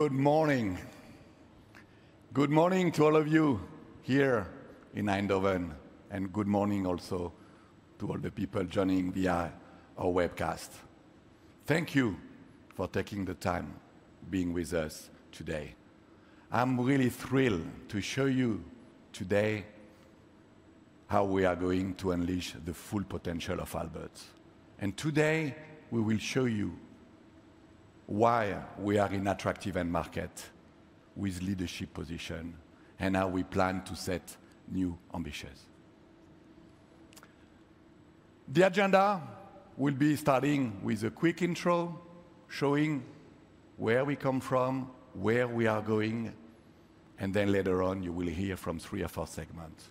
Good morning. Good morning to all of you here in Eindhoven, and good morning also to all the people joining via our webcast. Thank you for taking the time being with us today. I'm really thrilled to show you today how we are going to unleash the full potential of Aalberts, and today, we will show you why we are in attractive end market with leadership positions, and how we plan to set new ambitions. The agenda will be starting with a quick intro, showing where we come from, where we are going, and then later on, you will hear from three or four segments: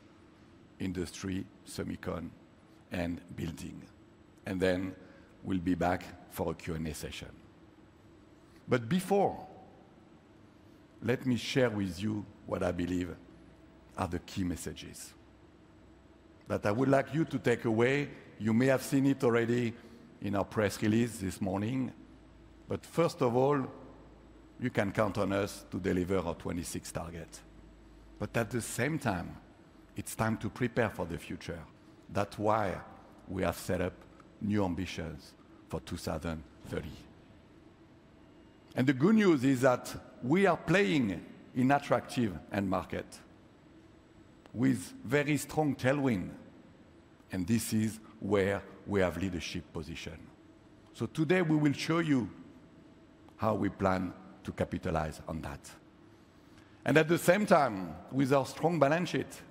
industry, semiconductor, and building. And then we'll be back for a Q&A session, but before, let me share with you what I believe are the key messages that I would like you to take away. You may have seen it already in our press release this morning, but first of all, you can count on us to deliver our '26 targets, but at the same time, it's time to prepare for the future. That's why we have set up new ambitions for 2030. The good news is that we are playing in attractive end markets with very strong tailwinds, and this is where we have leadership positions. Today, we will show you how we plan to capitalize on that. At the same time, with our strong balance sheet,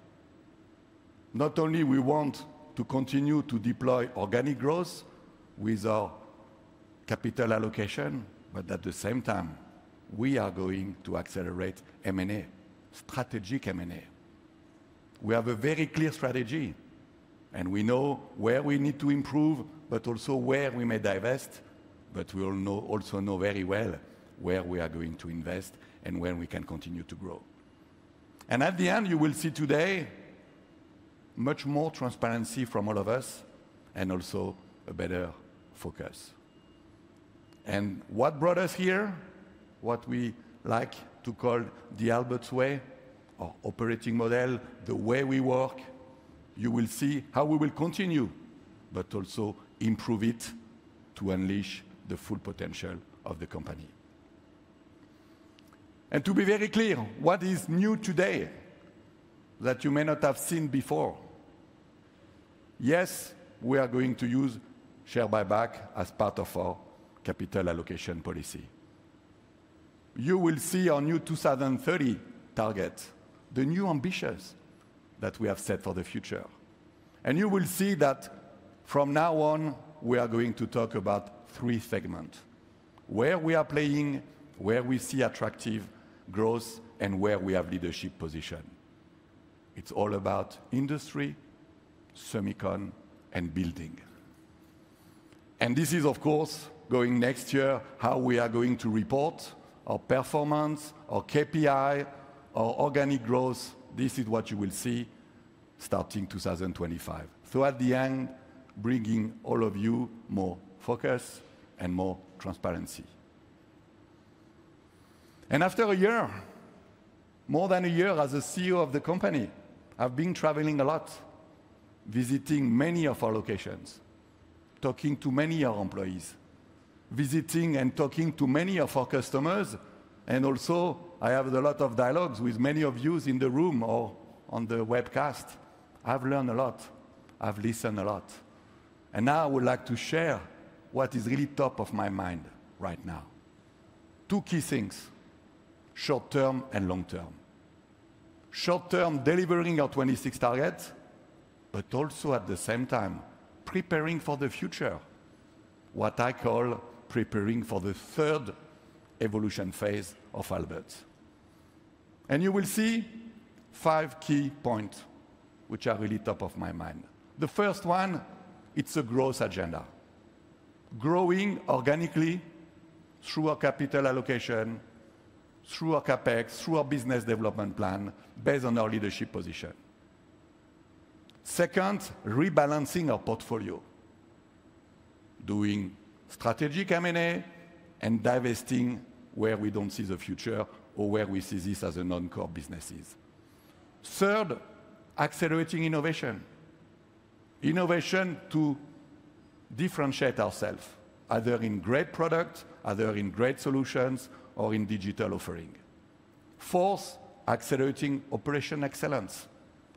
not only do we want to continue to deploy organic growth with our capital allocation, but at the same time, we are going to accelerate M&A, strategic M&A. We have a very clear strategy, and we know where we need to improve, but also where we may divest. But we also know very well where we are going to invest and where we can continue to grow. And at the end, you will see today much more transparency from all of us, and also a better focus. And what brought us here, what we like to call the Aalberts way or operating model, the way we work, you will see how we will continue, but also improve it to unleash the full potential of the company. And to be very clear, what is new today that you may not have seen before? Yes, we are going to use share buyback as part of our capital allocation policy. You will see our new 2030 targets, the new ambitions that we have set for the future. You will see that from now on, we are going to talk about three segments: where we are playing, where we see attractive growth, and where we have leadership positions. It's all about industry, semiconductor, and building. This is, of course, going next year how we are going to report our performance, our KPI, our organic growth. This is what you will see starting 2025. At the end, bringing all of you more focus and more transparency. After a year, more than a year as a CEO of the company, I've been traveling a lot, visiting many of our locations, talking to many of our employees, visiting and talking to many of our customers. Also, I have a lot of dialogues with many of you in the room or on the webcast. I've learned a lot. I've listened a lot. And now I would like to share what is really top of my mind right now. Two key things: short term and long term. Short term, delivering our 26 targets, but also at the same time, preparing for the future, what I call preparing for the third evolution phase of Aalberts. And you will see five key points which are really top of my mind. The first one, it's a growth agenda. Growing organically through our capital allocation, through our CapEx, through our business development plan based on our leadership position. Second, rebalancing our portfolio, doing strategic M&A and divesting where we don't see the future or where we see this as a non-core businesses. Third, accelerating innovation. Innovation to differentiate ourselves, either in great products, either in great solutions, or in digital offering. Fourth, accelerating operational excellence,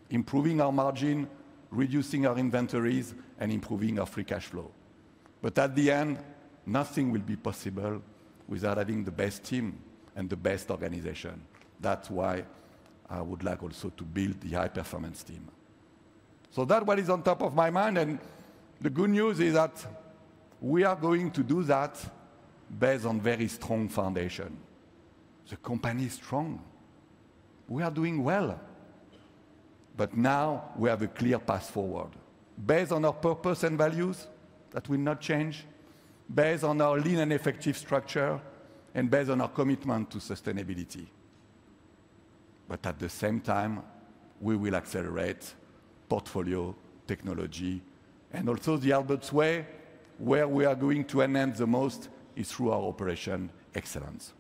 improving our margin, reducing our inventories, and improving our free cash flow. But at the end, nothing will be possible without having the best team and the best organization. That's why I would like also to build the high-performance team. So that's what is on top of my mind. And the good news is that we are going to do that based on a very strong foundation. The company is strong. We are doing well. But now we have a clear path forward based on our purpose and values that will not change, based on our lean and effective structure, and based on our commitment to sustainability. But at the same time, we will accelerate portfolio technology. And also, the Aalberts way, where we are going to enhance the most, is through our operational excellence.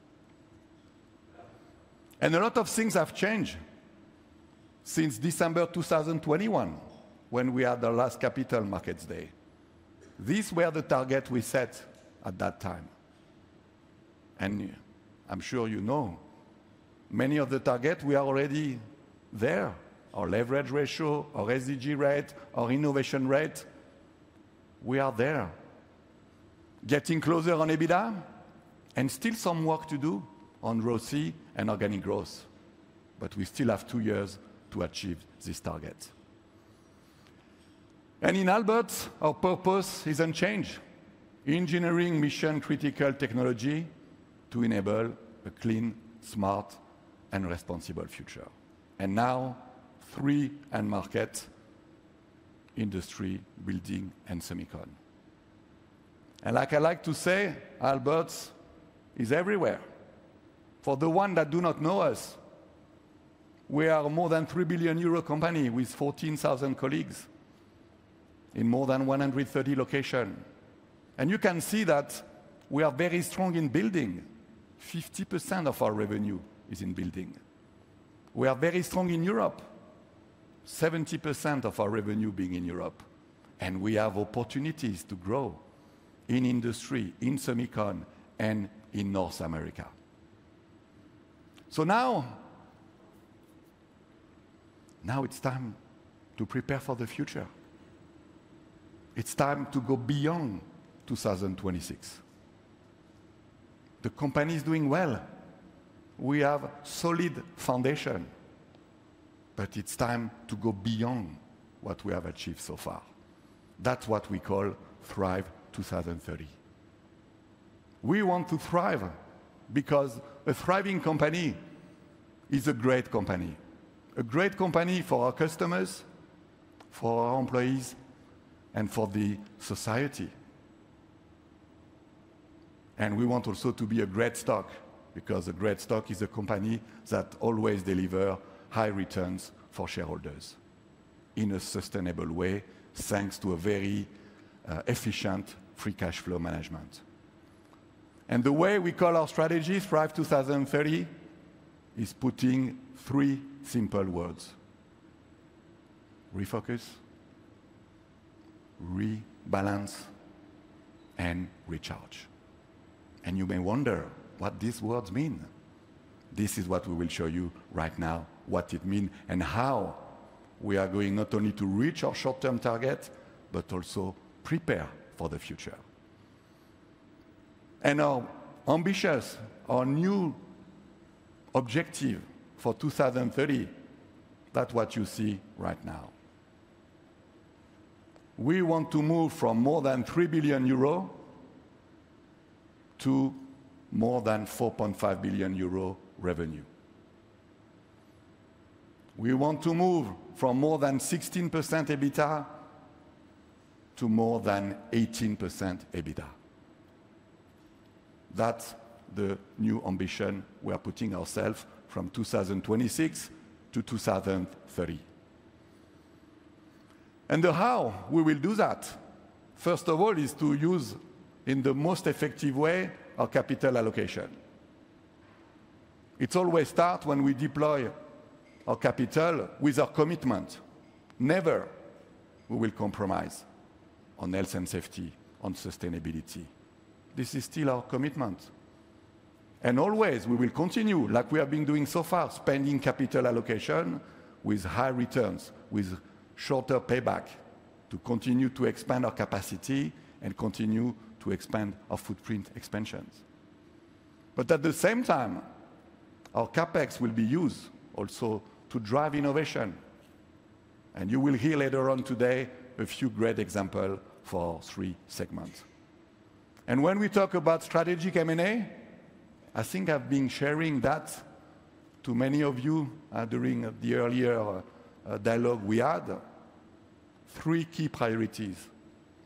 And a lot of things have changed since December 2021, when we had our last capital markets day. These were the targets we set at that time. I'm sure you know many of the targets. We are already there. Our leverage ratio, our SDG rate, our innovation rate, we are there. Getting closer on EBITDA, and still some work to do on ROIC and organic growth. We still have two years to achieve these targets. In Aalberts, our purpose is unchanged: engineering mission-critical technology to enable a clean, smart, and responsible future. Now, three end markets: industry, building, and semiconductor. Like I like to say, Aalberts is everywhere. For the ones that do not know us, we are a more than €3 billion company with 14,000 colleagues in more than 130 locations. You can see that we are very strong in building. 50% of our revenue is in building. We are very strong in Europe, 70% of our revenue being in Europe. And we have opportunities to grow in industry, in semiconductor, and in North America. So now, now it's time to prepare for the future. It's time to go beyond 2026. The company is doing well. We have a solid foundation. But it's time to go beyond what we have achieved so far. That's what we call Thrive 2030. We want to thrive because a thriving company is a great company. A great company for our customers, for our employees, and for the society. And we want also to be a great stock because a great stock is a company that always delivers high returns for shareholders in a sustainable way, thanks to a very efficient free cash flow management. And the way we call our strategy, Thrive 2030, is putting three simple words: refocus, rebalance, and recharge. And you may wonder what these words mean. This is what we will show you right now, what it means and how we are going not only to reach our short-term target, but also prepare for the future. And our ambitions, our new objective for 2030, that's what you see right now. We want to move from more than €3 billion to more than €4.5 billion revenue. We want to move from more than 16% EBITDA to more than 18% EBITDA. That's the new ambition we are putting ourselves from 2026 to 2030. And the how we will do that, first of all, is to use in the most effective way our capital allocation. It's always start when we deploy our capital with our commitment. Never will we compromise on health and safety, on sustainability. This is still our commitment. And always, we will continue, like we have been doing so far, spending capital allocation with high returns, with shorter payback to continue to expand our capacity and continue to expand our footprint expansions. But at the same time, our CapEx will be used also to drive innovation. And you will hear later on today a few great examples for three segments. And when we talk about strategic M&A, I think I've been sharing that to many of you during the earlier dialogue we had, three key priorities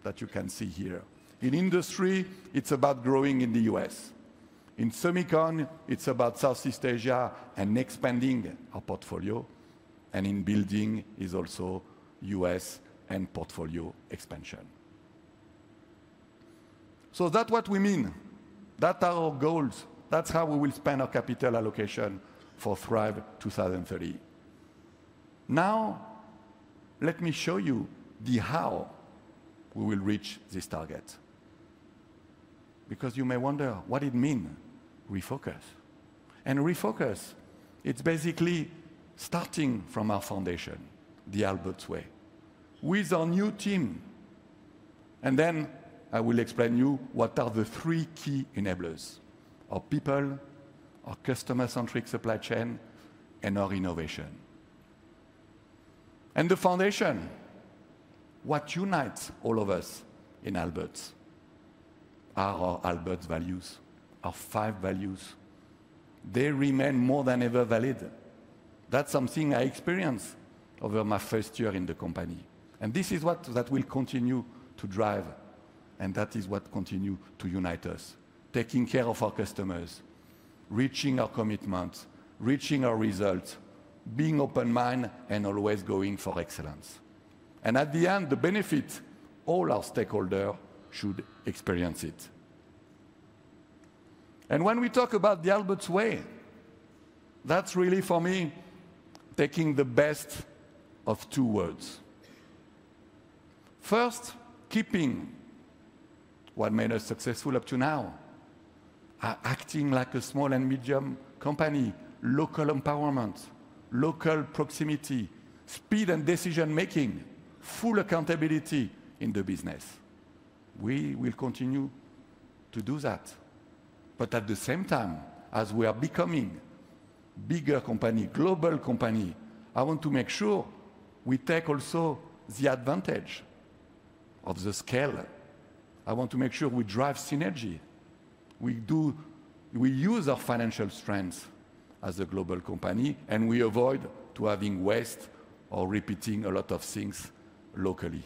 that you can see here. In industry, it's about growing in the U.S. In semiconductor, it's about Southeast Asia and expanding our portfolio. And in building, it's also U.S. and portfolio expansion. So that's what we mean. That's our goals. That's how we will spend our capital allocation for Thrive 2030. Now, let me show you how we will reach this target. Because you may wonder what it means, refocus. Refocus, it's basically starting from our foundation, the Aalberts way, with our new team. Then I will explain to you what are the three key enablers: our people, our customer-centric supply chain, and our innovation. The foundation, what unites all of us in Aalberts, are our Aalberts values, our five values. They remain more than ever valid. That's something I experienced over my first year in the company. This is what will continue to drive, and that is what continues to unite us, taking care of our customers, reaching our commitments, reaching our results, being open-minded, and always going for excellence. At the end, the benefit all our stakeholders should experience it. And when we talk about the Aalberts way, that's really, for me, taking the best of two worlds. First, keeping what made us successful up to now, acting like a small and medium company, local empowerment, local proximity, speed and decision-making, full accountability in the business. We will continue to do that. But at the same time, as we are becoming a bigger company, a global company, I want to make sure we take also the advantage of the scale. I want to make sure we drive synergy. We use our financial strengths as a global company, and we avoid having waste or repeating a lot of things locally.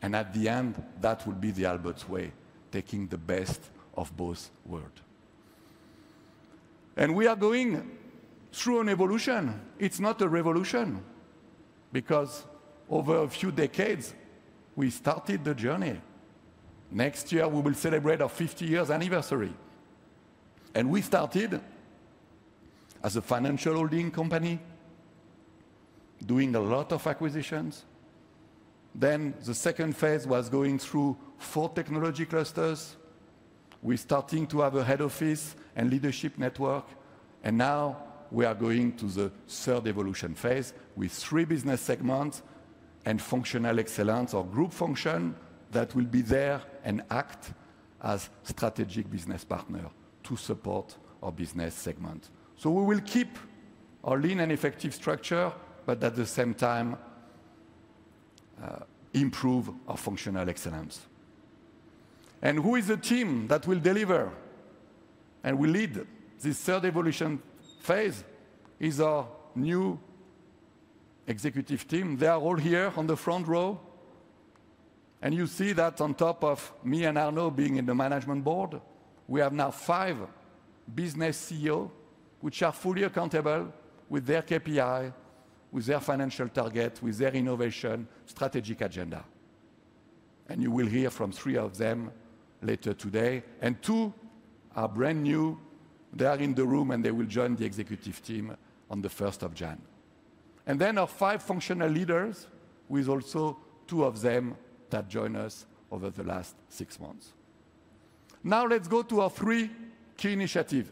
And at the end, that will be the Aalberts way, taking the best of both worlds. And we are going through an evolution. It's not a revolution because over a few decades, we started the journey. Next year, we will celebrate our 50-year anniversary. And we started as a financial holding company doing a lot of acquisitions. Then the second phase was going through four technology clusters. We're starting to have a head office and leadership network. And now we are going to the third evolution phase with three business segments and functional excellence or group function that will be there and act as strategic business partners to support our business segments. So we will keep our lean and effective structure, but at the same time, improve our functional excellence. And who is the team that will deliver and will lead this third evolution phase? It's our new executive team. They are all here on the front row. You see that on top of me and Arno being in the management board, we have now five business CEOs which are fully accountable with their KPI, with their financial target, with their innovation strategic agenda. You will hear from three of them later today. Two are brand new. They are in the room, and they will join the executive team on the 1st of January. Then our five functional leaders, with also two of them that joined us over the last six months. Now let's go to our three key initiatives.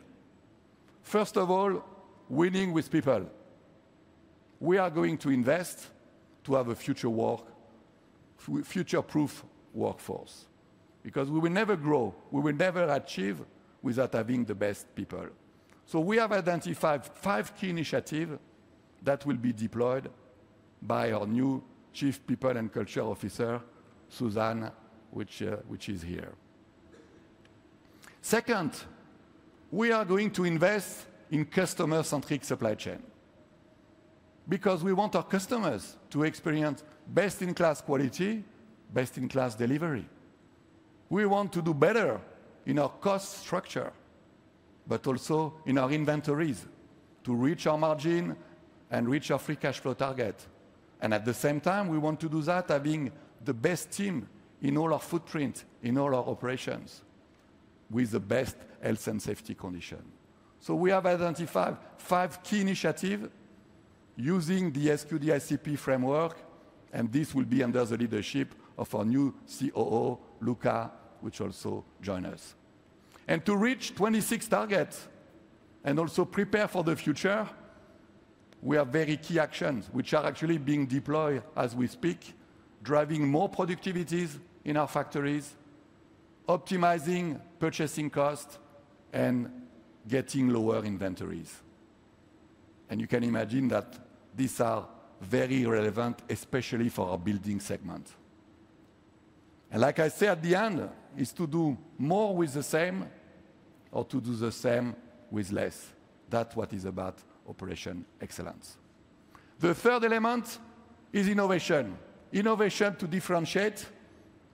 First of all, winning with people. We are going to invest to have a future work, future-proof workforce because we will never grow, we will never achieve without having the best people. So we have identified five key initiatives that will be deployed by our new Chief People and Culture Officer, Susan, who is here. Second, we are going to invest in customer-centric supply chain because we want our customers to experience best-in-class quality, best-in-class delivery. We want to do better in our cost structure, but also in our inventories to reach our margin and reach our free cash flow target. And at the same time, we want to do that having the best team in all our footprint, in all our operations, with the best health and safety conditions. So we have identified five key initiatives using the SQDICP framework. And this will be under the leadership of our new COO, Luca, who also joined us. And to reach 26 targets and also prepare for the future, we have very key actions which are actually being deployed as we speak, driving more productivity in our factories, optimizing purchasing costs, and getting lower inventories. And you can imagine that these are very relevant, especially for our building segment. And like I said at the end, it's to do more with the same or to do the same with less. That's what it's about, operational excellence. The third element is innovation. Innovation to differentiate,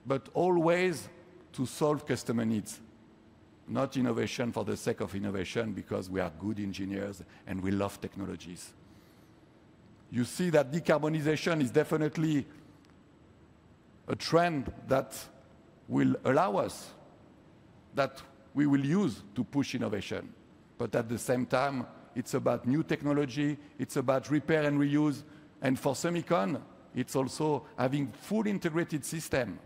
but always to solve customer needs. Not innovation for the sake of innovation because we are good engineers and we love technologies. You see that decarbonization is definitely a trend that will allow us, that we will use to push innovation. But at the same time, it's about new technology. It's about repair and reuse. And for semiconductor, it's also having a fully integrated system.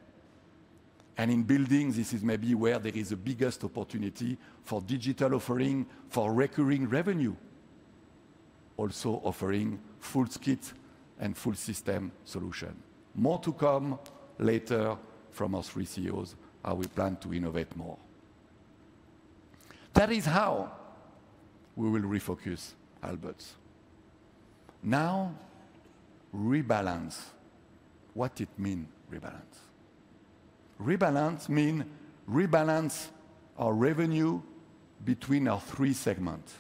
And in buildings, this is maybe where there is the biggest opportunity for digital offering, for recurring revenue, also offering full suites and full system solutions. More to come later from our three CEOs how we plan to innovate more. That is how we will refocus Aalberts. Now, rebalance. What does it mean, rebalance? Rebalance means rebalance our revenue between our three segments.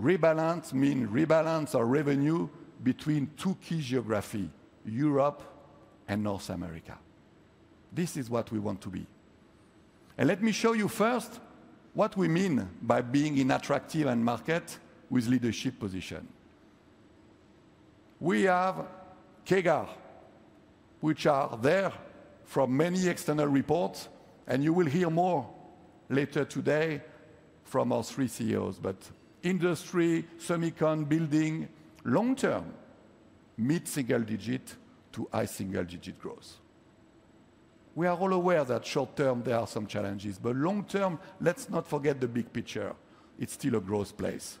Rebalance means rebalance our revenue between two key geographies, Europe and North America. This is what we want to be. And let me show you first what we mean by being in attractive end market with leadership position. We have Kepler, which are there from many external reports. And you will hear more later today from our three CEOs. But industry, semiconductor, building, long-term, mid-single-digit to high single-digit growth. We are all aware that short-term, there are some challenges. But long-term, let's not forget the big picture. It's still a growth place.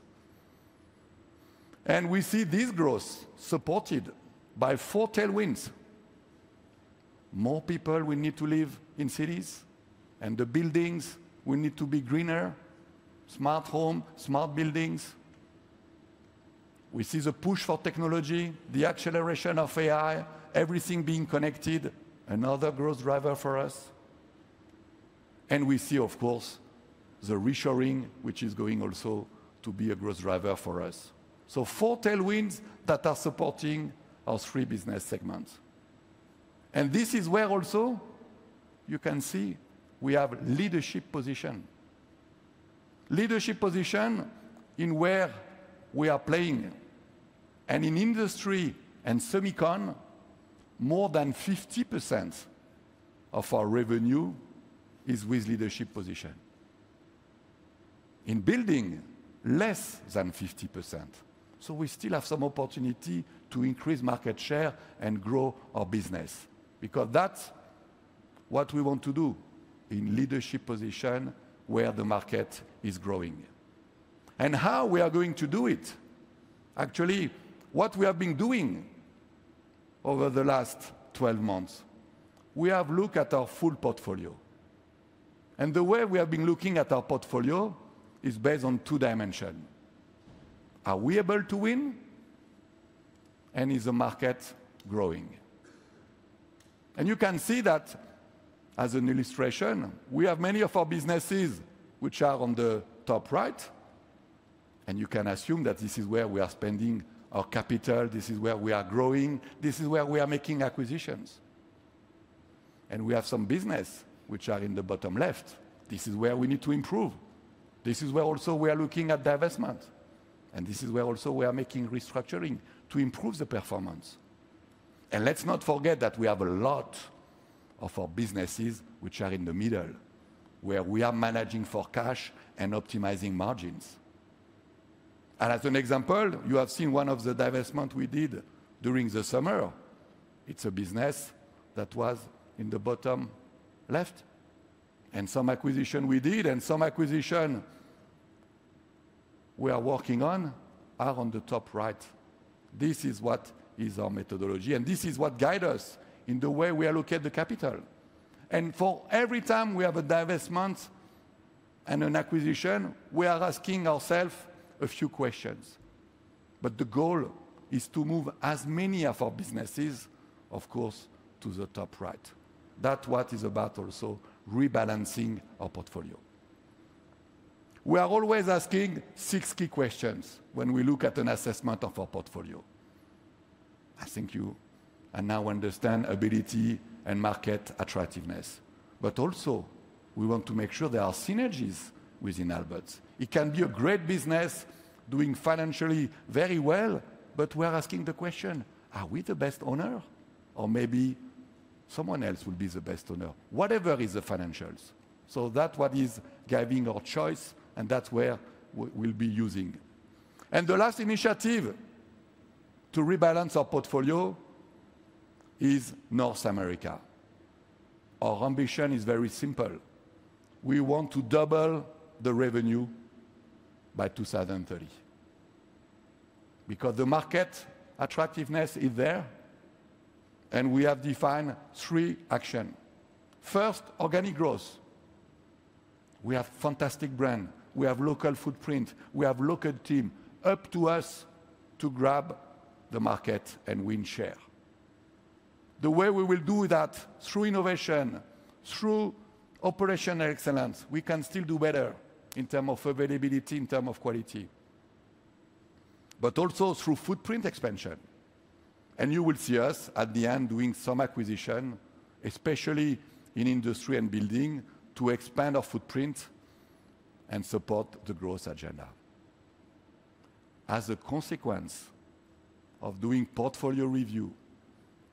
And we see this growth supported by four tailwinds. More people will need to live in cities. And the buildings, we need to be greener, smart homes, smart buildings. We see the push for technology, the acceleration of AI, everything being connected, another growth driver for us. And we see, of course, the reshoring, which is going also to be a growth driver for us. So four tailwinds that are supporting our three business segments. And this is where also you can see we have leadership position. Leadership position in where we are playing. And in industry and semiconductor, more than 50% of our revenue is with leadership position. In building, less than 50%. So we still have some opportunity to increase market share and grow our business because that's what we want to do in leadership position where the market is growing. And how are we going to do it? Actually, what we have been doing over the last 12 months, we have looked at our full portfolio. And the way we have been looking at our portfolio is based on two dimensions. Are we able to win? And is the market growing? And you can see that as an illustration. We have many of our businesses which are on the top right. And you can assume that this is where we are spending our capital. This is where we are growing. This is where we are making acquisitions. And we have some businesses which are in the bottom left. This is where we need to improve. This is where also we are looking at divestment, and this is where also we are making restructuring to improve the performance, and let's not forget that we have a lot of our businesses which are in the middle where we are managing for cash and optimizing margins. As an example, you have seen one of the divestments we did during the summer. It's a business that was in the bottom left, and some acquisitions we did and some acquisitions we are working on are on the top right. This is what is our methodology, and this is what guides us in the way we allocate the capital, and for every time we have a divestment and an acquisition, we are asking ourselves a few questions, but the goal is to move as many of our businesses, of course, to the top right. That's what it's about, also rebalancing our portfolio. We are always asking six key questions when we look at an assessment of our portfolio. I think you now understand ability and market attractiveness. But also, we want to make sure there are synergies within Aalberts. It can be a great business doing financially very well, but we are asking the question, are we the best owner? Or maybe someone else will be the best owner, whatever is the financials. So that's what is guiding our choice, and that's where we'll be using. And the last initiative to rebalance our portfolio is North America. Our ambition is very simple. We want to double the revenue by 2030 because the market attractiveness is there. And we have defined three actions. First, organic growth. We have a fantastic brand. We have a local footprint. We have a local team. Up to us to grab the market and win share. The way we will do that, through innovation, through operational excellence, we can still do better in terms of availability, in terms of quality. But also through footprint expansion. And you will see us at the end doing some acquisition, especially in industry and building, to expand our footprint and support the growth agenda. As a consequence of doing portfolio review,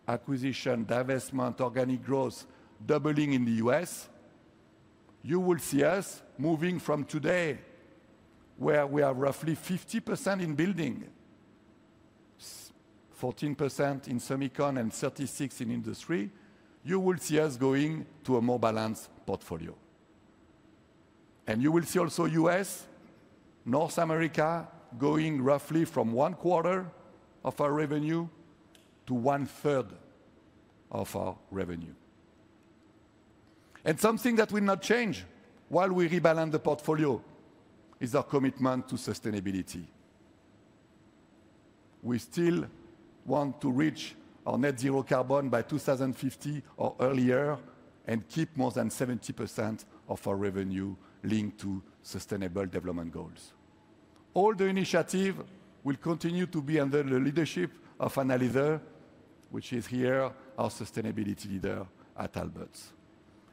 acquisition, divestment, organic growth, doubling in the U.S., you will see us moving from today, where we are roughly 50% in building, 14% in semiconductor, and 36% in industry. You will see us going to a more balanced portfolio. And you will see also U.S., North America going roughly from one quarter of our revenue to one third of our revenue. And something that will not change while we rebalance the portfolio is our commitment to sustainability. We still want to reach our net zero carbon by 2050 or earlier and keep more than 70% of our revenue linked to sustainable development goals. All the initiatives will continue to be under the leadership of Anne-Lize, which is here our sustainability leader at Aalberts,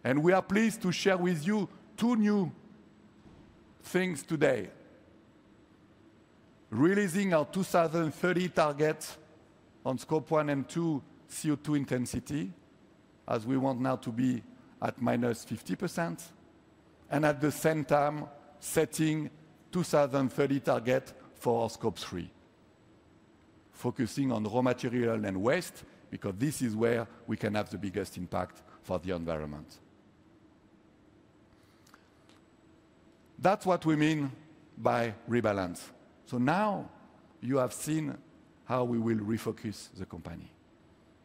and we are pleased to share with you two new things today. Releasing our 2030 targets on Scope 1 and 2 CO2 intensity, as we want now to be at -50%. And at the same time, setting 2030 target for Scope 3, focusing on raw material and waste because this is where we can have the biggest impact for the environment. That's what we mean by rebalance, so now you have seen how we will refocus the company.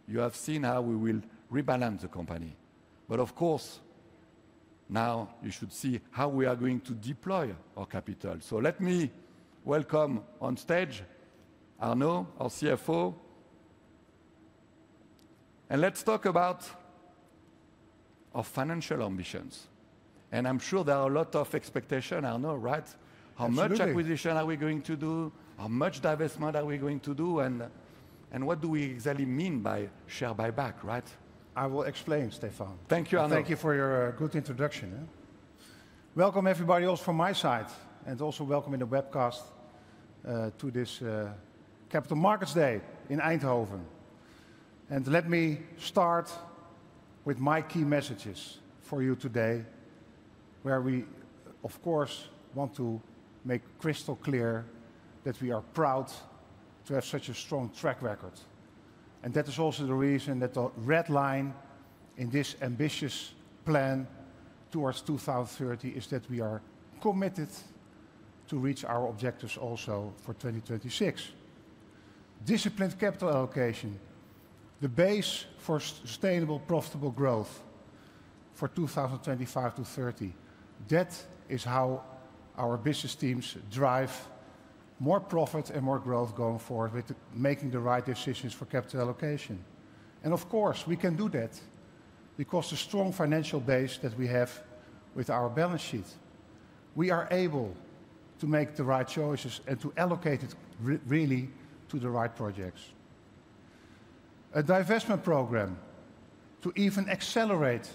You have seen how we will rebalance the company, but of course, now you should see how we are going to deploy our capital. So let me welcome on stage Arno, our CFO. And let's talk about our financial ambitions. And I'm sure there are a lot of expectations, Arno, right? How much acquisition are we going to do? How much divestment are we going to do? And what do we exactly mean by share buyback, right? I will explain, Stéphane. Thank you, Arno. Thank you for your good introduction. Welcome, everybody, also from my side, and also welcome in the webcast to this Capital Markets Day in Eindhoven. And let me start with my key messages for you today, where we, of course, want to make crystal clear that we are proud to have such a strong track record. And that is also the reason that the red line in this ambitious plan towards 2030 is that we are committed to reach our objectives also for 2026. Disciplined capital allocation, the base for sustainable, profitable growth for 2025 to 2030. That is how our business teams drive more profit and more growth going forward with making the right decisions for capital allocation. Of course, we can do that because of the strong financial base that we have with our balance sheet. We are able to make the right choices and to allocate it really to the right projects. A divestment program to even accelerate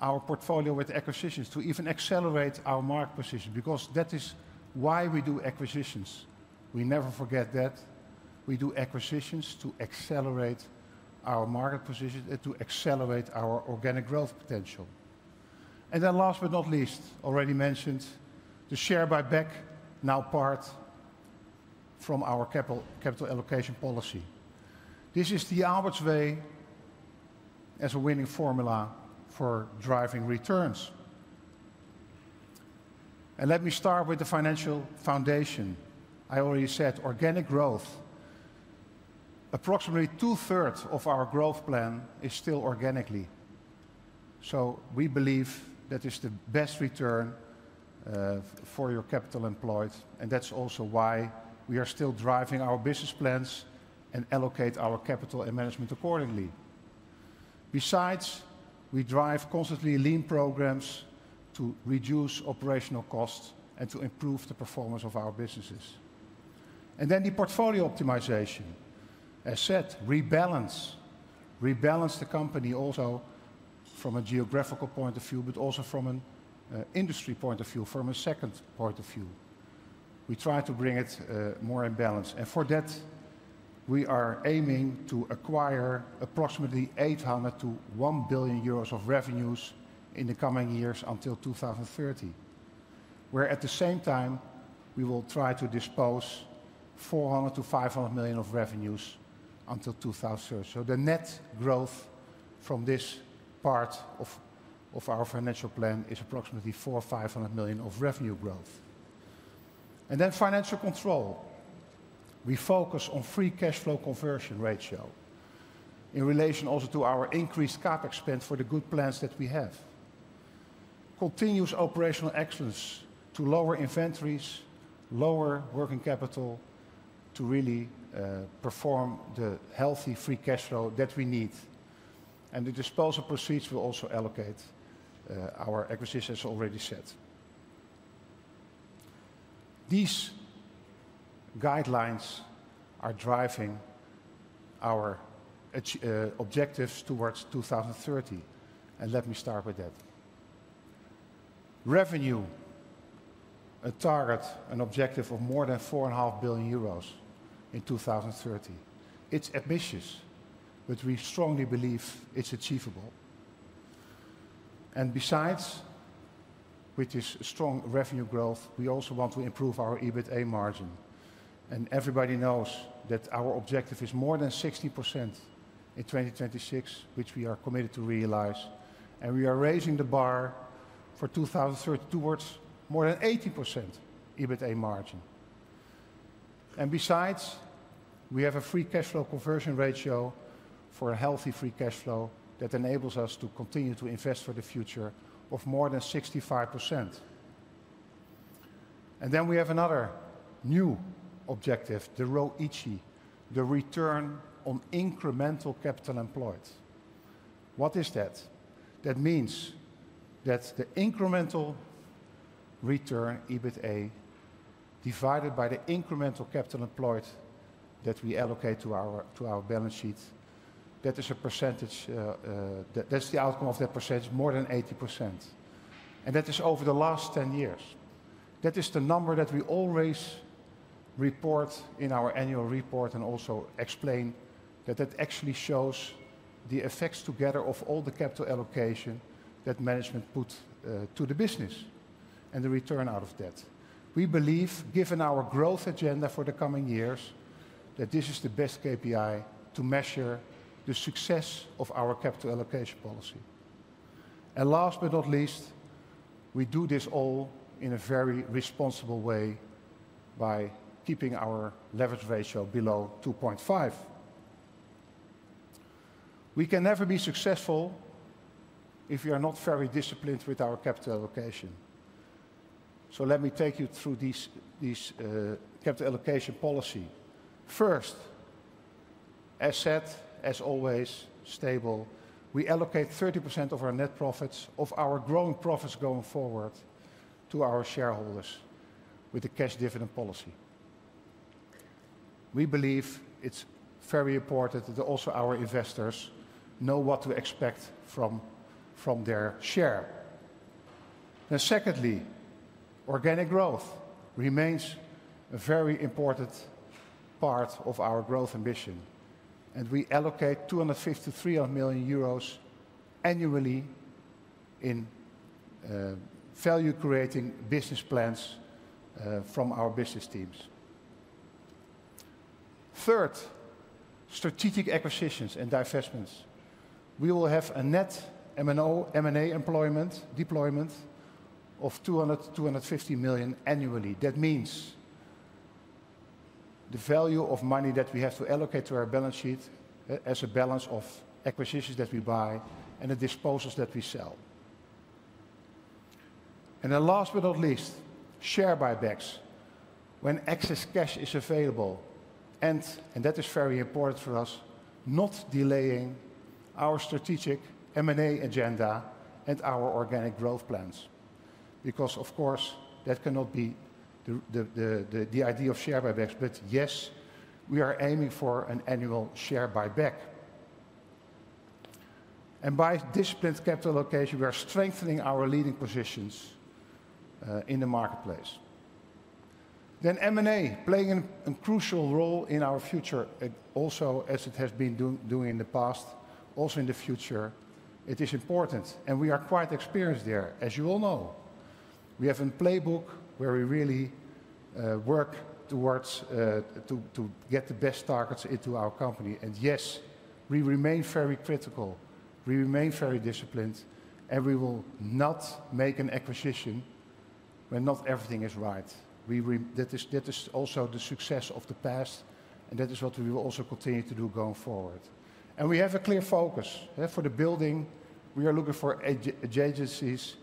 our portfolio with acquisitions, to even accelerate our market position, because that is why we do acquisitions. We never forget that we do acquisitions to accelerate our market position and to accelerate our organic growth potential. Then last but not least, already mentioned the share buyback, now part of our capital allocation policy. This is the Aalberts Way as a winning formula for driving returns. Let me start with the financial foundation. I already said organic growth. Approximately two-thirds of our growth plan is still organically. We believe that is the best return for your capital employed. That's also why we are still driving our business plans and allocate our capital and management accordingly. Besides, we drive constantly lean programs to reduce operational costs and to improve the performance of our businesses. The portfolio optimization. As said, rebalance, rebalance the company also from a geographical point of view, but also from an industry point of view, from a second point of view. We try to bring it more in balance. For that, we are aiming to acquire approximately 800 million to 1 billion euros of revenues in the coming years until 2030, where at the same time, we will try to dispose 400 million to 500 million of revenues until 2030. So the net growth from this part of our financial plan is approximately 400 million-500 million of revenue growth. And then financial control. We focus on free cash flow conversion ratio in relation also to our increased CapEx for the good plans that we have. Continuous operational excellence to lower inventories, lower working capital to really perform the healthy free cash flow that we need. And the disposal proceeds will also allocate our acquisitions, as already said. These guidelines are driving our objectives towards 2030. And let me start with that. Revenue, a target, an objective of more than 4.5 billion euros in 2030. It's ambitious, but we strongly believe it's achievable. And besides, with this strong revenue growth, we also want to improve our EBITDA margin. And everybody knows that our objective is more than 60% in 2026, which we are committed to realize. We are raising the bar for 2030 towards more than 80% EBITDA margin. Besides, we have a free cash flow conversion ratio for a healthy free cash flow that enables us to continue to invest for the future of more than 65%. Then we have another new objective, the ROIC, the return on incremental capital employed. What is that? That means that the incremental return EBITDA divided by the incremental capital employed that we allocate to our balance sheet, that is a percentage that's the outcome of that percentage, more than 80%. That is over the last 10 years. That is the number that we always report in our annual report and also explain that that actually shows the effects together of all the capital allocation that management put to the business and the return out of that. We believe, given our growth agenda for the coming years, that this is the best KPI to measure the success of our capital allocation policy. And last but not least, we do this all in a very responsible way by keeping our leverage ratio below 2.5. We can never be successful if we are not very disciplined with our capital allocation. So let me take you through this capital allocation policy. First, as said, as always, stable. We allocate 30% of our net profits of our growing profits going forward to our shareholders with the cash dividend policy. We believe it's very important that also our investors know what to expect from their share. And secondly, organic growth remains a very important part of our growth ambition. And we allocate 250-300 million euros annually in value-creating business plans from our business teams. Third, strategic acquisitions and divestments. We will have a net M&A deployment of 200 million-250 million annually. That means the value of money that we have to allocate to our balance sheet as a balance of acquisitions that we buy and the disposals that we sell, and then last but not least, share buybacks when excess cash is available, and that is very important for us, not delaying our strategic M&A agenda and our organic growth plans because, of course, that cannot be the idea of share buybacks, but yes, we are aiming for an annual share buyback, and by disciplined capital allocation, we are strengthening our leading positions in the marketplace, then M&A playing a crucial role in our future, also as it has been doing in the past, also in the future, it is important, and we are quite experienced there, as you all know. We have a playbook where we really work towards to get the best targets into our company, and yes, we remain very critical. We remain very disciplined, and we will not make an acquisition when not everything is right. That is also the success of the past, and that is what we will also continue to do going forward. We have a clear focus. For the building, we are looking for adjacencies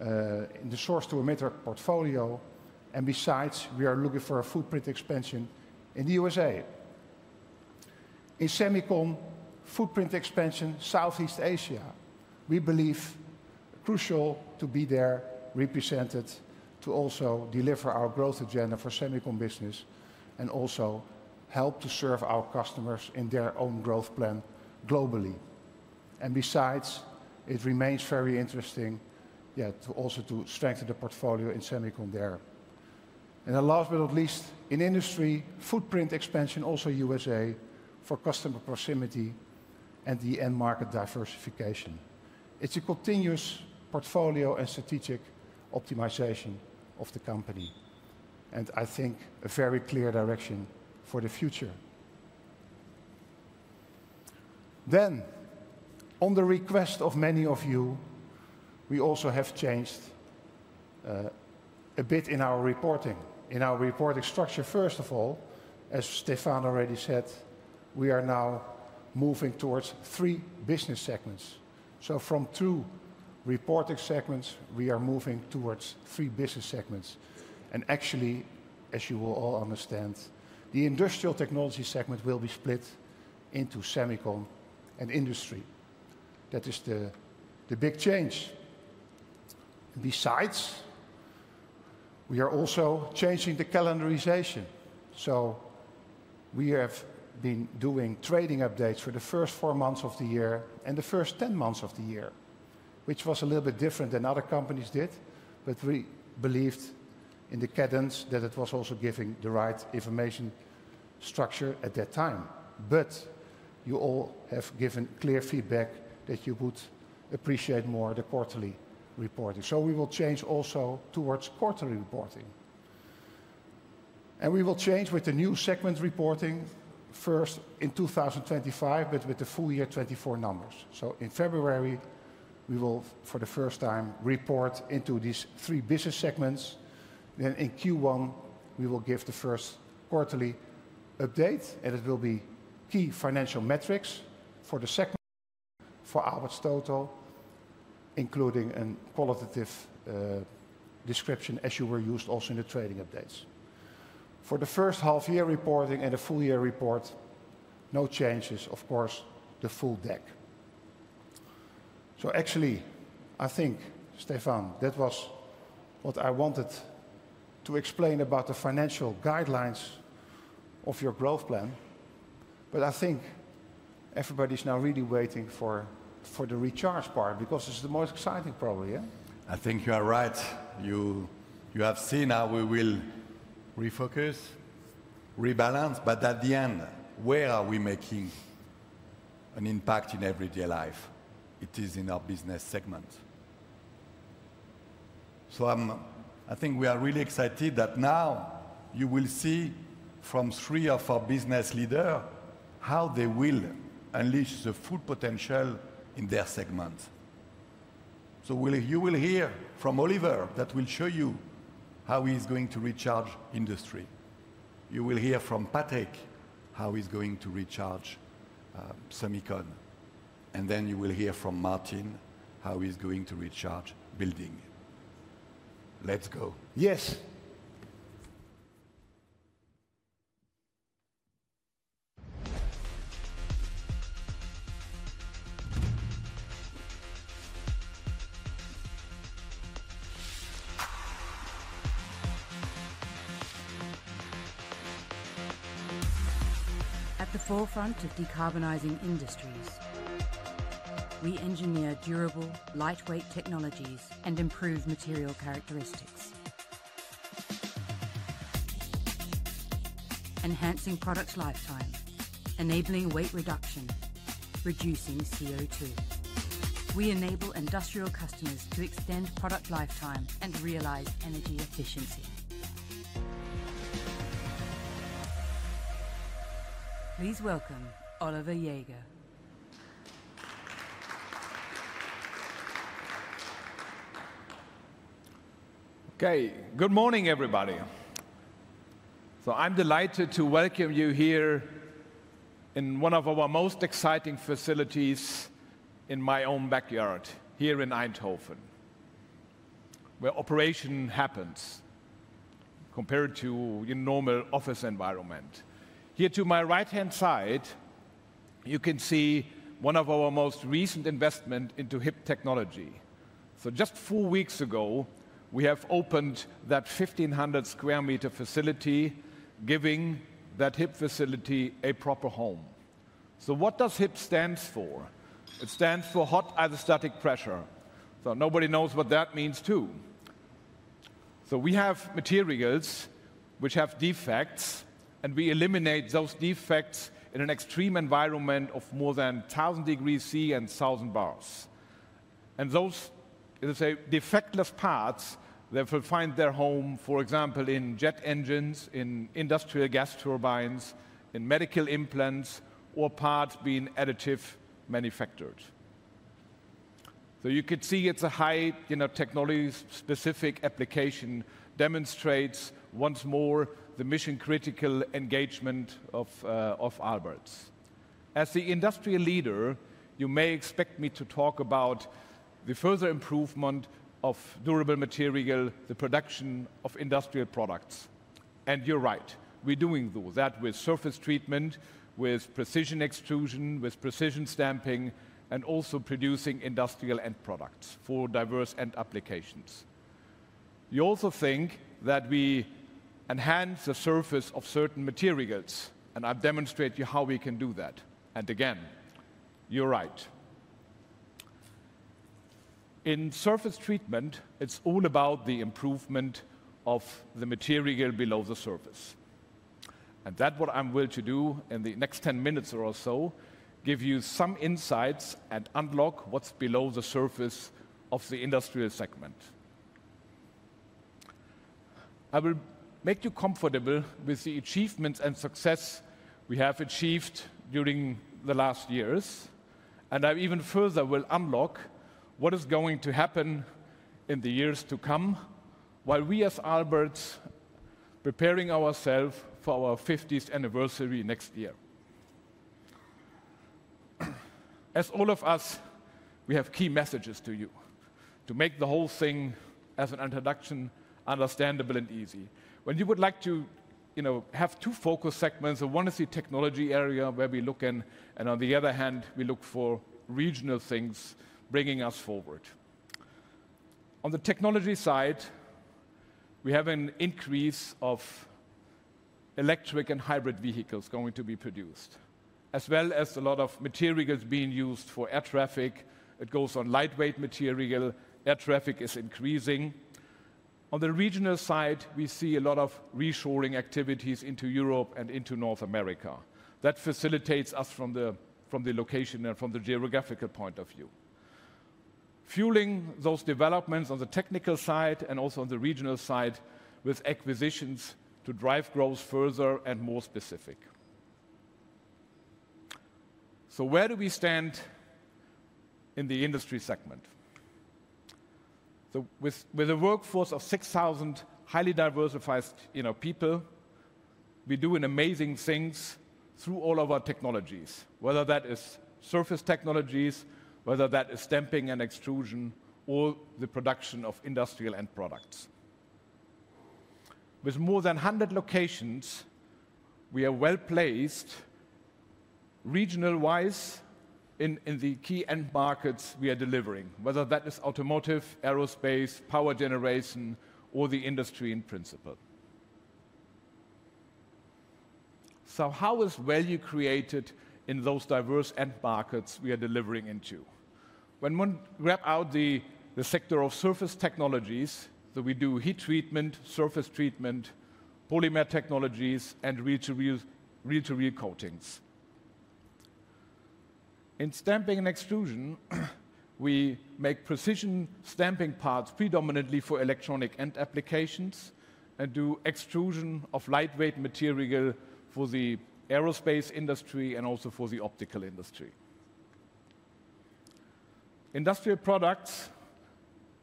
in the sort of to fit our portfolio, and besides, we are looking for a footprint expansion in the USA. In semiconductor, footprint expansion, Southeast Asia, we believe crucial to be there represented to also deliver our growth agenda for semiconductor business and also help to serve our customers in their own growth plan globally, and besides, it remains very interesting to also strengthen the portfolio in semiconductor there. And then, last but not least, in industry, footprint expansion, also USA for customer proximity and the end market diversification. It's a continuous portfolio and strategic optimization of the company. And I think a very clear direction for the future. Then, on the request of many of you, we also have changed a bit in our reporting. In our reporting structure, first of all, as Stéphane already said, we are now moving towards three business segments. So from two reporting segments, we are moving towards three business segments. And actually, as you will all understand, the industrial technology segment will be split into semiconductor and industry. That is the big change. Besides, we are also changing the calendarization. We have been doing trading updates for the first four months of the year and the first 10 months of the year, which was a little bit different than other companies did. We believed in the cadence that it was also giving the right information structure at that time. You all have given clear feedback that you would appreciate more the quarterly reporting. We will change also towards quarterly reporting. We will change with the new segment reporting, first in 2025, but with the full year 2024 numbers. In February, we will, for the first time, report into these three business segments. In Q1, we will give the first quarterly update, and it will be key financial metrics for Aalberts Total, including a qualitative description, as you were used also in the trading updates. For the first half-year reporting and a full-year report, no changes, of course, the full deck. So actually, I think, Stéphane, that was what I wanted to explain about the financial guidelines of your growth plan. But I think everybody's now really waiting for the recharge part because this is the most exciting probably, yeah? I think you are right. You have seen how we will refocus, rebalance, but at the end, where are we making an impact in everyday life? It is in our business segment. So I think we are really excited that now you will see from three of our business leaders how they will unleash the full potential in their segments. So you will hear from Arno that will show you how he is going to recharge industry. You will hear from Patrick how he's going to recharge semiconductor. Then you will hear from Maarten how he's going to recharge building. Let's go. Yes. At the forefront of decarbonizing industries, we engineer durable, lightweight technologies and improve material characteristics, enhancing product lifetime, enabling weight reduction, reducing CO2. We enable industrial customers to extend product lifetime and realize energy efficiency. Please welcome Oliver Jäger. Okay, good morning, everybody. I'm delighted to welcome you here in one of our most exciting facilities in my own backyard here in Eindhoven, where operation happens compared to your normal office environment. Here to my right-hand side, you can see one of our most recent investments into HIP technology. Just four weeks ago, we have opened that 1,500 sq m facility, giving that HIP facility a proper home. What does HIP stand for? It stands for hot isostatic pressing. Nobody knows what that means too. So we have materials which have defects, and we eliminate those defects in an extreme environment of more than 1,000 degrees Celsius and 1,000 bars. And those defectless parts, they will find their home, for example, in jet engines, in industrial gas turbines, in medical implants, or parts being additively manufactured. So you could see it's a high technology-specific application demonstrates once more the mission-critical engagement of Aalberts. As the industry leader, you may expect me to talk about the further improvement of durable material, the production of industrial products. And you're right. We're doing that with surface treatment, with precision extrusion, with precision stamping, and also producing industrial end products for diverse end applications. You also think that we enhance the surface of certain materials, and I'll demonstrate to you how we can do that. And again, you're right. In surface treatment, it's all about the improvement of the material below the surface. And that's what I'm willing to do in the next 10 minutes or so, give you some insights and unlock what's below the surface of the industrial segment. I will make you comfortable with the achievements and success we have achieved during the last years. And I even further will unlock what is going to happen in the years to come while we as Aalberts preparing ourselves for our 50th anniversary next year. As all of us, we have key messages to you to make the whole thing as an introduction understandable and easy. When you would like to have two focus segments, one is the technology area where we look in, and on the other hand, we look for regional things bringing us forward. On the technology side, we have an increase of electric and hybrid vehicles going to be produced, as well as a lot of materials being used for air traffic. It goes on lightweight material. Air traffic is increasing. On the regional side, we see a lot of reshoring activities into Europe and into North America. That facilitates us from the location and from the geographical point of view. Fueling those developments on the technical side and also on the regional side with acquisitions to drive growth further and more specific. So where do we stand in the industry segment? So with a workforce of 6,000 highly diversified people, we do amazing things through all of our technologies, whether that is surface technologies, whether that is stamping and extrusion, or the production of industrial end products. With more than 100 locations, we are well placed regional-wise in the key end markets we are delivering, whether that is automotive, aerospace, power generation, or the industry in principle. So how is value created in those diverse end markets we are delivering into? When we grab out the sector of surface technologies, so we do heat treatment, surface treatment, polymer technologies, and reel-to-reel coatings. In stamping and extrusion, we make precision stamping parts predominantly for electronic end applications and do extrusion of lightweight material for the aerospace industry and also for the optical industry. Industrial products,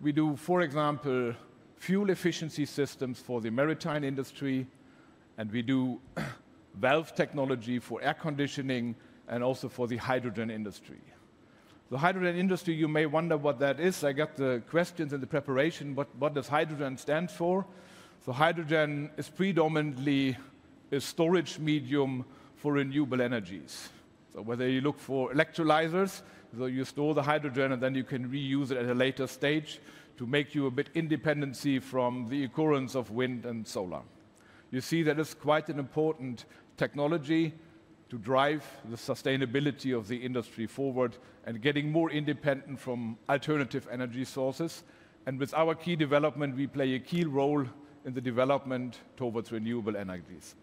we do, for example, fuel efficiency systems for the maritime industry, and we do valve technology for air conditioning and also for the hydrogen industry. The hydrogen industry, you may wonder what that is. I got the questions in the preparation. What does hydrogen stand for? Hydrogen is predominantly a storage medium for renewable energies. Whether you look for electrolyzers, you store the hydrogen, and then you can reuse it at a later stage to make you a bit independent from the occurrence of wind and solar. You see that it's quite an important technology to drive the sustainability of the industry forward and getting more independent from alternative energy sources. With our key development, we play a key role in the development towards renewable energies.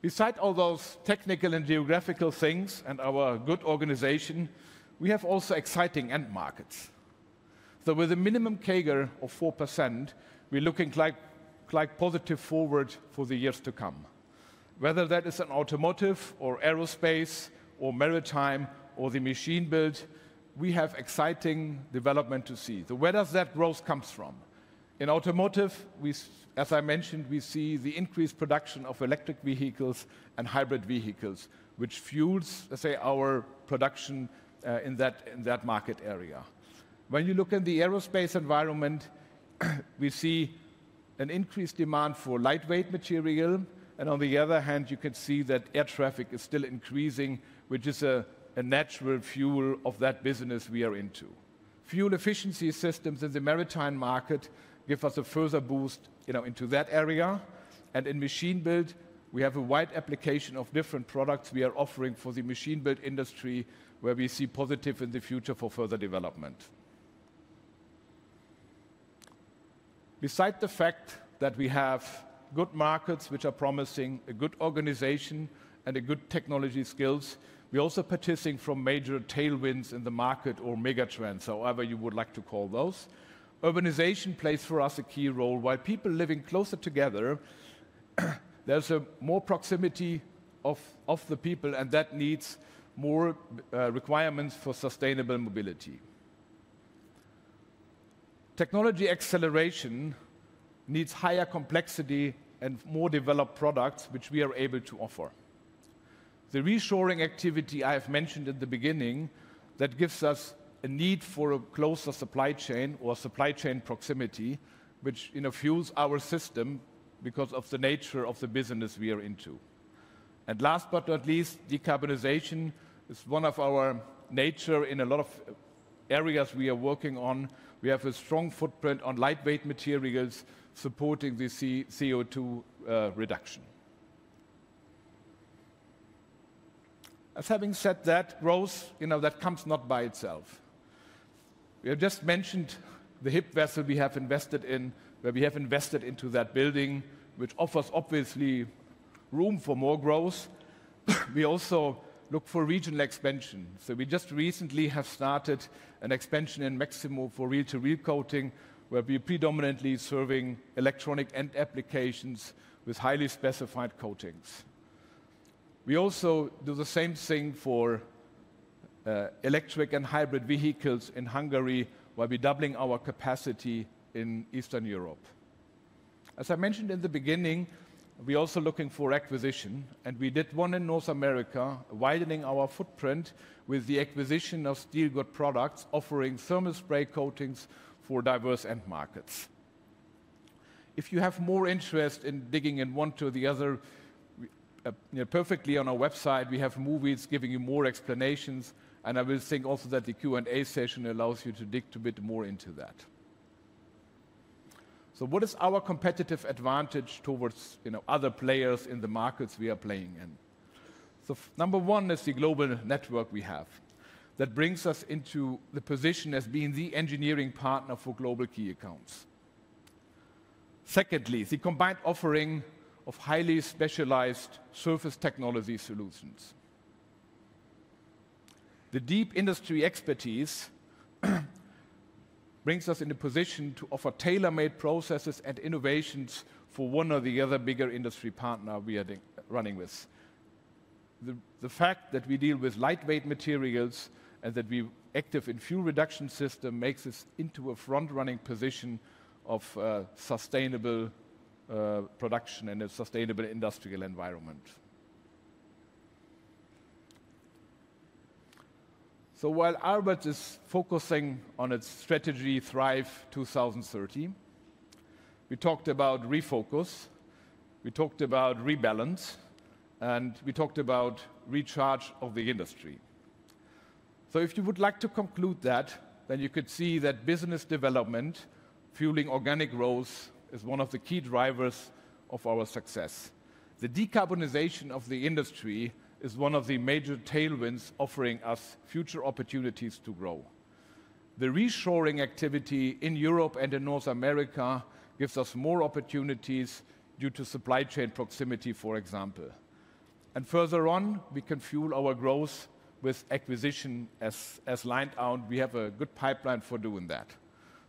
Besides all those technical and geographical things and our good organization, we have also exciting end markets. With a minimum CAGR of 4%, we're looking quite positive forward for the years to come. Whether that is in automotive or aerospace or maritime or the machine build, we have exciting development to see. Where does that growth come from? In automotive, as I mentioned, we see the increased production of electric vehicles and hybrid vehicles, which fuels, let's say, our production in that market area. When you look in the aerospace environment, we see an increased demand for lightweight material. And on the other hand, you can see that air traffic is still increasing, which is a natural fuel of that business we are into. Fuel efficiency systems in the maritime market give us a further boost into that area. And in machine build, we have a wide application of different products we are offering for the machine build industry, where we see positive in the future for further development. Besides the fact that we have good markets, which are promising, a good organization, and good technology skills, we're also benefiting from major tailwinds in the market or megatrends, however you would like to call those. Urbanization plays for us a key role. While people living closer together, there's more proximity of the people, and that needs more requirements for sustainable mobility. Technology acceleration needs higher complexity and more developed products, which we are able to offer. The reshoring activity I have mentioned at the beginning gives us a need for a closer supply chain or supply chain proximity, which fuels our system because of the nature of the business we are into, and last but not least, decarbonization is one of our natures in a lot of areas we are working on. We have a strong footprint on lightweight materials supporting the CO2 reduction. As having said that, growth that comes not by itself. We have just mentioned the HIP vessel we have invested in, where we have invested into that building, which offers obviously room for more growth. We also look for regional expansion. We just recently have started an expansion in Meximieux for reel-to-reel coating, where we are predominantly serving electronic end applications with highly specified coatings. We also do the same thing for electric and hybrid vehicles in Hungary, where we are doubling our capacity in Eastern Europe. As I mentioned in the beginning, we are also looking for acquisition, and we did one in North America, widening our footprint with the acquisition of uncertain products offering thermal spray coatings for diverse end markets. If you have more interest in digging into one or the other, perfectly on our website, we have videos giving you more explanations. And I would think also that the Q&A session allows you to dig a bit more into that. What is our competitive advantage towards other players in the markets we are playing in? So number one is the global network we have that brings us into the position as being the engineering partner for global key accounts. Secondly, the combined offering of highly specialized surface technology solutions. The deep industry expertise brings us into position to offer tailor-made processes and innovations for one or the other bigger industry partner we are running with. The fact that we deal with lightweight materials and that we are active in fuel reduction systems makes us into a front-running position of sustainable production and a sustainable industrial environment. So while Aalberts is focusing on its strategy Thrive 2030, we talked about refocus, we talked about rebalance, and we talked about recharge of the industry. So if you would like to conclude that, then you could see that business development, fueling organic growth, is one of the key drivers of our success. The decarbonization of the industry is one of the major tailwinds offering us future opportunities to grow. The reshoring activity in Europe and in North America gives us more opportunities due to supply chain proximity, for example, and further on, we can fuel our growth with acquisition as laid out. We have a good pipeline for doing that,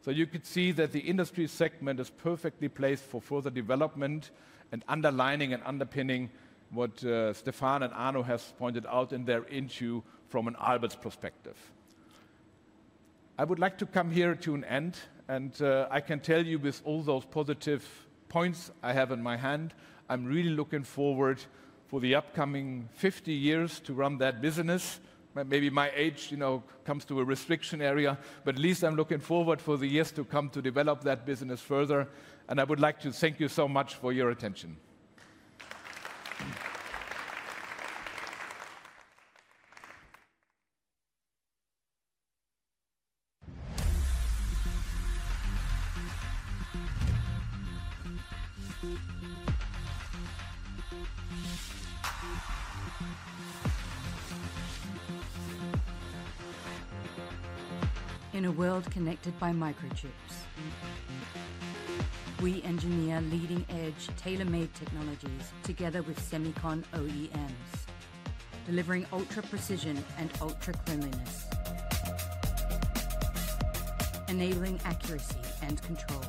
so you could see that the industry segment is perfectly placed for further development and underlining and underpinning what Stéphane and Arno have pointed out in their issue from an Aalberts' perspective. I would like to come to an end here, and I can tell you with all those positive points I have at hand, I'm really looking forward to the upcoming 50 years to run that business. Maybe my age comes to a restriction area, but at least I'm looking forward for the years to come to develop that business further, and I would like to thank you so much for your attention. In a world connected by microchips, we engineer leading-edge tailor-made technologies together with Semicon OEMs, delivering ultra precision and ultra cleanliness, enabling accuracy and control,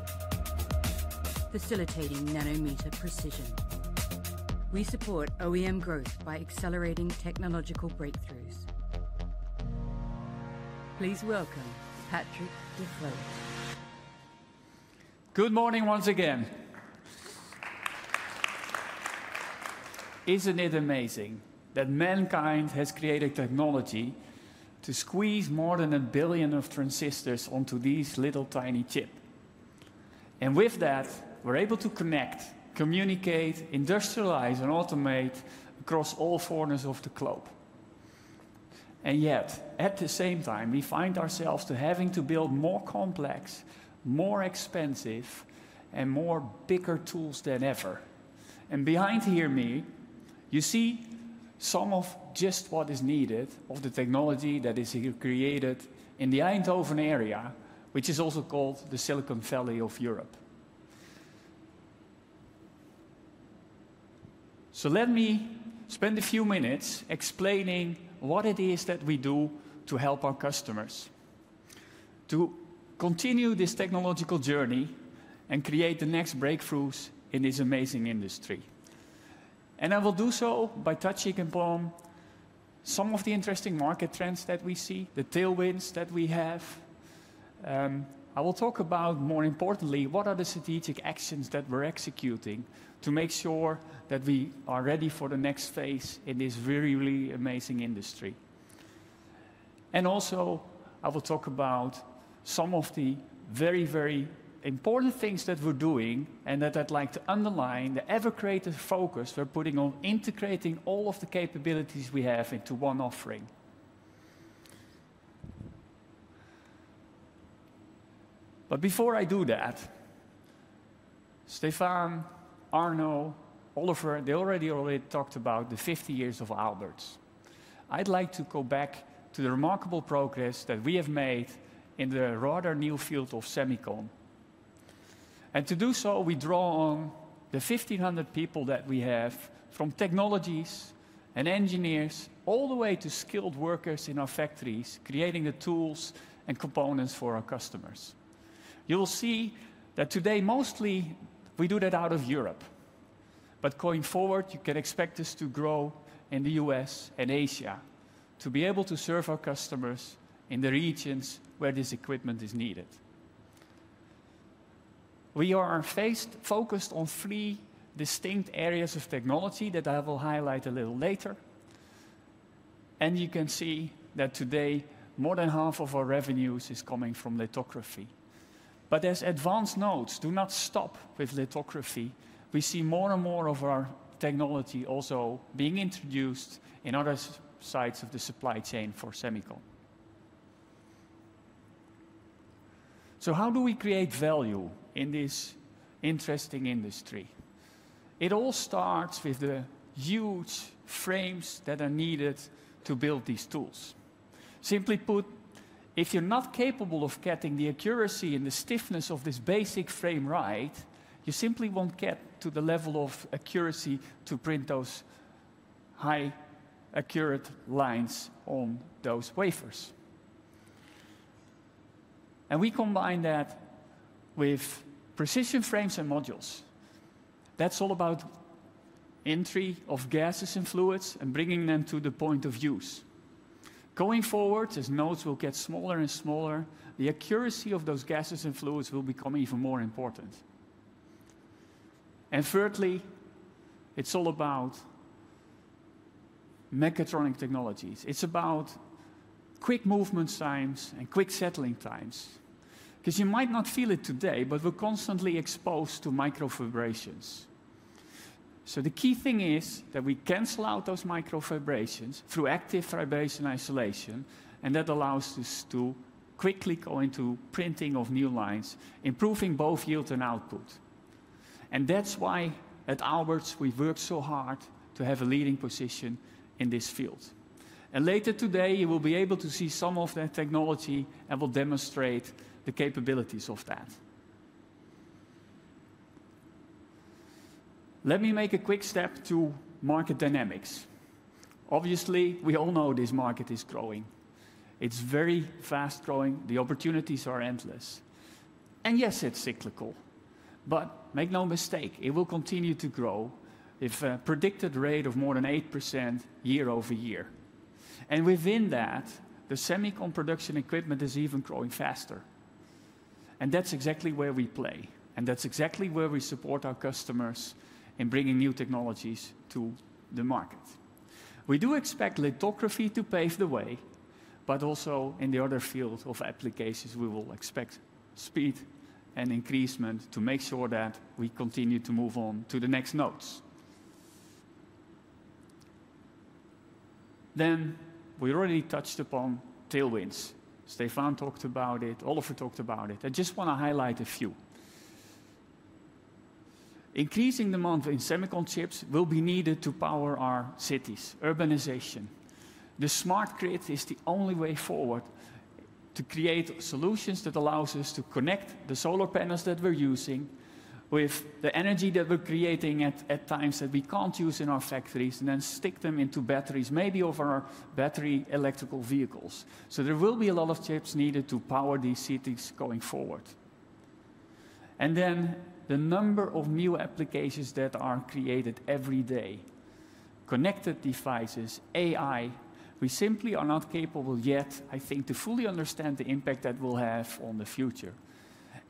facilitating nanometer precision. We support OEM growth by accelerating technological breakthroughs. Please welcome Patrick Duflot. Good morning once again. Isn't it amazing that mankind has created technology to squeeze more than a billion transistors onto this little tiny chip? And with that, we're able to connect, communicate, industrialize, and automate across all corners of the globe. And yet, at the same time, we find ourselves having to build more complex, more expensive, and more bigger tools than ever. And behind me, you see some of just what is needed of the technology that is created in the Eindhoven area, which is also called the Silicon Valley of Europe. So let me spend a few minutes explaining what it is that we do to help our customers continue this technological journey and create the next breakthroughs in this amazing industry. And I will do so by touching upon some of the interesting market trends that we see, the tailwinds that we have. I will talk about, more importantly, what are the strategic actions that we're executing to make sure that we are ready for the next phase in this very, really amazing industry. And also, I will talk about some of the very, very important things that we're doing and that I'd like to underline the ever-creative focus we're putting on integrating all of the capabilities we have into one offering. But before I do that, Stéphane, Arno, Oliver, they already talked about the 50 years of Aalberts. I'd like to go back to the remarkable progress that we have made in the rather new field of Semicon. And to do so, we draw on the 1,500 people that we have from technologies and engineers all the way to skilled workers in our factories creating the tools and components for our customers. You will see that today, mostly, we do that out of Europe. But going forward, you can expect us to grow in the U.S. and Asia to be able to serve our customers in the regions where this equipment is needed. We are focused on three distinct areas of technology that I will highlight a little later. And you can see that today, more than half of our revenues is coming from lithography. But as advanced nodes do not stop with lithography, we see more and more of our technology also being introduced in other sides of the supply chain for Semicon. So how do we create value in this interesting industry? It all starts with the huge frames that are needed to build these tools. Simply put, if you're not capable of getting the accuracy and the stiffness of this basic frame right, you simply won't get to the level of accuracy to print those highly accurate lines on those wafers, and we combine that with precision frames and modules. That's all about entry of gases and fluids and bringing them to the point of use. Going forward, as nodes will get smaller and smaller, the accuracy of those gases and fluids will become even more important, and thirdly, it's all about mechatronic technologies. It's about quick movement times and quick settling times. Because you might not feel it today, but we're constantly exposed to micro-vibrations. So the key thing is that we cancel out those micro-vibrations through active vibration isolation, and that allows us to quickly go into printing of new lines, improving both yield and output. And that's why at Aalberts, we've worked so hard to have a leading position in this field. And later today, you will be able to see some of that technology and will demonstrate the capabilities of that. Let me make a quick step to market dynamics. Obviously, we all know this market is growing. It's very fast growing. The opportunities are endless. And yes, it's cyclical. But make no mistake, it will continue to grow at a predicted rate of more than 8% year over year. And within that, the Semicon production equipment is even growing faster. And that's exactly where we play. And that's exactly where we support our customers in bringing new technologies to the market. We do expect lithography to pave the way, but also in the other fields of applications, we will expect speed and increasement to make sure that we continue to move on to the next nodes. Then we already touched upon tailwinds. Stéphane talked about it. Oliver talked about it. I just want to highlight a few. Increasing demand in semicon chips will be needed to power our cities, urbanization. The smart grid is the only way forward to create solutions that allow us to connect the solar panels that we're using with the energy that we're creating at times that we can't use in our factories and then stick them into batteries, maybe over our battery electric vehicles. So there will be a lot of chips needed to power these cities going forward. Then the number of new applications that are created every day, connected devices, AI, we simply are not capable yet, I think, to fully understand the impact that we'll have on the future.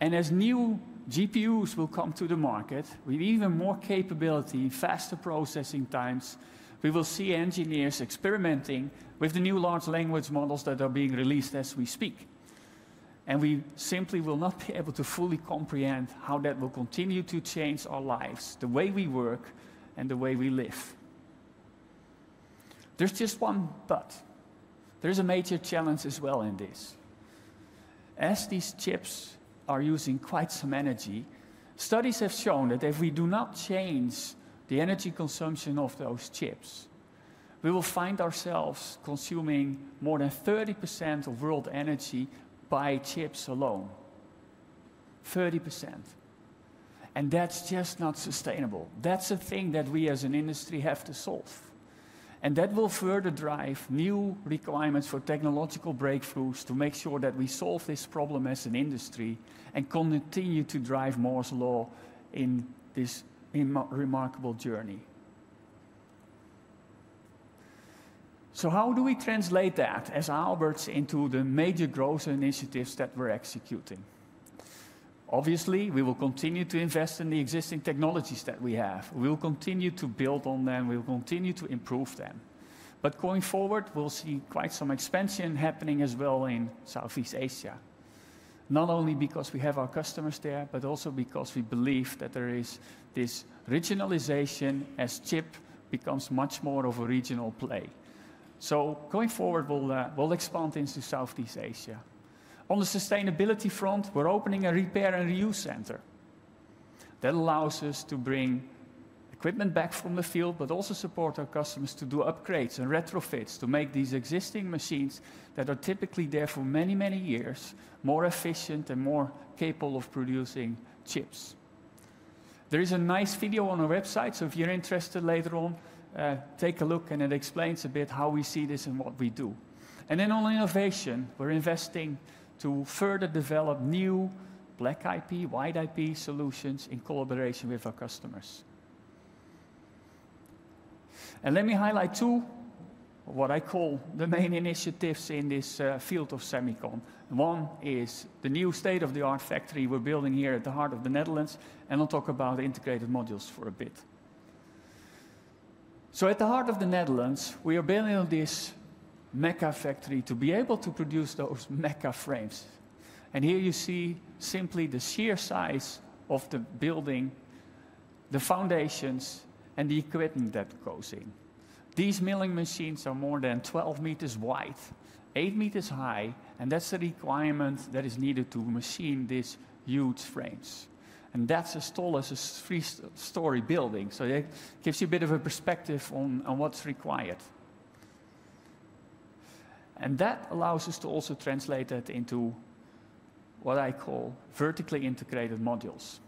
As new GPUs will come to the market with even more capability, faster processing times, we will see engineers experimenting with the new large language models that are being released as we speak. We simply will not be able to fully comprehend how that will continue to change our lives, the way we work, and the way we live. There's just one but. There is a major challenge as well in this. As these chips are using quite some energy, studies have shown that if we do not change the energy consumption of those chips, we will find ourselves consuming more than 30% of world energy by chips alone. 30%. That's just not sustainable. That's a thing that we as an industry have to solve. That will further drive new requirements for technological breakthroughs to make sure that we solve this problem as an industry and continue to drive Moore's Law in this remarkable journey. How do we translate that as Aalberts into the major growth initiatives that we're executing? Obviously, we will continue to invest in the existing technologies that we have. We will continue to build on them. We will continue to improve them. Going forward, we'll see quite some expansion happening as well in Southeast Asia, not only because we have our customers there, but also because we believe that there is this regionalization as chip becomes much more of a regional play. Going forward, we'll expand into Southeast Asia. On the sustainability front, we're opening a repair and reuse center that allows us to bring equipment back from the field, but also support our customers to do upgrades and retrofits to make these existing machines that are typically there for many, many years more efficient and more capable of producing chips. There is a nice video on our website, so if you're interested later on, take a look and it explains a bit how we see this and what we do, and then on innovation, we're investing to further develop new black box, white box solutions in collaboration with our customers, and let me highlight two of what I call the main initiatives in this field of Semicon. One is the new state-of-the-art factory we're building here at the heart of the Netherlands, and I'll talk about integrated modules for a bit. At the heart of the Netherlands, we are building this mega factory to be able to produce those mega frames. Here you see simply the sheer size of the building, the foundations, and the equipment that goes in. These milling machines are more than 12 meters wide, 8 meters high, and that's the requirement that is needed to machine these huge frames. That's as tall as a three-story building. It gives you a bit of a perspective on what's required. That allows us to also translate that into what I call vertically integrated modules.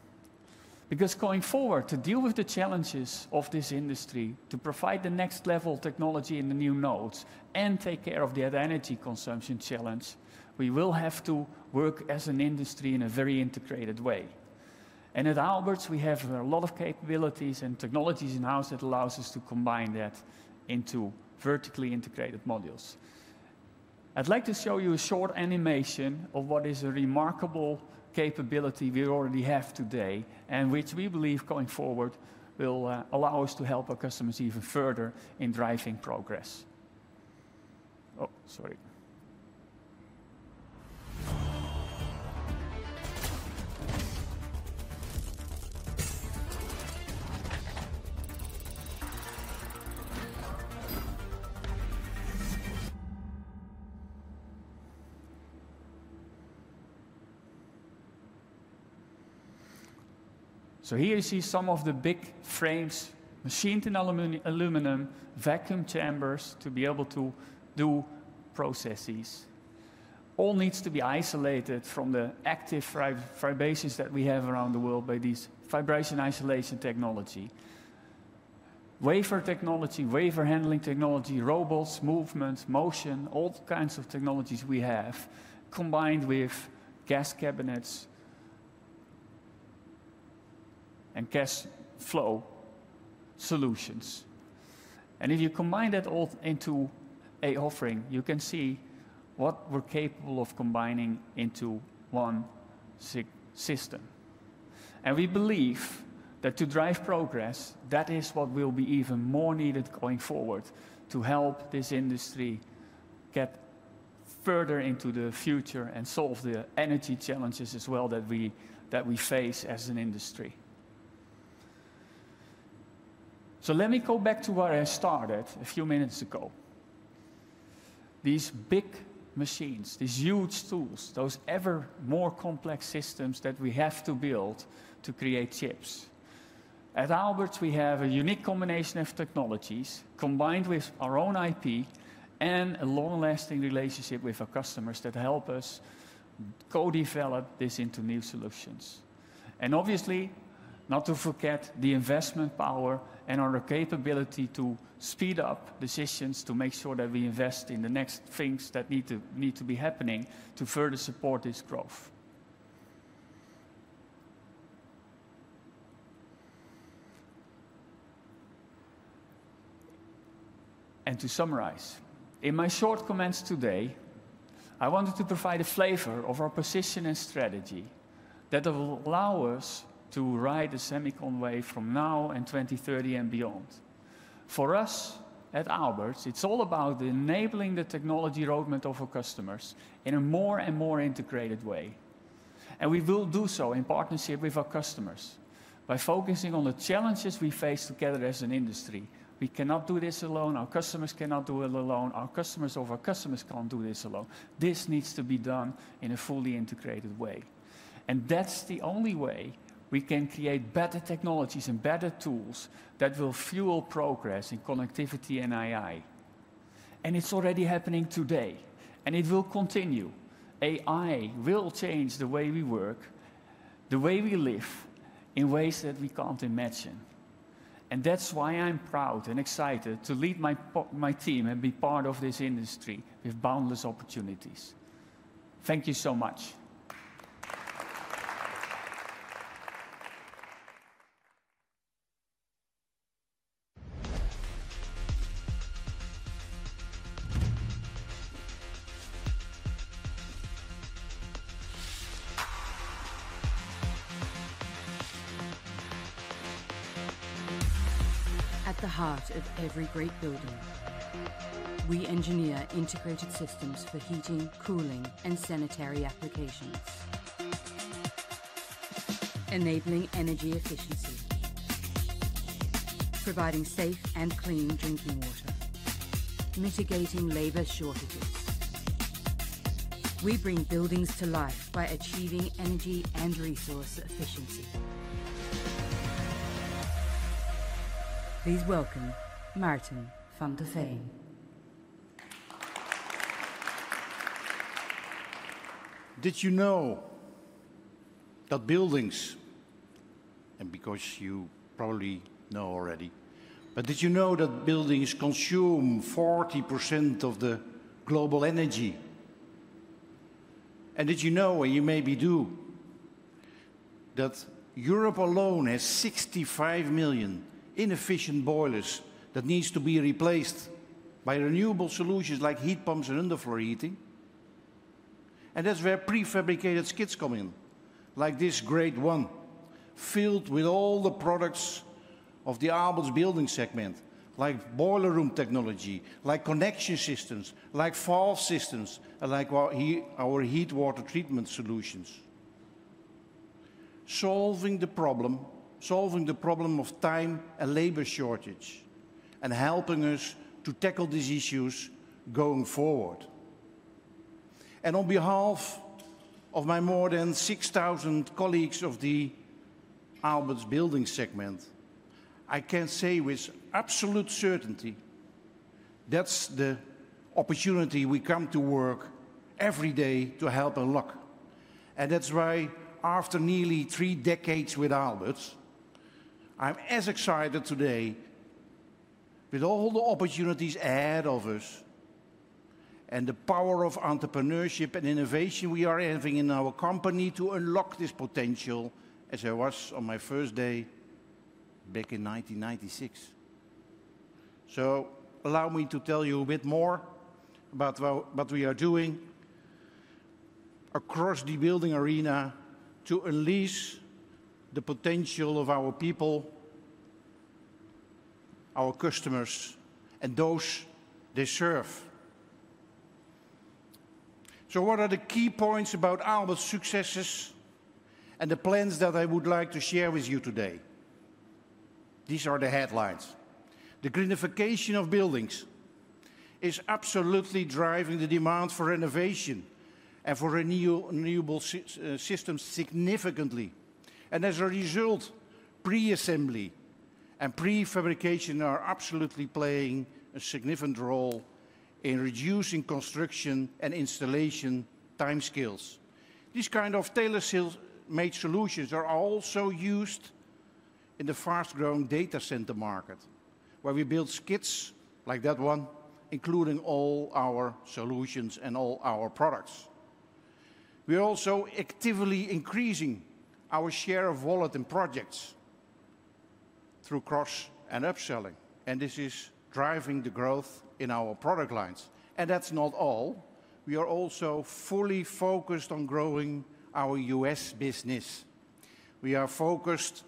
Because going forward, to deal with the challenges of this industry, to provide the next level of technology in the new nodes and take care of the energy consumption challenge, we will have to work as an industry in a very integrated way. At Aalberts, we have a lot of capabilities and technologies in-house that allow us to combine that into vertically integrated modules. I'd like to show you a short animation of what is a remarkable capability we already have today and which we believe going forward will allow us to help our customers even further in driving progress. Oh, sorry. So here you see some of the big frames, machined in aluminum, vacuum chambers to be able to do processes. All needs to be isolated from the active vibrations that we have around the world by this vibration isolation technology. Wafer technology, wafer handling technology, robots, movement, motion, all kinds of technologies we have combined with gas cabinets and gas flow solutions. And if you combine that all into an offering, you can see what we're capable of combining into one system. We believe that to drive progress, that is what will be even more needed going forward to help this industry get further into the future and solve the energy challenges as well that we face as an industry. So let me go back to where I started a few minutes ago. These big machines, these huge tools, those ever more complex systems that we have to build to create chips. At Aalberts, we have a unique combination of technologies combined with our own IP and a long-lasting relationship with our customers that help us co-develop this into new solutions. And obviously, not to forget the investment power and our capability to speed up decisions to make sure that we invest in the next things that need to be happening to further support this growth. And to summarize, in my short comments today, I wanted to provide a flavor of our position and strategy that will allow us to ride the semicon wave from now and 2030 and beyond. For us at Aalberts, it's all about enabling the technology roadmap of our customers in a more and more integrated way. And we will do so in partnership with our customers by focusing on the challenges we face together as an industry. We cannot do this alone. Our customers cannot do it alone. Our customers of our customers can't do this alone. This needs to be done in a fully integrated way. And that's the only way we can create better technologies and better tools that will fuel progress in connectivity and AI. And it's already happening today. And it will continue. AI will change the way we work, the way we live in ways that we can't imagine. And that's why I'm proud and excited to lead my team and be part of this industry with boundless opportunities. Thank you so much. At the heart of every great building, we engineer integrated systems for heating, cooling, and sanitary applications, enabling energy efficiency, providing safe and clean drinking water, mitigating labor shortages. We bring buildings to life by achieving energy and resource efficiency. Please welcome Maarten van de Veen. Did you know that buildings, and because you probably know already, but did you know that buildings consume 40% of the global energy? And did you know, and you maybe do, that Europe alone has 65 million inefficient boilers that need to be replaced by renewable solutions like heat pumps and underfloor heating? And that's where prefabricated skids come in, like this great one, filled with all the products of the Aalberts building segment, like boiler room technology, like connection systems, like valve systems, like our hot water treatment solutions. Solving the problem of time and labor shortage and helping us to tackle these issues going forward. On behalf of my more than 6,000 colleagues of the Aalberts building segment, I can say with absolute certainty that's the opportunity we come to work every day to help unlock. That's why, after nearly three decades with Aalberts, I'm as excited today with all the opportunities ahead of us and the power of entrepreneurship and innovation we are having in our company to unlock this potential as I was on my first day back in 1996. So allow me to tell you a bit more about what we are doing across the building arena to unleash the potential of our people, our customers, and those they serve. So what are the key points about Aalberts' successes and the plans that I would like to share with you today? These are the headlines. The greenification of buildings is absolutely driving the demand for renovation and for renewable systems significantly. And as a result, pre-assembly and prefabrication are absolutely playing a significant role in reducing construction and installation time scales. These kind of tailor-made solutions are also used in the fast-growing data center market, where we build skids like that one, including all our solutions and all our products. We are also actively increasing our share of wallet and projects through cross and upselling. And this is driving the growth in our product lines. And that's not all. We are also fully focused on growing our U.S. business. We are focused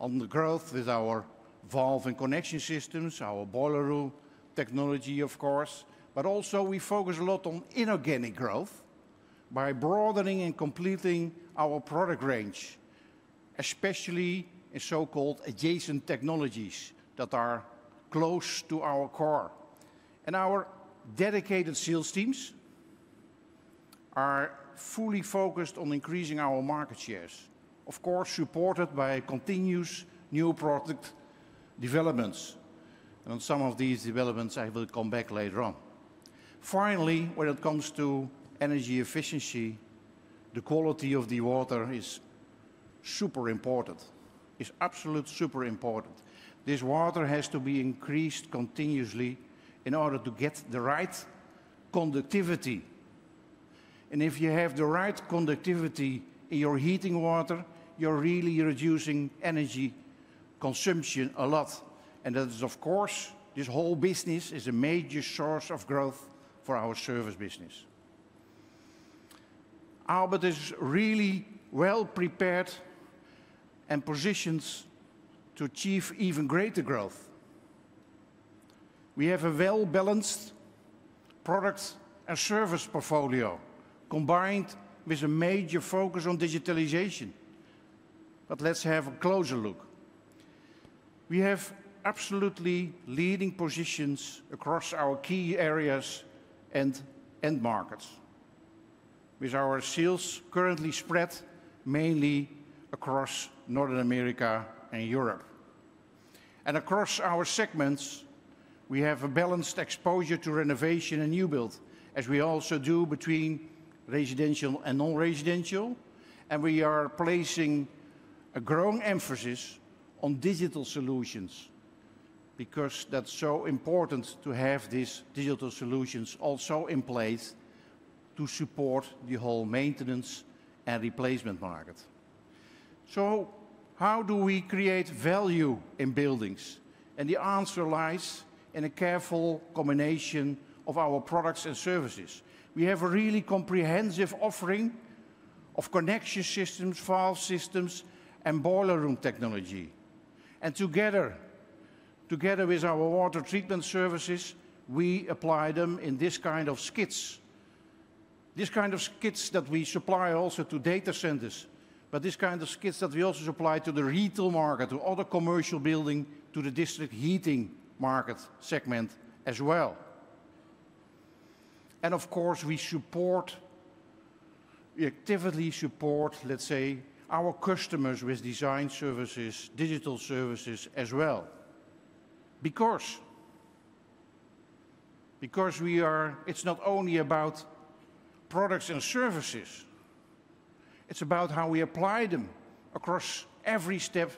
on the growth with our valve and connection systems, our boiler room technology, of course. But also, we focus a lot on inorganic growth by broadening and completing our product range, especially in so-called adjacent technologies that are close to our core. Our dedicated sales teams are fully focused on increasing our market shares, of course, supported by continuous new product developments. On some of these developments, I will come back later on. Finally, when it comes to energy efficiency, the quality of the water is super important. It's absolute super important. This water has to be increased continuously in order to get the right conductivity. If you have the right conductivity in your heating water, you're really reducing energy consumption a lot. That is, of course, this whole business is a major source of growth for our service business. Aalberts is really well prepared and positioned to achieve even greater growth. We have a well-balanced product and service portfolio combined with a major focus on digitalization. Let's have a closer look. We have absolutely leading positions across our key areas and markets, with our sales currently spread mainly across North America and Europe. Across our segments, we have a balanced exposure to renovation and new build, as we also do between residential and non-residential. We are placing a growing emphasis on digital solutions because that's so important to have these digital solutions also in place to support the whole maintenance and replacement market. How do we create value in buildings? The answer lies in a careful combination of our products and services. We have a really comprehensive offering of connection systems, pipe systems, and boiler room technology, and together, together with our water treatment services, we apply them in this kind of skids. This kind of skids that we supply also to data centers, but this kind of skids that we also supply to the retail market, to other commercial buildings, to the district heating market segment as well, and of course, we support, we actively support, let's say, our customers with design services, digital services as well. Because it's not only about products and services. It's about how we apply them across every step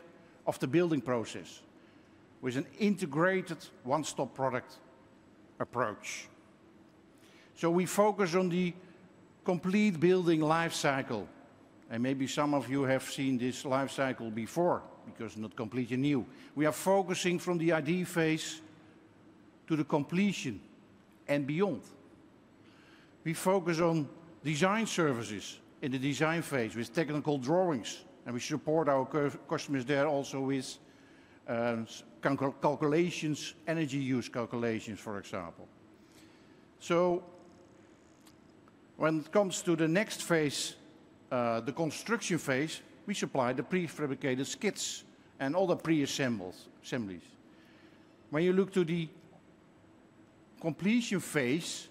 of the building process with an integrated one-stop product approach, so we focus on the complete building lifecycle, and maybe some of you have seen this lifecycle before because not completely new. We are focusing from the idea phase to the completion and beyond. We focus on design services in the design phase with technical drawings, and we support our customers there also with calculations, energy use calculations, for example, so when it comes to the next phase, the construction phase, we supply the prefabricated skids and all the preassemblies. When you look to the completion phase,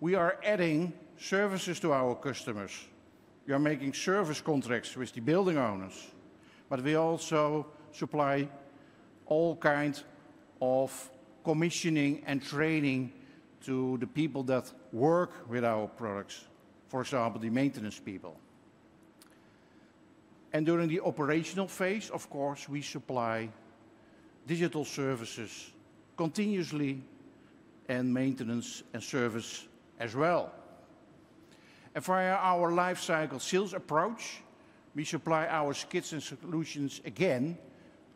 we are adding services to our customers. We are making service contracts with the building owners, but we also supply all kinds of commissioning and training to the people that work with our products, for example, the maintenance people, and during the operational phase, of course, we supply digital services continuously and maintenance and service as well, and via our lifecycle sales approach, we supply our skids and solutions again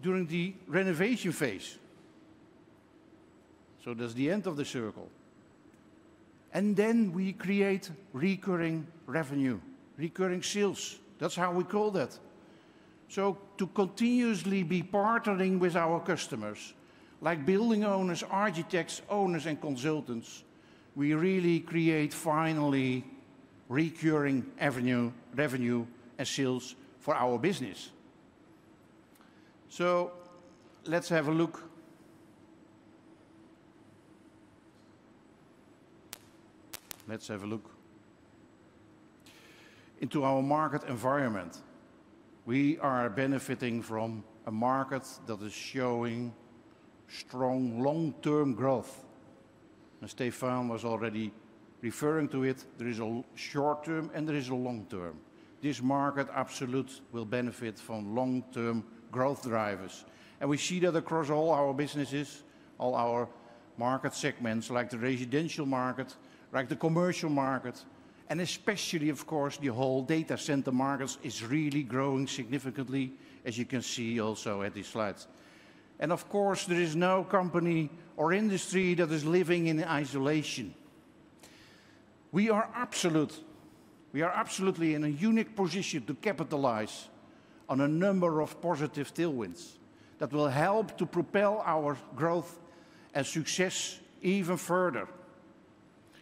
during the renovation phase, so that's the end of the circle, and then we create recurring revenue, recurring sales. That's how we call that. To continuously be partnering with our customers, like building owners, architects, owners, and consultants, we really create finally recurring revenue and sales for our business. Let's have a look. Let's have a look into our market environment. We are benefiting from a market that is showing strong long-term growth. Stéphane was already referring to it. There is a short-term and there is a long-term. This market absolutely will benefit from long-term growth drivers. We see that across all our businesses, all our market segments, like the residential market, like the commercial market, and especially, of course, the whole data center market is really growing significantly, as you can see also at this slide. Of course, there is no company or industry that is living in isolation. We are absolutely in a unique position to capitalize on a number of positive tailwinds that will help to propel our growth and success even further.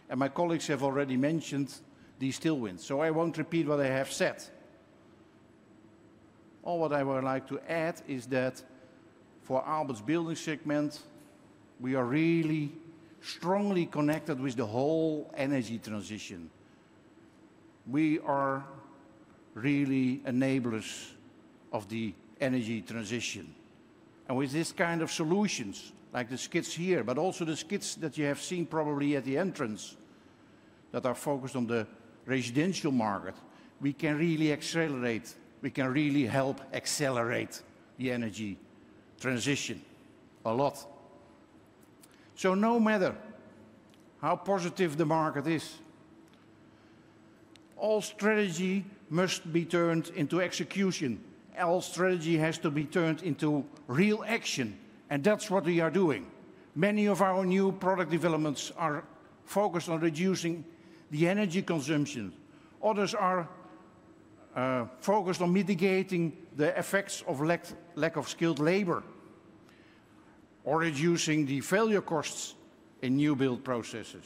And my colleagues have already mentioned these tailwinds, so I won't repeat what I have said. All what I would like to add is that for Aalberts building segment, we are really strongly connected with the whole energy transition. We are really enablers of the energy transition. And with this kind of solutions, like the skids here, but also the skids that you have seen probably at the entrance that are focused on the residential market, we can really accelerate. We can really help accelerate the energy transition a lot. So no matter how positive the market is, all strategy must be turned into execution. All strategy has to be turned into real action. And that's what we are doing. Many of our new product developments are focused on reducing the energy consumption. Others are focused on mitigating the effects of lack of skilled labor or reducing the failure costs in new build processes.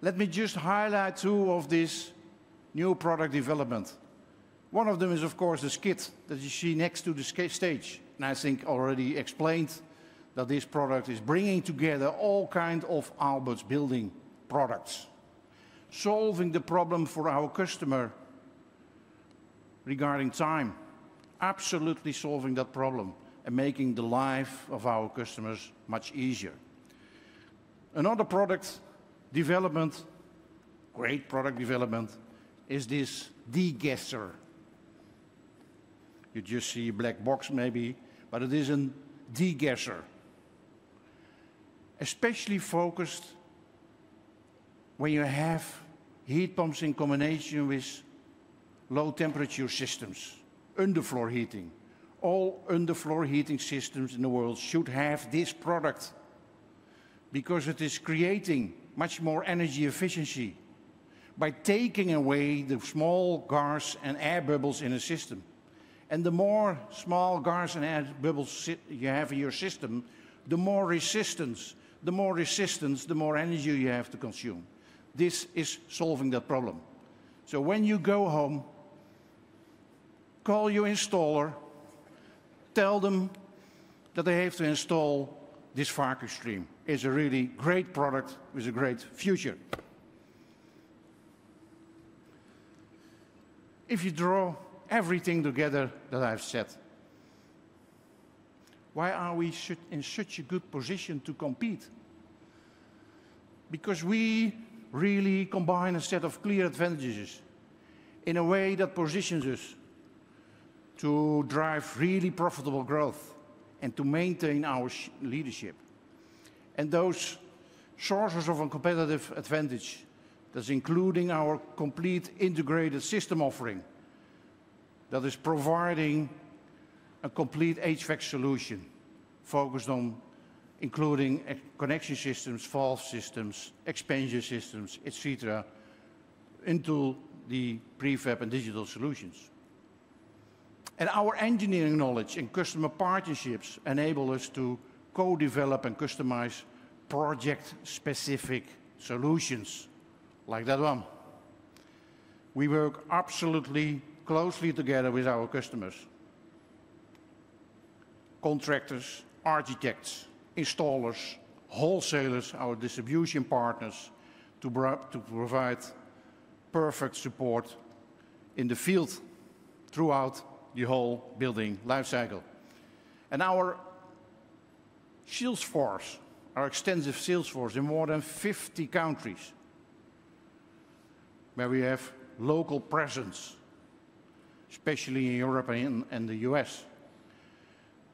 Let me just highlight two of these new product developments. One of them is, of course, the skid that you see next to the stage, and I think I already explained that this product is bringing together all kinds of Aalberts building products, solving the problem for our customer regarding time, absolutely solving that problem and making the life of our customers much easier. Another product development, great product development, is this de-gasser. You just see a black box maybe, but it is a degasser, especially focused when you have heat pumps in combination with low temperature systems, underfloor heating. All underfloor heating systems in the world should have this product because it is creating much more energy efficiency by taking away the small gas and air bubbles in a system. And the more small gas and air bubbles you have in your system, the more resistance, the more resistance, the more energy you have to consume. This is solving that problem. So when you go home, call your installer, tell them that they have to install this Flamco XStream. It's a really great product with a great future. If you draw everything together that I've said, why are we in such a good position to compete? Because we really combine a set of clear advantages in a way that positions us to drive really profitable growth and to maintain our leadership. And those sources of a competitive advantage, that's including our complete integrated system offering that is providing a complete HVAC solution focused on including connection systems, valve systems, expansion systems, etc., into the prefab and digital solutions. And our engineering knowledge and customer partnerships enable us to co-develop and customize project-specific solutions like that one. We work absolutely closely together with our customers, contractors, architects, installers, wholesalers, our distribution partners to provide perfect support in the field throughout the whole building lifecycle. And our sales force, our extensive sales force in more than 50 countries where we have local presence, especially in Europe and the U.S.,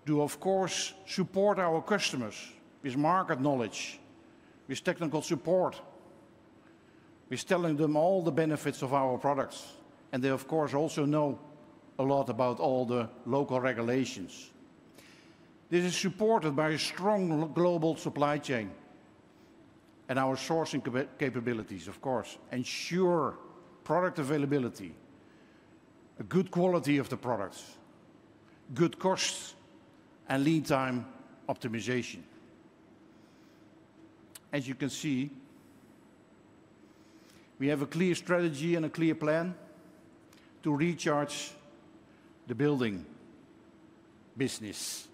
do, of course, support our customers with market knowledge, with technical support, with telling them all the benefits of our products. And they, of course, also know a lot about all the local regulations. This is supported by a strong global supply chain and our sourcing capabilities, of course, ensure product availability, a good quality of the products, good costs, and lead time optimization. As you can see, we have a clear strategy and a clear plan to recharge the building business,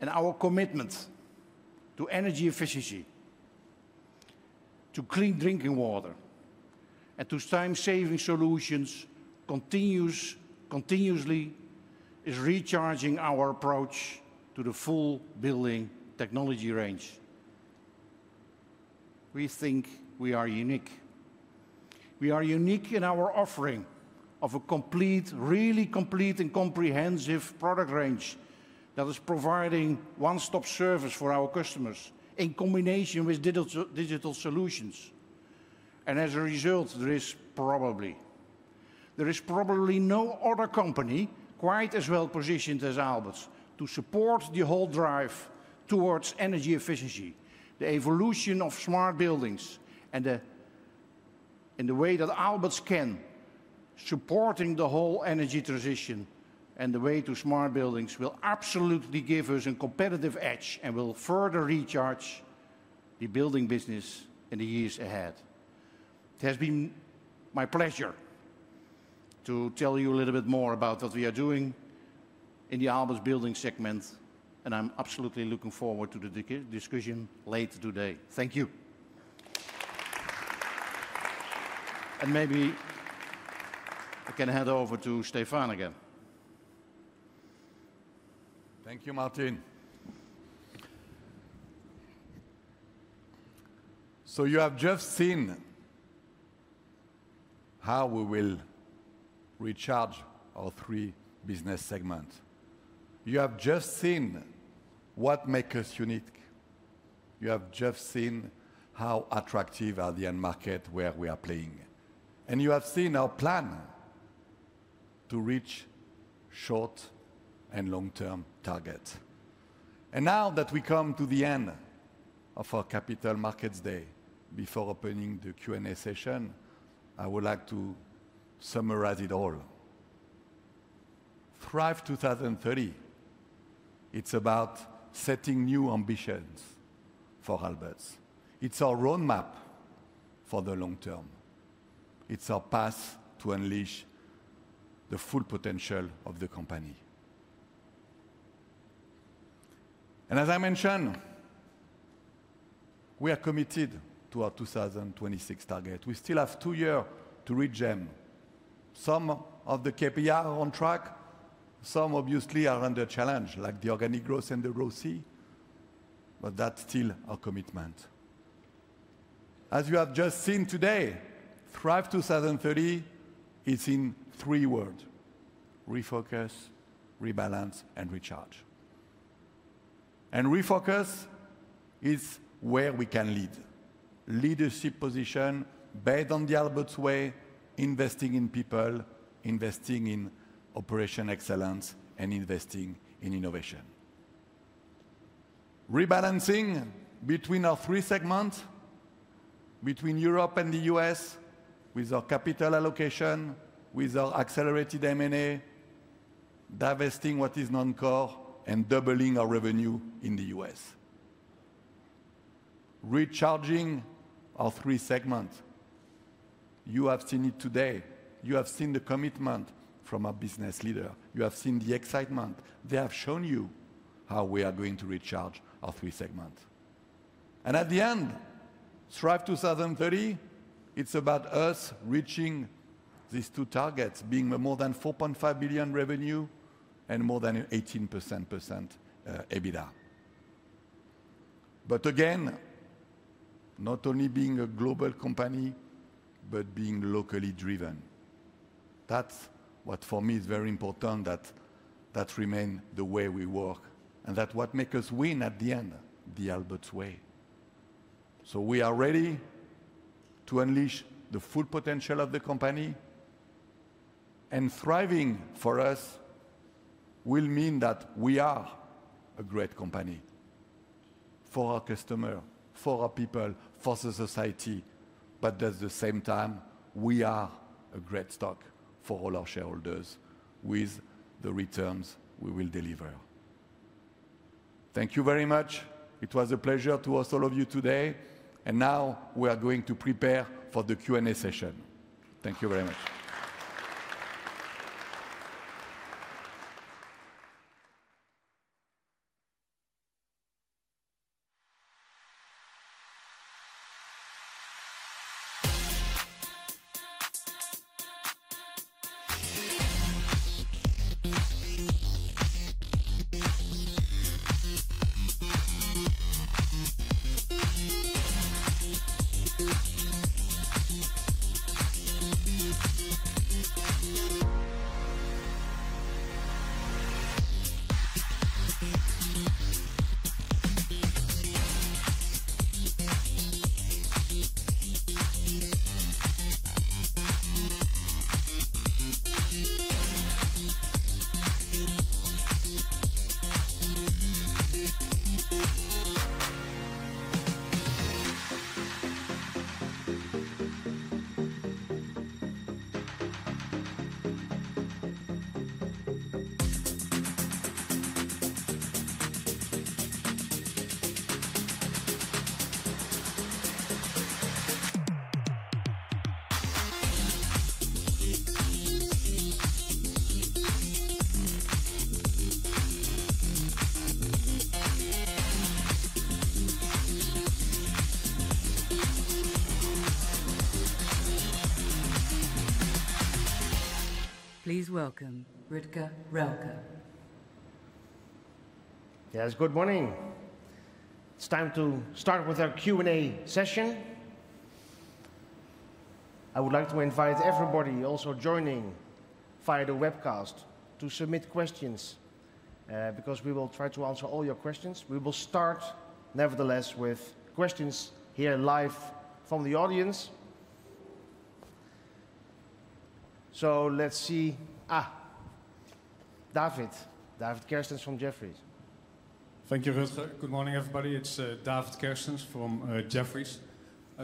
and our commitment to energy efficiency, to clean drinking water, and to time-saving solutions continuously is recharging our approach to the full building technology range. We think we are unique. We are unique in our offering of a complete, really complete and comprehensive product range that is providing one-stop service for our customers in combination with digital solutions. As a result, there is probably no other company quite as well positioned as Aalberts to support the whole drive towards energy efficiency, the evolution of smart buildings, and the way that Aalberts can support the whole energy transition and the way to smart buildings will absolutely give us a competitive edge and will further recharge the building business in the years ahead. It has been my pleasure to tell you a little bit more about what we are doing in the Aalberts building segment, and I'm absolutely looking forward to the discussion later today. Thank you. Maybe I can hand over to Stéphane again. Thank you, Maarten. You have just seen how we will recharge our three business segments. You have just seen what makes us unique. You have just seen how attractive the end market is where we are playing. You have seen our plan to reach short and long-term targets. Now that we come to the end of our capital markets day before opening the Q&A session, I would like to summarize it all. Thrive 2030, it's about setting new ambitions for Aalberts. It's our roadmap for the long term. It's our path to unleash the full potential of the company. As I mentioned, we are committed to our 2026 target. We still have two years to reach them. Some of the KPIs are on track. Some obviously are under challenge, like the organic growth and the growth CAGR, but that's still our commitment. As you have just seen today, Thrive 2030 is in three words: refocus, rebalance, and recharge. Refocus is where we can lead. Leadership position based on the Aalberts way, investing in people, investing in operational excellence, and investing in innovation. Rebalancing between our three segments, between Europe and the U.S., with our capital allocation, with our accelerated M&A, divesting what is non-core, and doubling our revenue in the U.S. Recharging our three segments. You have seen it today. You have seen the commitment from our business leader. You have seen the excitement. They have shown you how we are going to recharge our three segments, and at the end, Thrive 2030, it's about us reaching these two targets, being more than 4.5 billion revenue and more than 18% EBITDA but again, not only being a global company, but being locally driven. That's what for me is very important, that that remains the way we work and that what makes us win at the end, the Aalberts way, so we are ready to unleash the full potential of the company. And thriving for us will mean that we are a great company for our customers, for our people, for society, but at the same time, we are a great stock for all our shareholders with the returns we will deliver. Thank you very much. It was a pleasure to host all of you today. And now we are going to prepare for the Q&A session. Thank you very much. Please welcome Rutger Rölke. Yes, good morning. It's time to start with our Q&A session. I would like to invite everybody also joining via the webcast to submit questions because we will try to answer all your questions. We will start nevertheless with questions here live from the audience. So let's see. David. David Kerstens from Jefferies. Thank you, Rutger. Good morning, everybody. It's David Kerstens from Jefferies.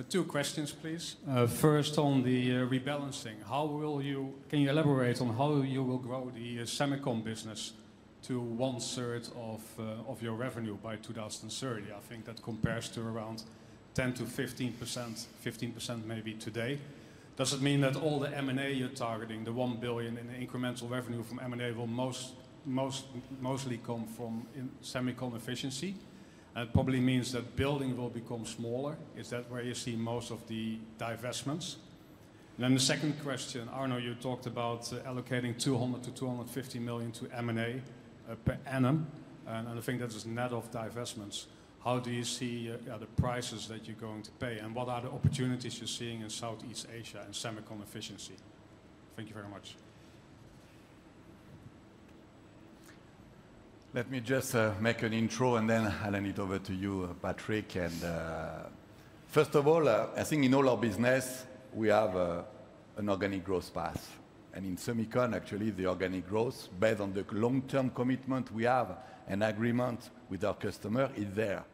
Two questions, please. First, on the rebalancing, how will you? Can you elaborate on how you will grow the semiconductor business to one-third of your revenue by 2030? I think that compares to around 10%-15%, 15% maybe today. Does it mean that all the M&A you are targeting, the 1 billion in incremental revenue from M&A will mostly come from semiconductor? And it probably means that building will become smaller. Is that where you see most of the divestments? And then the second question, Arno, you talked about allocating 200 million-250 million to M&A per annum. And I think that is a net of divestments. How do you see the prices that you are going to pay? And what are the opportunities you are seeing in Southeast Asia and semiconductor? Thank you very much. Let me just make an intro and then hand it over to you, Patrick. First of all, I think in all our business, we have an organic growth path. In semiconductor, actually, the organic growth, based on the long-term commitment we have and agreement with our customer, is there.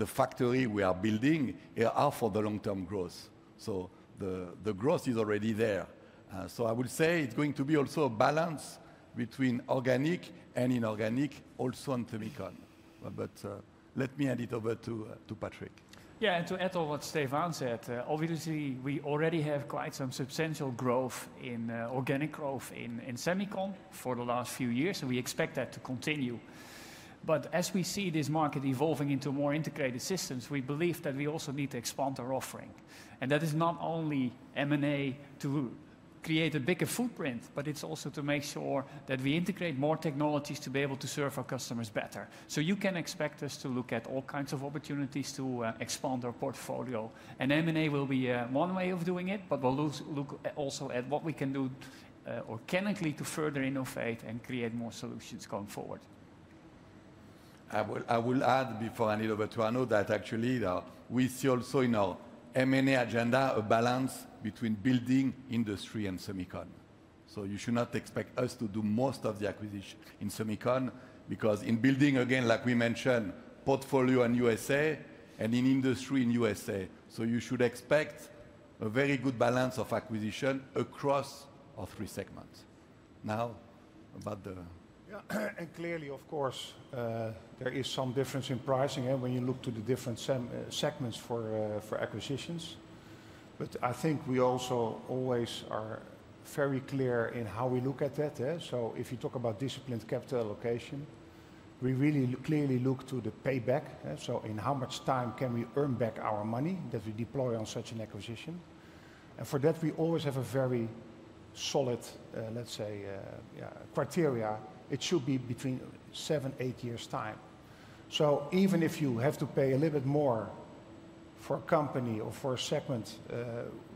The factory we are building is out for the long-term growth. The growth is already there. I would say it's going to be also a balance between organic and inorganic, also in semiconductor. Let me hand it over to Patrick. Yeah, and to add to what Stéphane said, obviously, we already have quite some substantial growth in organic growth in semiconductor for the last few years, and we expect that to continue. As we see this market evolving into more integrated systems, we believe that we also need to expand our offering. And that is not only M&A to create a bigger footprint, but it's also to make sure that we integrate more technologies to be able to serve our customers better. So you can expect us to look at all kinds of opportunities to expand our portfolio. And M&A will be one way of doing it, but we'll look also at what we can do organically to further innovate and create more solutions going forward. I will add before I hand it over to Arno that actually we see also in our M&A agenda a balance between building industry and semiconductor. So you should not expect us to do most of the acquisition in semiconductor because in building, again, like we mentioned, portfolio in the USA and in industry in the USA. So you should expect a very good balance of acquisition across our three segments. Now, about the. Yeah, and clearly, of course, there is some difference in pricing when you look to the different segments for acquisitions. But I think we also always are very clear in how we look at that. So if you talk about disciplined capital allocation, we really clearly look to the payback. So in how much time can we earn back our money that we deploy on such an acquisition? And for that, we always have a very solid, let's say, criteria. It should be between seven-eight years' time. So even if you have to pay a little bit more for a company or for a segment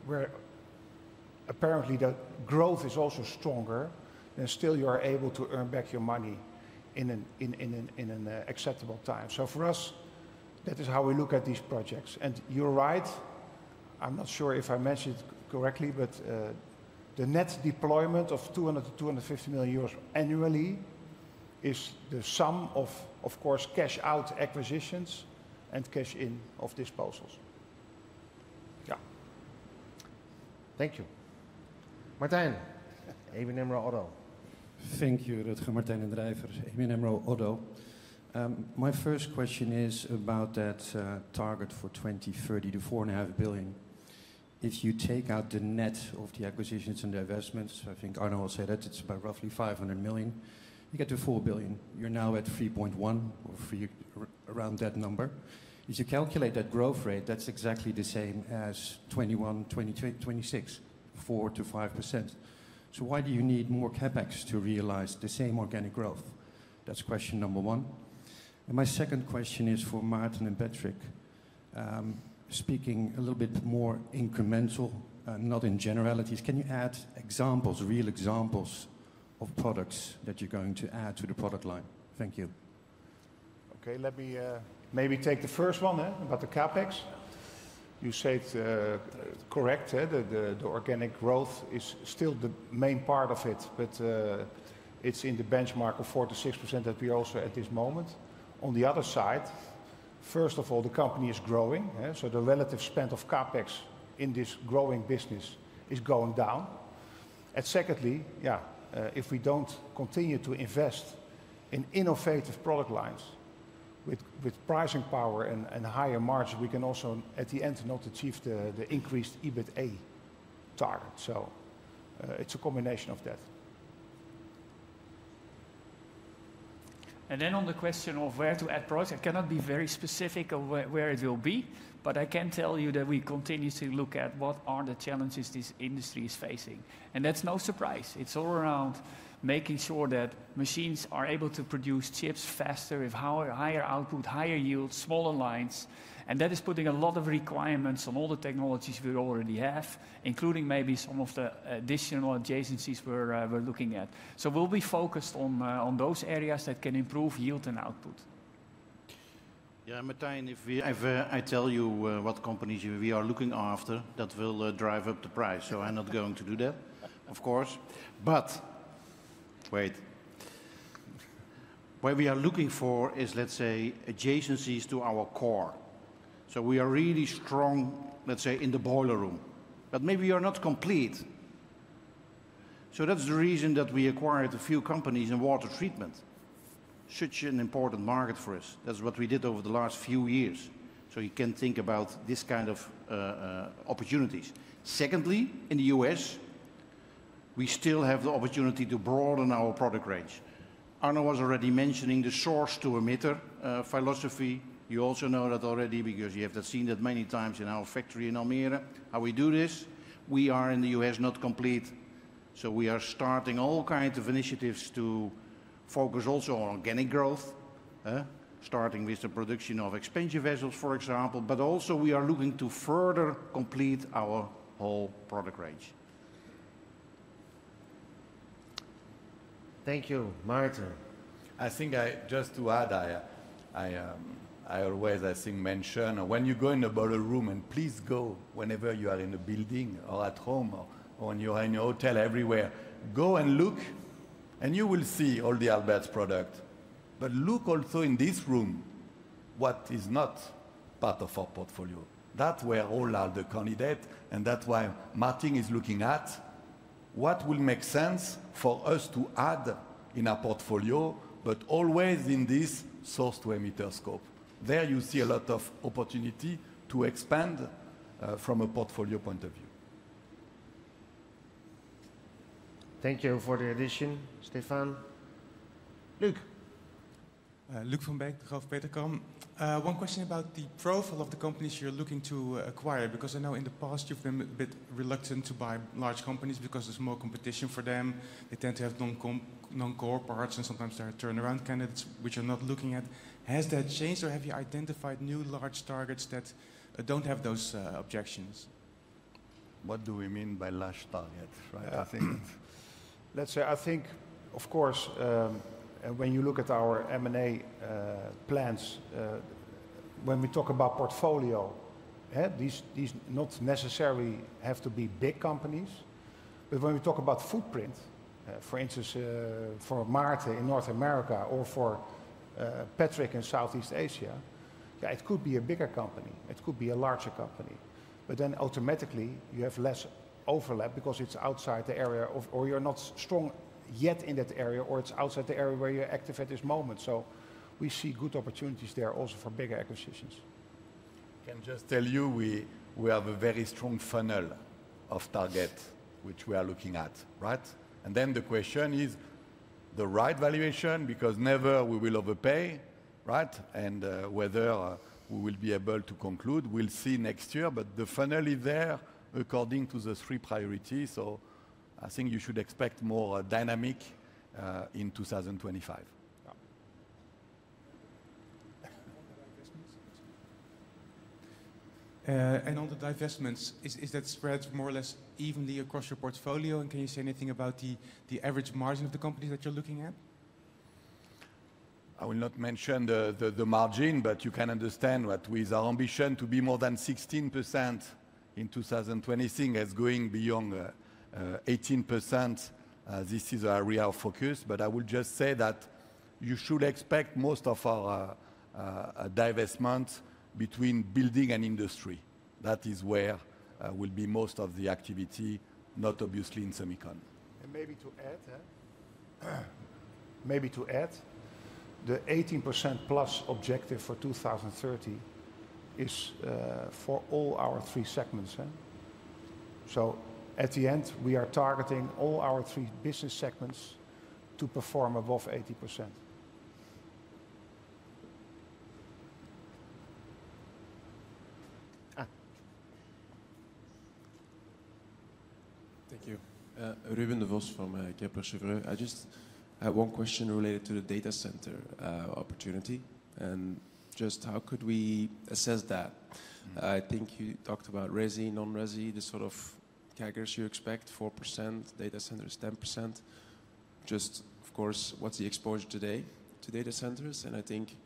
where apparently the growth is also stronger, and still you are able to earn back your money in an acceptable time. So for us, that is how we look at these projects. And you're right. I'm not sure if I mentioned it correctly, but the net deployment of 200-250 million euros annually is the sum of, of course, cash-out acquisitions and cash-in of disposals. Yeah. Thank you. Martijn den Drijver, ABN AMRO ODDO. Thank you, Rutger, Martijn den Drijver, ABN AMRO ODDO. My first question is about that target for 2030, the 4.5 billion EUR. If you take out the net of the acquisitions and the investments, I think Arno will say that it's about roughly 500 million EUR. You get to 4 billion EUR. You're now at 3.1 billion EUR or around that number. If you calculate that growth rate, that's exactly the same as 2021, 2022, 2026, 4-5%. So why do you need more CapEx to realize the same organic growth? That's question number one. And my second question is for Martijn and Patrick, speaking a little bit more incremental, not in generalities. Can you add examples, real examples of products that you're going to add to the product line? Thank you. Okay, let me maybe take the first one about the CapEx. You said correct that the organic growth is still the main part of it, but it's in the benchmark of 4%-6% that we also at this moment. On the other side, first of all, the company is growing. So the relative spend of CapEx in this growing business is going down. And secondly, yeah, if we don't continue to invest in innovative product lines with pricing power and higher margin, we can also at the end not achieve the increased EBITDA target. So it's a combination of that. And then on the question of where to add products, I cannot be very specific of where it will be, but I can tell you that we continue to look at what are the challenges this industry is facing. And that's no surprise. It's all around making sure that machines are able to produce chips faster with higher output, higher yield, smaller lines. And that is putting a lot of requirements on all the technologies we already have, including maybe some of the additional adjacencies we're looking at. So we'll be focused on those areas that can improve yield and output. Yeah, Martin, if I tell you what companies we are looking after, that will drive up the price. So I'm not going to do that, of course. But wait. What we are looking for is, let's say, adjacencies to our core. So, we are really strong, let's say, in the boiler room, but maybe you are not complete. So that's the reason that we acquired a few companies in water treatment. Such an important market for us. That's what we did over the last few years. So you can think about this kind of opportunities. Secondly, in the U.S., we still have the opportunity to broaden our product range. Arno was already mentioning the source-to-emitter philosophy. You also know that already because you have seen that many times in our factory in Almere, how we do this. We are in the U.S. not complete. So we are starting all kinds of initiatives to focus also on organic growth, starting with the production of expansion vessels, for example. But also we are looking to further complete our whole product range. Thank you, Martin. I think I just want to add. I always, I think, mention when you go in the boiler room and please go whenever you are in a building or at home or when you are in your hotel, everywhere, go and look and you will see all the Aalberts' products. But look also in this room what is not part of our portfolio. That's where all the candidates are and that's why Martijn is looking at what will make sense for us to add in our portfolio, but always in this source-to-emitter scope. There you see a lot of opportunity to expand from a portfolio point of view. Thank you for the addition, Stéphane. Luuk van Beek, Degroof Petercam. One question about the profile of the companies you're looking to acquire because I know in the past you've been a bit reluctant to buy large companies because there's more competition for them. They tend to have non-core parts and sometimes there are turnaround candidates which are not looking at. Has that changed or have you identified new large targets that don't have those objections? W What do we mean by large targets? Let's say, I think, of course, when you look at our M&A plans, when we talk about portfolio, these not necessarily have to be big companies. But when we talk about footprint, for instance, for Maarten in North America or for Patrick in Southeast Asia, yeah, it could be a bigger company. It could be a larger company. But then automatically you have less overlap because it's outside the area or you're not strong yet in that area or it's outside the area where you're active at this moment. So we see good opportunities there also for bigger acquisitions. Can just tell you we have a very strong funnel of target which we are looking at, right? And then the question is the right valuation because never we will overpay, right? And whether we will be able to conclude, we'll see next year, but the funnel is there according to the three priorities. So I think you should expect more dynamic in 2025. And on the divestments, is that spread more or less evenly across your portfolio? And can you say anything about the average margin of the companies that you're looking at? I will not mention the margin, but you can understand that with our ambition to be more than 16% in 2020, things are going beyond 18%. This is our real focus. But I will just say that you should expect most of our divestments between building and industry. That is where will be most of the activity, not obviously in semiconductor. And maybe to add, the 18% plus objective for 2030 is for all our three segments. So at the end, we are targeting all our three business segments to perform above 80%. Thank you. Ruben Devos from Kepler Cheuvreux. I just have one question related to the data center opportunity and just how could we assess that? I think you talked about RESI, non-RESI, the sort of CAGRs you expect, 4%, data centers 10%. Just, of course, what's the exposure today to data centers? And I think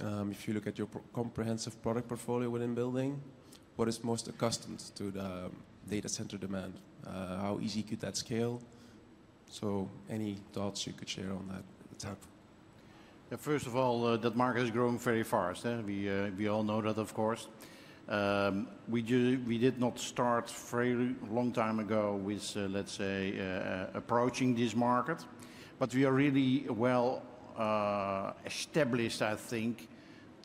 if you look at your comprehensive product portfolio within building, what is most accustomed to the data center demand? How easy could that scale? So any thoughts you could share on that? Yeah, first of all, that market is growing very fast. We all know that, of course. We did not start a very long time ago with, let's say, approaching this market, but we are really well established, I think,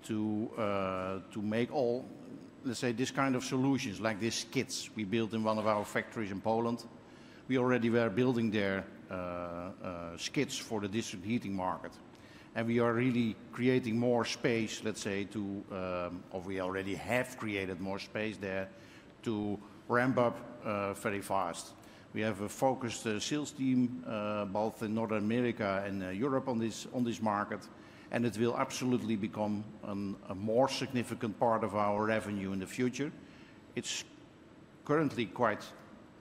to make all, let's say, this kind of solutions like these kits we built in one of our factories in Poland. We already were building their kits for the district heating market. And we are really creating more space, let's say, to, or we already have created more space there to ramp up very fast. We have a focused sales team, both in North America and Europe on this market, and it will absolutely become a more significant part of our revenue in the future. It's currently quite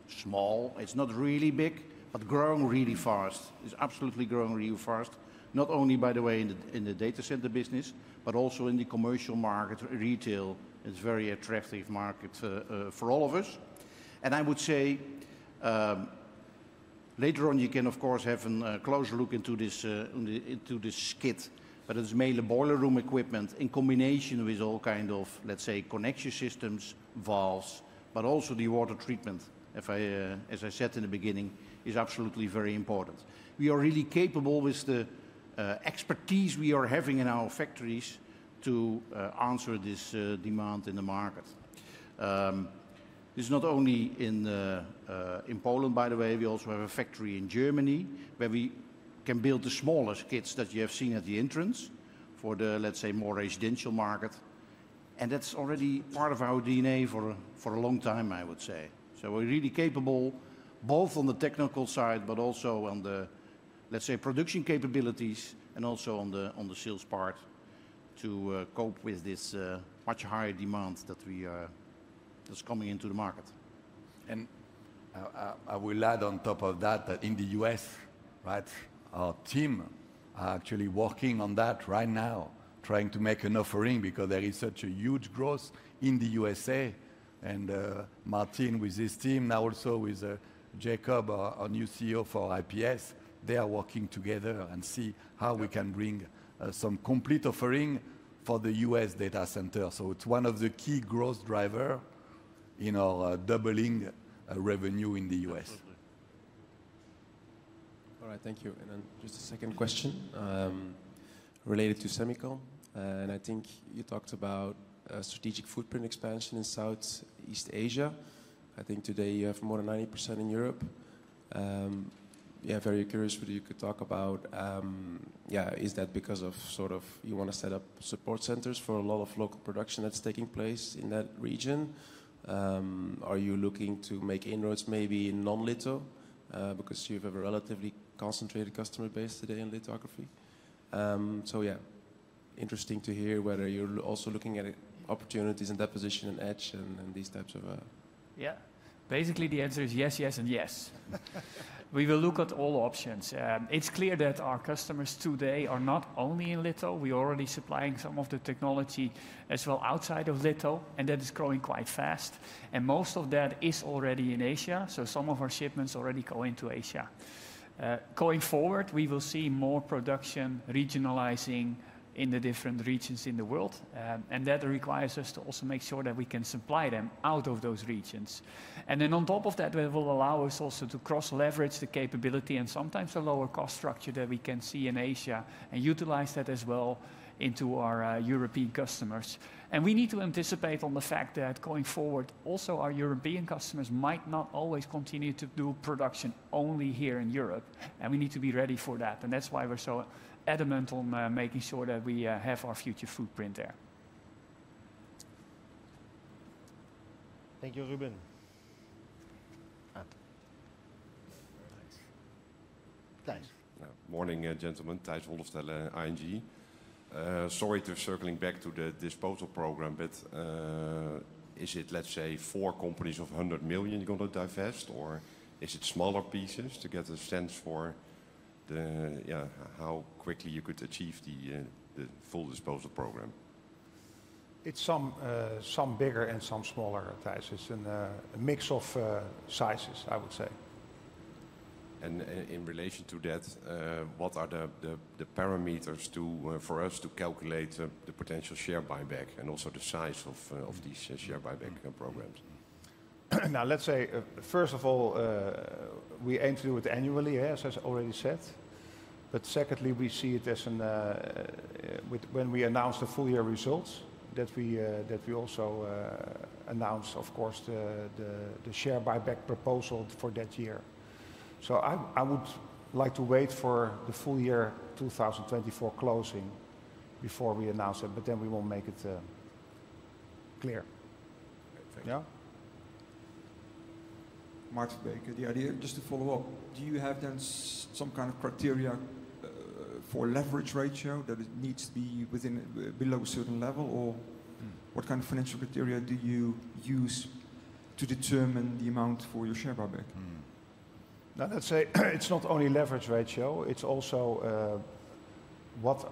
small. It's not really big, but growing really fast. It's absolutely growing really fast, not only by the way in the data center business, but also in the commercial market, retail. It's a very attractive market for all of us, and I would say later on, you can, of course, have a closer look into this kit, but it's mainly boiler room equipment in combination with all kinds of, let's say, connection systems, valves, but also the water treatment, as I said in the beginning, is absolutely very important. We are really capable with the expertise we are having in our factories to answer this demand in the market. This is not only in Poland, by the way. We also have a factory in Germany where we can build the smallest kits that you have seen at the entrance for the, let's say, more residential market. And that's already part of our DNA for a long time, I would say. So we're really capable both on the technical side, but also on the, let's say, production capabilities and also on the sales part to cope with this much higher demand that's coming into the market. I will add on top of that that in the US, right, our team are actually working on that right now, trying to make an offering because there is such a huge growth in the USA. And Martin with his team, nw also with Jacob, our new CEO for IPS, they are working together and see how we can bring some complete offering for the U.S. data center. So it's one of the key growth drivers in our doubling revenue in the U.S. All right, thank you. And then just a second question related to semicon. And I think you talked about strategic footprint expansion in Southeast Asia. I think today you have more than 90% in Europe. Yeah, very curious whether you could talk about, yeah, is that because of sort of you want to set up support centers for a lot of local production that's taking place in that region? Are you looking to make inroads maybe in non-litho because you have a relatively concentrated customer base today in lithography? So yeah, interesting to hear whether you're also looking at opportunities and deposition and etch and these types of. Yeah, basically the answer is yes, yes, and yes. We will look at all options. It's clear that our customers today are not only in litho. We are already supplying some of the technology as well outside of litho, and that is growing quite fast. And most of that is already in Asia. So some of our shipments already go into Asia. Going forward, we will see more production regionalizing in the different regions in the world. And that requires us to also make sure that we can supply them out of those regions. And then on top of that, that will allow us also to cross-leverage the capability and sometimes the lower cost structure that we can see in Asia and utilize that as well into our European customers. We need to anticipate the fact that going forward, also our European customers might not always continue to do production only here in Europe. We need to be ready for that. That's why we're so adamant on making sure that we have our future footprint there. Thank you, Ruben. Thanks. Morning, gentlemen. Thijs Hollefstelle, ING. Sorry to circle back to the disposal program, but is it, let's say, four companies of 100 million you're going to divest, or is it smaller pieces to get a sense for how quickly you could achieve the full disposal program? It's some bigger and some smaller, Thijs. It's a mix of sizes, I would say. In relation to that, what are the parameters for us to calculate the potential share buyback and also the size of these share buyback programs? Now, let's say, first of all, we aim to do it annually, as I already said, but secondly, we see it as when we announce the full year results that we also announce, of course, the share buyback proposal for that year, so I would like to wait for the full year 2024 closing before we announce it, but then we will make it clear. Marking back to the idea just to follow up, do you have then some kind of criteria for leverage ratio that it needs to be below a certain level, or what kind of financial criteria do you use to determine the amount for your share buyback? Let's say it's not only leverage ratio, it's also what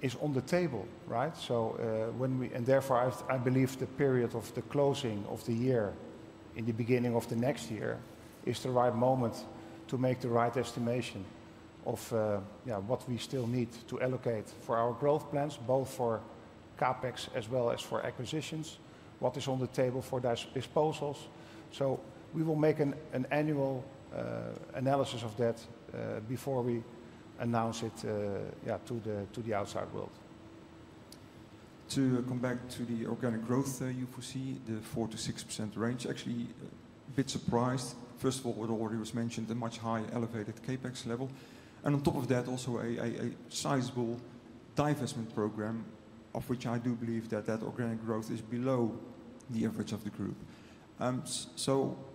is on the table, right? And therefore, I believe the period of the closing of the year in the beginning of the next year is the right moment to make the right estimation of what we still need to allocate for our growth plans, both for CapEx as well as for acquisitions, what is on the table for those disposals. So we will make an annual analysis of that before we announce it to the outside world. To come back to the organic growth that you foresee, the 4%-6% range, actually a bit surprised. First of all, it already was mentioned a much higher elevated CapEx level. And on top of that, also a sizable divestment program of which I do believe that that organic growth is below the average of the group. So why shouldn't we,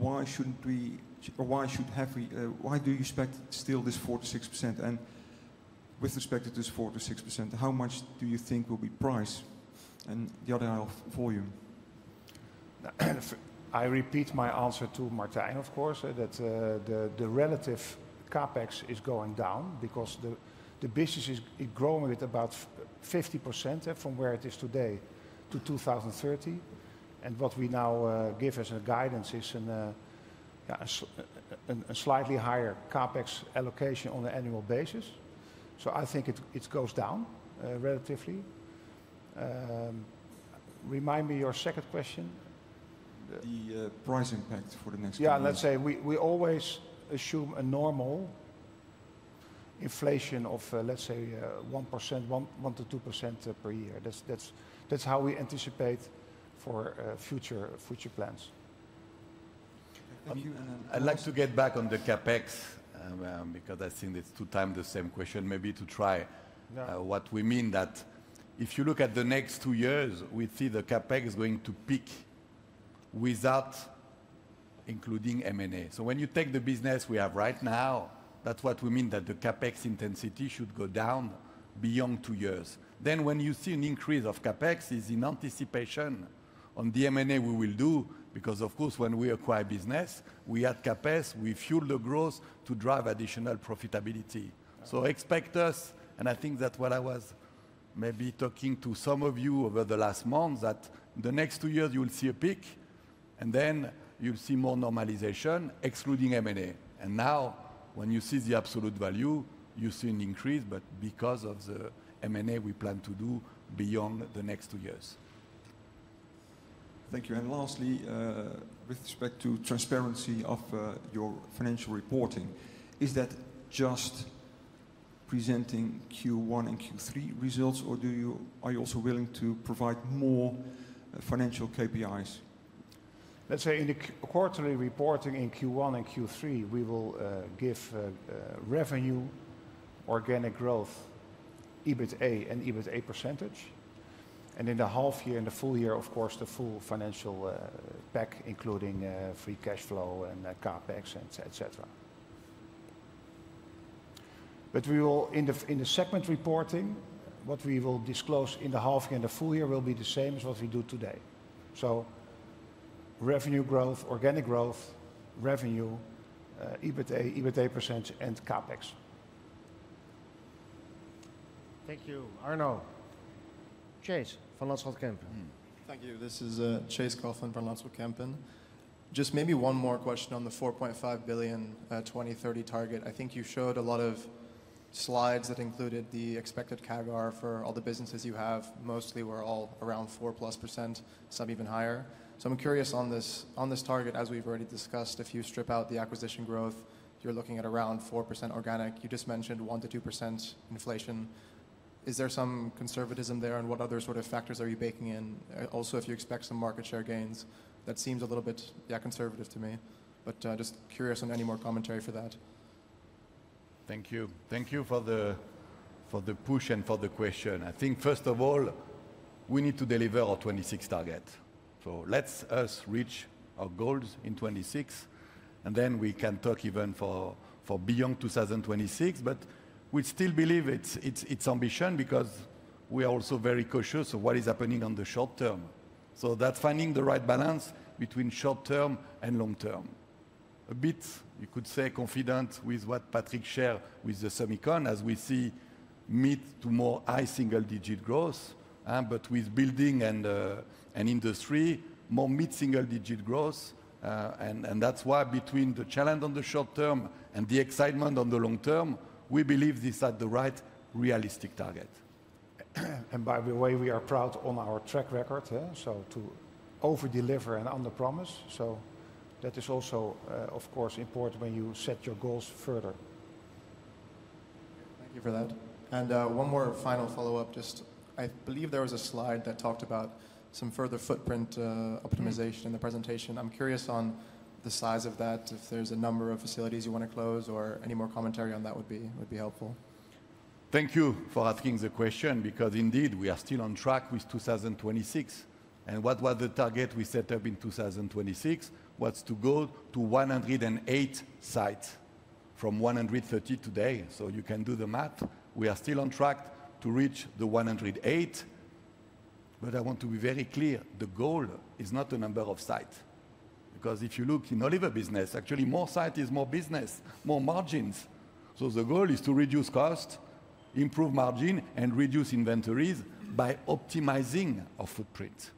or why should have we, why do you expect still this 4%-6%? And with respect to this 4%-6%, how much do you think will be priced and the other volume? I repeat my answer to Martin, of course, that the relative CapEx is going down because the business is growing with about 50% from where it is today to 2030. And what we now give as a guidance is a slightly higher CapEx allocation on an annual basis. So I think it goes down relatively. Remind me your second question. The price impact for the next year. Yeah, let's say we always assume a normal inflation of, let's say, 1%, 1%-2% per year. That's how we anticipate for future plans. I'd like to get back on the CapEx because I think it's two times the same question, maybe to try what we mean that if you look at the next two years, we see the CapEx going to peak without including M&A. So when you take the business we have right now, that's what we mean that the CapEx intensity should go down beyond two years. Then when you see an increase of CapEx, it's in anticipation on the M&A we will do because, of course, when we acquire business, we add CapEx, we fuel the growth to drive additional profitability. So expect us, and I think that's what I was maybe talking to some of you over the last months, that the next two years you'll see a peak and then you'll see more normalization excluding M&A. And now when you see the absolute value, you see an increase, but because of the M&A we plan to do beyond the next two years. Thank you. And lastly, with respect to transparency of your financial reporting, is that just presenting Q1 and Q3 results, or are you also willing to provide more financial KPIs? Let's say in the quarterly reporting in Q1 and Q3, we will give revenue, organic growth, EBITA and EBITA %. And in the half year and the full year, of course, the full financial pack, including free cash flow and CapEx, etc. But in the segment reporting, what we will disclose in the half year and the full year will be the same as what we do today. So revenue growth, organic growth, revenue, EBITA, EBITA %, and CapEx. Thank you. Arno. Chase, Van Lanschot Kempen. Thank you. This is Chase Coughlan from Van Lanschot Kempen. Just maybe one more question on the 4.5 billion 2030 target. I think you showed a lot of slides that included the expected CAGR for all the businesses you have. Mostly we're all around 4% plus, some even higher. So I'm curious on this target, as we've already discussed, if you strip out the acquisition growth, you're looking at around 4% organic. You just mentioned 1%-2% inflation. Is there some conservatism there and what other sort of factors are you baking in? Also, if you expect some market share gains, that seems a little bit conservative to me, but just curious on any more commentary for that. Thank you. Thank you for the push and for the question. I think first of all, we need to deliver our 2026 target. Let us reach our goals in 2026, and then we can talk even for beyond 2026, but we still believe it's ambitious because we are also very cautious of what is happening on the short term. That is finding the right balance between short term and long term. A bit, you could say, confident with what Patrick shared with the semicon, as we see mid- to high-single-digit growth, but with building and industry, more mid-single-digit growth. That is why between the challenge on the short term and the excitement on the long term, we believe this is the right realistic target. By the way, we are proud of our track record, so to overdeliver and underpromise. That is also, of course, important when you set your goals further. Thank you for that. One more final follow-up. I just believe there was a slide that talked about some further footprint optimization in the presentation. I'm curious on the size of that, if there's a number of facilities you want to close or any more commentary on that would be helpful. Thank you for asking the question because indeed we are still on track with 2026, and what was the target we set up in 2026? Was to go to 108 sites from 130 today. So you can do the math. We are still on track to reach the 108, but I want to be very clear, the goal is not the number of sites. Because if you look in all business, actually more sites is more business, more margins. So the goal is to reduce cost, improve margin, and reduce inventories by optimizing our footprint.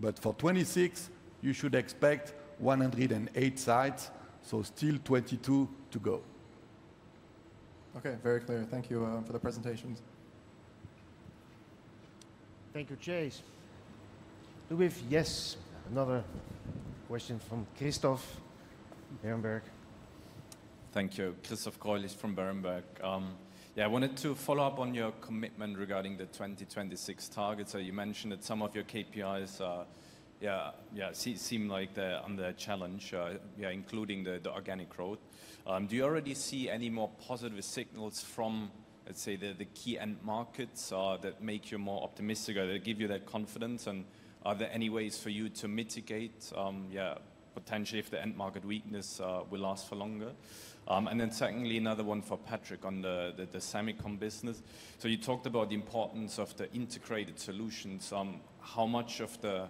But for 2026, you should expect 108 sites, so still 22 to go. Okay, very clear. Thank you for the presentations. Thank you, Chase. Do we have yes? Another question from Christoph Berenberg. Thank you. Christoph Greulich from Berenberg. Yeah, I wanted to follow up on your commitment regarding the 2026 target. So you mentioned that some of your KPIs seem like they're under challenge, including the organic growth. Do you already see any more positive signals from, let's say, the key end markets that make you more optimistic or that give you that confidence? And are there any ways for you to mitigate potentially if the end market weakness will last for longer? And then secondly, another one for Patrick on the semicon business. So you talked about the importance of the integrated solutions. How much of the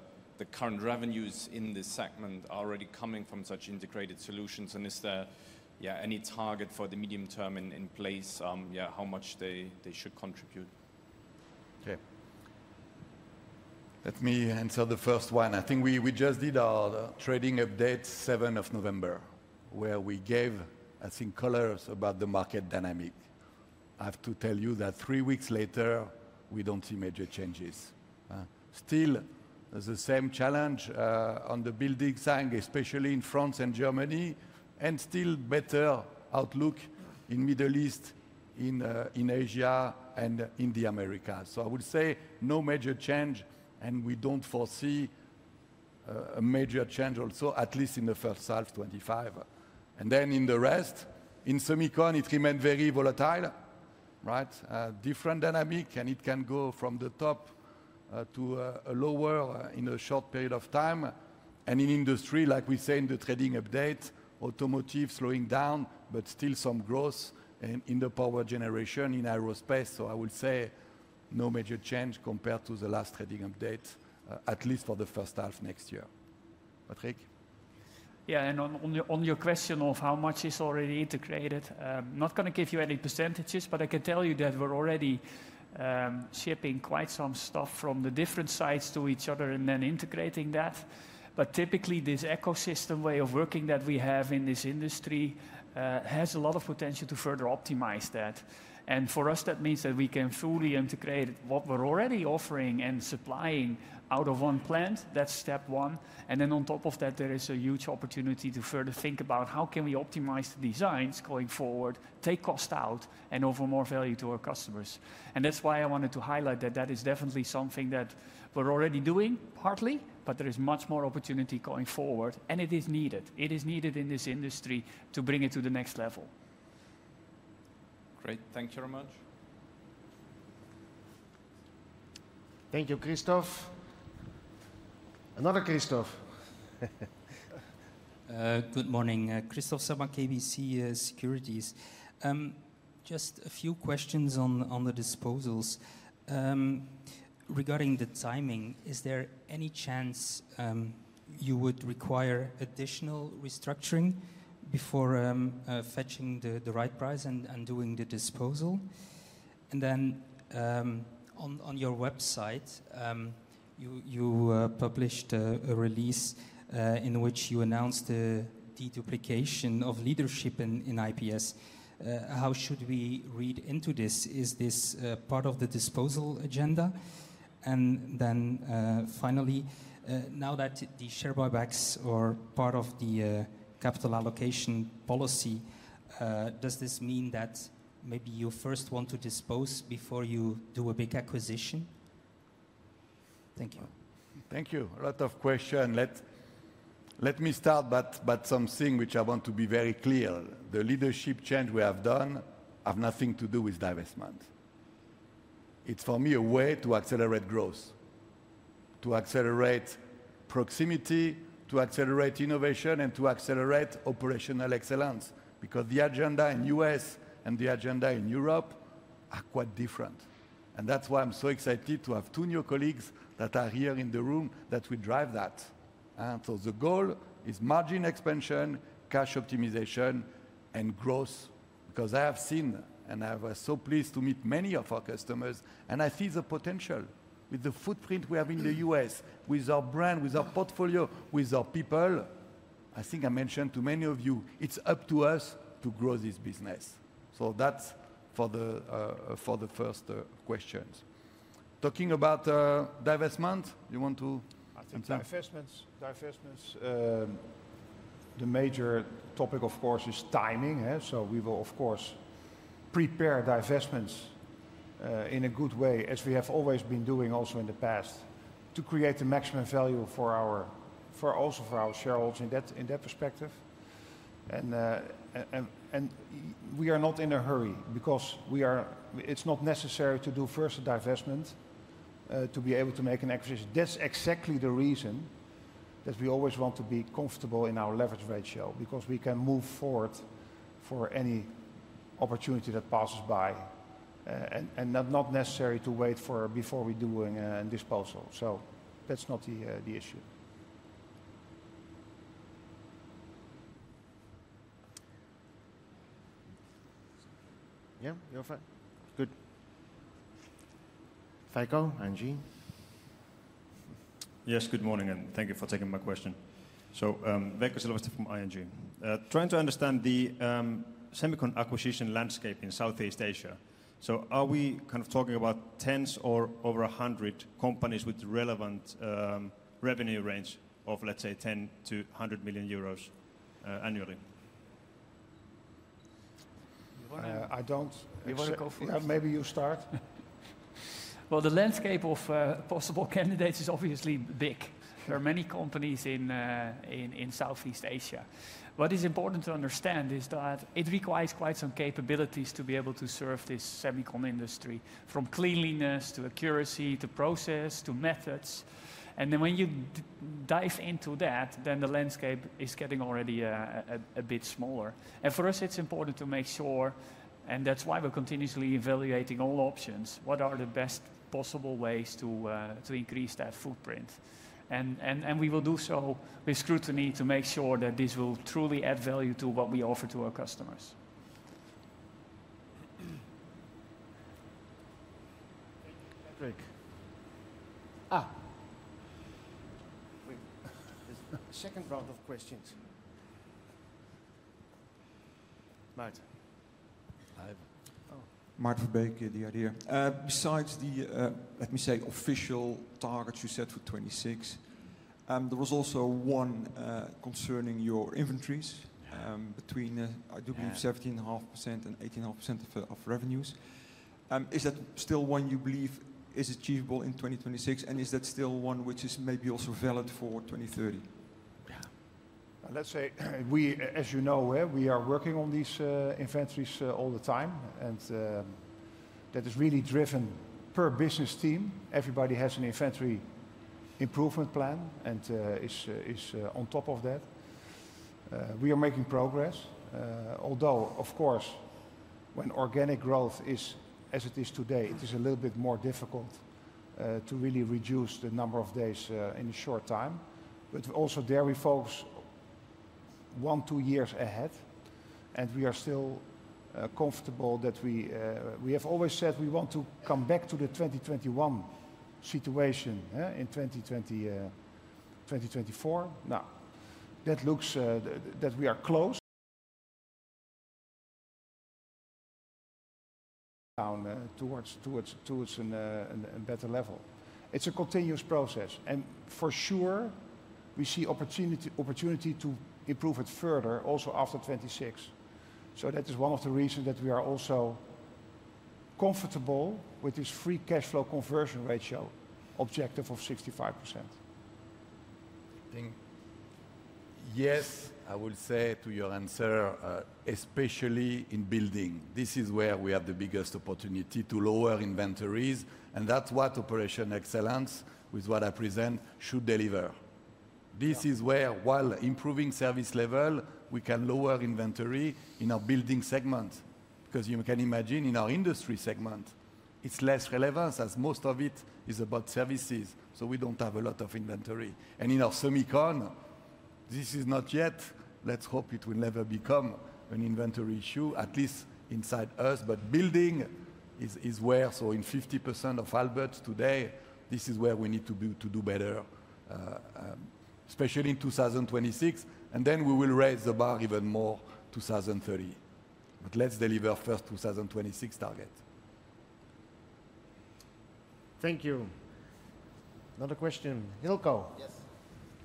current revenues in this segment are already coming from such integrated solutions? And is there any target for the medium term in place? How much they should contribute? Okay. Let me answer the first one. I think we just did our trading update 7 of November, where we gave, I think, colors about the market dynamic. I have to tell you that three weeks later, we don't see major changes. Still, the same challenge on the building side, especially in France and Germany, and still better outlook in the Middle East, in Asia, and in the Americas. So I would say no major change, and we don't foresee a major change also, at least in the first half 2025. And then in the rest, in semicon, it remained very volatile, different dynamic, and it can go from the top to lower in a short period of time. And in industry, like we say in the trading update, automotive slowing down, but still some growth in the power generation in aerospace. So I would say no major change compared to the last trading update, at least for the first half next year. Patrick? Yeah, and on your question of how much is already integrated, I'm not going to give you any percentages, but I can tell you that we're already shipping quite some stuff from the different sites to each other and then integrating that. But typically, this ecosystem way of working that we have in this industry has a lot of potential to further optimize that. And for us, that means that we can fully integrate what we're already offering and supplying out of one plant. That's step one. And then on top of that, there is a huge opportunity to further think about how can we optimize the designs going forward, take cost out, and offer more value to our customers. And that's why I wanted to highlight that that is definitely something that we're already doing partly, but there is much more opportunity going forward, and it is needed. It is needed in this industry to bring it to the next level. Great. Thank you very much. Thank you, Christoph. Another Christoph. Good morning. Christoph Selbach, KBC Securities. Just a few questions on the disposals. Regarding the timing, is there any chance you would require additional restructuring before fetching the right price and doing the disposal? And then on your website, you published a release in which you announced the deduplication of leadership in IPS. How should we read into this? Is this part of the disposal agenda? And then finally, now that the share buybacks are part of the capital allocation policy, does this mean that maybe you first want to dispose before you do a big acquisition? Thank you. Thank you. A lot of questions. Let me start, but something which I want to be very clear. The leadership change we have done has nothing to do with divestment. It's for me a way to accelerate growth, to accelerate proximity, to accelerate innovation, and to accelerate operational excellence because the agenda in the U.S. and the agenda in Europe are quite different. And that's why I'm so excited to have two new colleagues that are here in the room that will drive that. So the goal is margin expansion, cash optimization, and growth because I have seen, and I was so pleased to meet many of our customers, and I see the potential with the footprint we have in the U.S., with our brand, with our portfolio, with our people. I think I mentioned to many of you, it's up to us to grow this business. So that's for the first questions. Talking about divestment, you want to? I think divestments, divestments. The major topic, of course, is timing. So we will, of course, prepare divestments in a good way, as we have always been doing also in the past, to create the maximum value for our shareholders in that perspective, and we are not in a hurry because it's not necessary to do first a divestment to be able to make an acquisition. That's exactly the reason that we always want to be comfortable in our leverage ratio because we can move forward for any opportunity that passes by and not necessary to wait for before we do a disposal. So that's not the issue. Yeah, you're fine. Good. Thijs Hollefstelle, ING. Yes, good morning, and thank you for taking my question. So Thijs Hollefstelle from ING. Trying to understand the semicon acquisition landscape in Southeast Asia. So are we kind of talking about 10 or over 100 companies with relevant revenue range of, let's say, 10 million-100 million euros annually? You want to go first? Maybe you start. Well, the landscape of possible candidates is obviously big. There are many companies in Southeast Asia. What is important to understand is that it requires quite some capabilities to be able to serve this semicon industry, from cleanliness to accuracy to process to methods. Then when you dive into that, then the landscape is getting already a bit smaller. And for us, it's important to make sure, and that's why we're continuously evaluating all options, what are the best possible ways to increase that footprint. And we will do so with scrutiny to make sure that this will truly add value to what we offer to our customers. Thank you, Patrick. Second round of questions. Martin. Hi. Maarten Verbeek, The Idea. Besides the, let me say, official targets you set for 2026, there was also one concerning your inventories between, I do believe, 17.5% and 18.5% of revenues. Is that still one you believe is achievable in 2026? And is that still one which is maybe also valid for 2030? Yeah. Let's say, as you know, we are working on these inventories all the time. And that is really driven per business team. Everybody has an inventory improvement plan and is on top of that. We are making progress. Although, of course, when organic growth is as it is today, it is a little bit more difficult to really reduce the number of days in a short time, but also there we focus one to two years ahead, and we are still comfortable that we have always said we want to come back to the 2021 situation in 2024. Now, that looks that we are close down towards a better level. It's a continuous process, and for sure, we see opportunity to improve it further also after 26, so that is one of the reasons that we are also comfortable with this free cash flow conversion ratio objective of 65%. Yes, I will say to your answer, especially in building. This is where we have the biggest opportunity to lower inventories. And that's what operational excellence, with what I present, should deliver. This is where, while improving service level, we can lower inventory in our building segment. Because you can imagine in our industry segment, it's less relevant as most of it is about services. So we don't have a lot of inventory. And in our Semicon, this is not yet, let's hope it will never become an inventory issue, at least inside us. But building is where, so in 50% of Aalberts today, this is where we need to do better, especially in 2026. And then we will raise the bar even more in 2030. But let's deliver first 2026 target. Thank you. Another question. Hilco. Yes.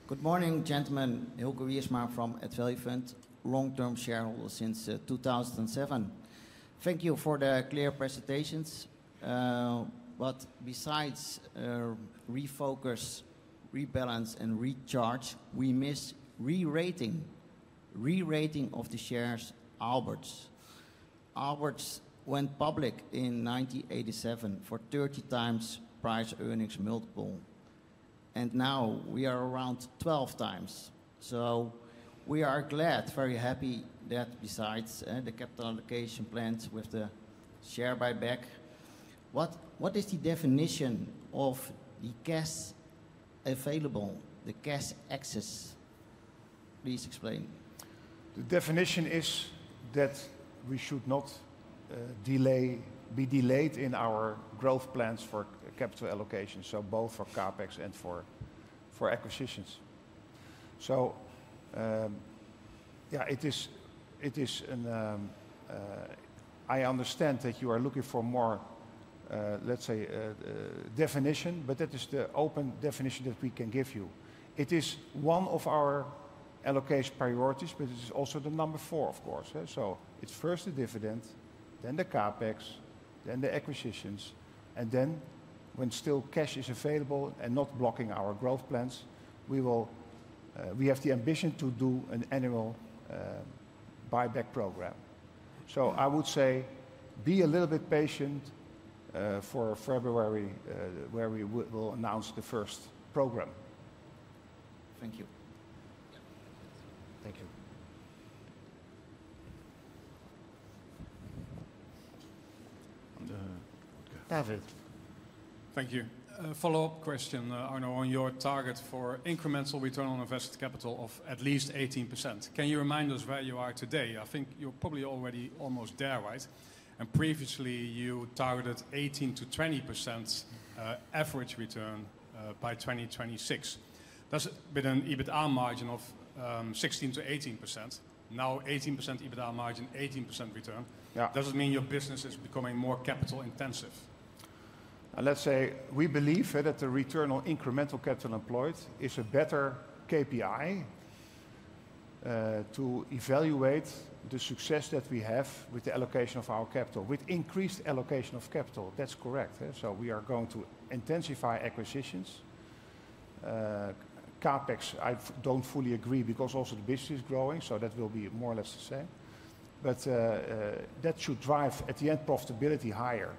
Good morning, gentlemen. Hilco Wiersma from Antaurus, long-term shareholder since 2007. Thank you for the clear presentations. But besides refocus, rebalance, and recharge, we miss re-rating, re-rating of the shares Aalberts. Aalberts went public in 1987 for 30 times price earnings multiple, and now we are around 12 times, so we are glad, very happy that besides the capital allocation plans with the share buyback, what is the definition of the cash available, the cash access? Please explain. The definition is that we should not be delayed in our growth plans for capital allocation, so both for CapEx and for acquisitions, so yeah, it is, I understand that you are looking for more, let's say, definition, but that is the open definition that we can give you. It is one of our allocation priorities, but it is also the number four, of course, so it's first the dividend, then the CapEx, then the acquisitions, and then when still cash is available and not blocking our growth plans, we have the ambition to do an annual buyback program. So I would say be a little bit patient for February, where we will announce the first program. Thank you. Thank you. David. Thank you. Follow-up question, Arno, on your target for incremental return on invested capital of at least 18%. Can you remind us where you are today? I think you're probably already almost there, right? And previously, you targeted 18%-20% average return by 2026. That's with an EBITDA margin of 16%-18%. Now, 18% EBITDA margin, 18% return. Does it mean your business is becoming more capital intensive? Let's say we believe that the return on incremental capital employed is a better KPI to evaluate the success that we have with the allocation of our capital, with increased allocation of capital. That's correct. So we are going to intensify acquisitions. CapEx, I don't fully agree because also the business is growing, so that will be more or less the same. But that should drive, at the end, profitability higher.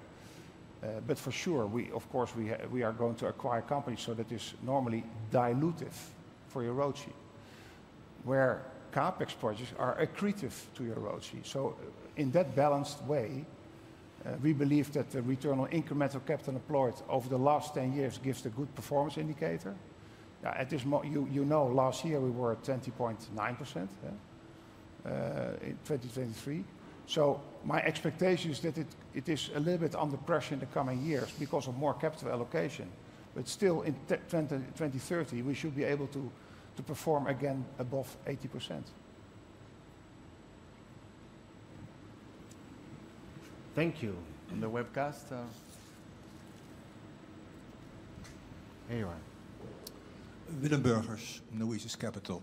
But for sure, of course, we are going to acquire companies so that is normally dilutive for your ROIC, where CapEx projects are accretive to your ROIC. So in that balanced way, we believe that the return on incremental capital employed over the last 10 years gives a good performance indicator. At this moment, you know, last year we were at 20.9% in 2023. So my expectation is that it is a little bit under pressure in the coming years because of more capital allocation. But still, in 2030, we should be able to perform again above 80%. Thank you. On the webcast. Anyone. Willem Burgers, Add Value Fund.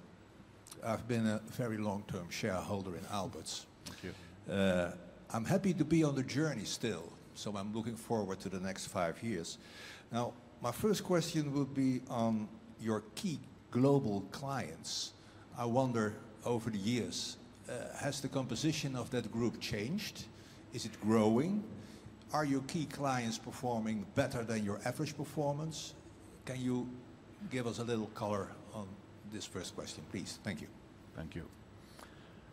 I've been a very long-term shareholder in Aalberts. I'm happy to be on the journey still, so I'm looking forward to the next five years. Now, my first question would be on your key global clients. I wonder, over the years, has the composition of that group changed? Is it growing? Are your key clients performing better than your average performance? Can you give us a little color on this first question, please? Thank you. Thank you.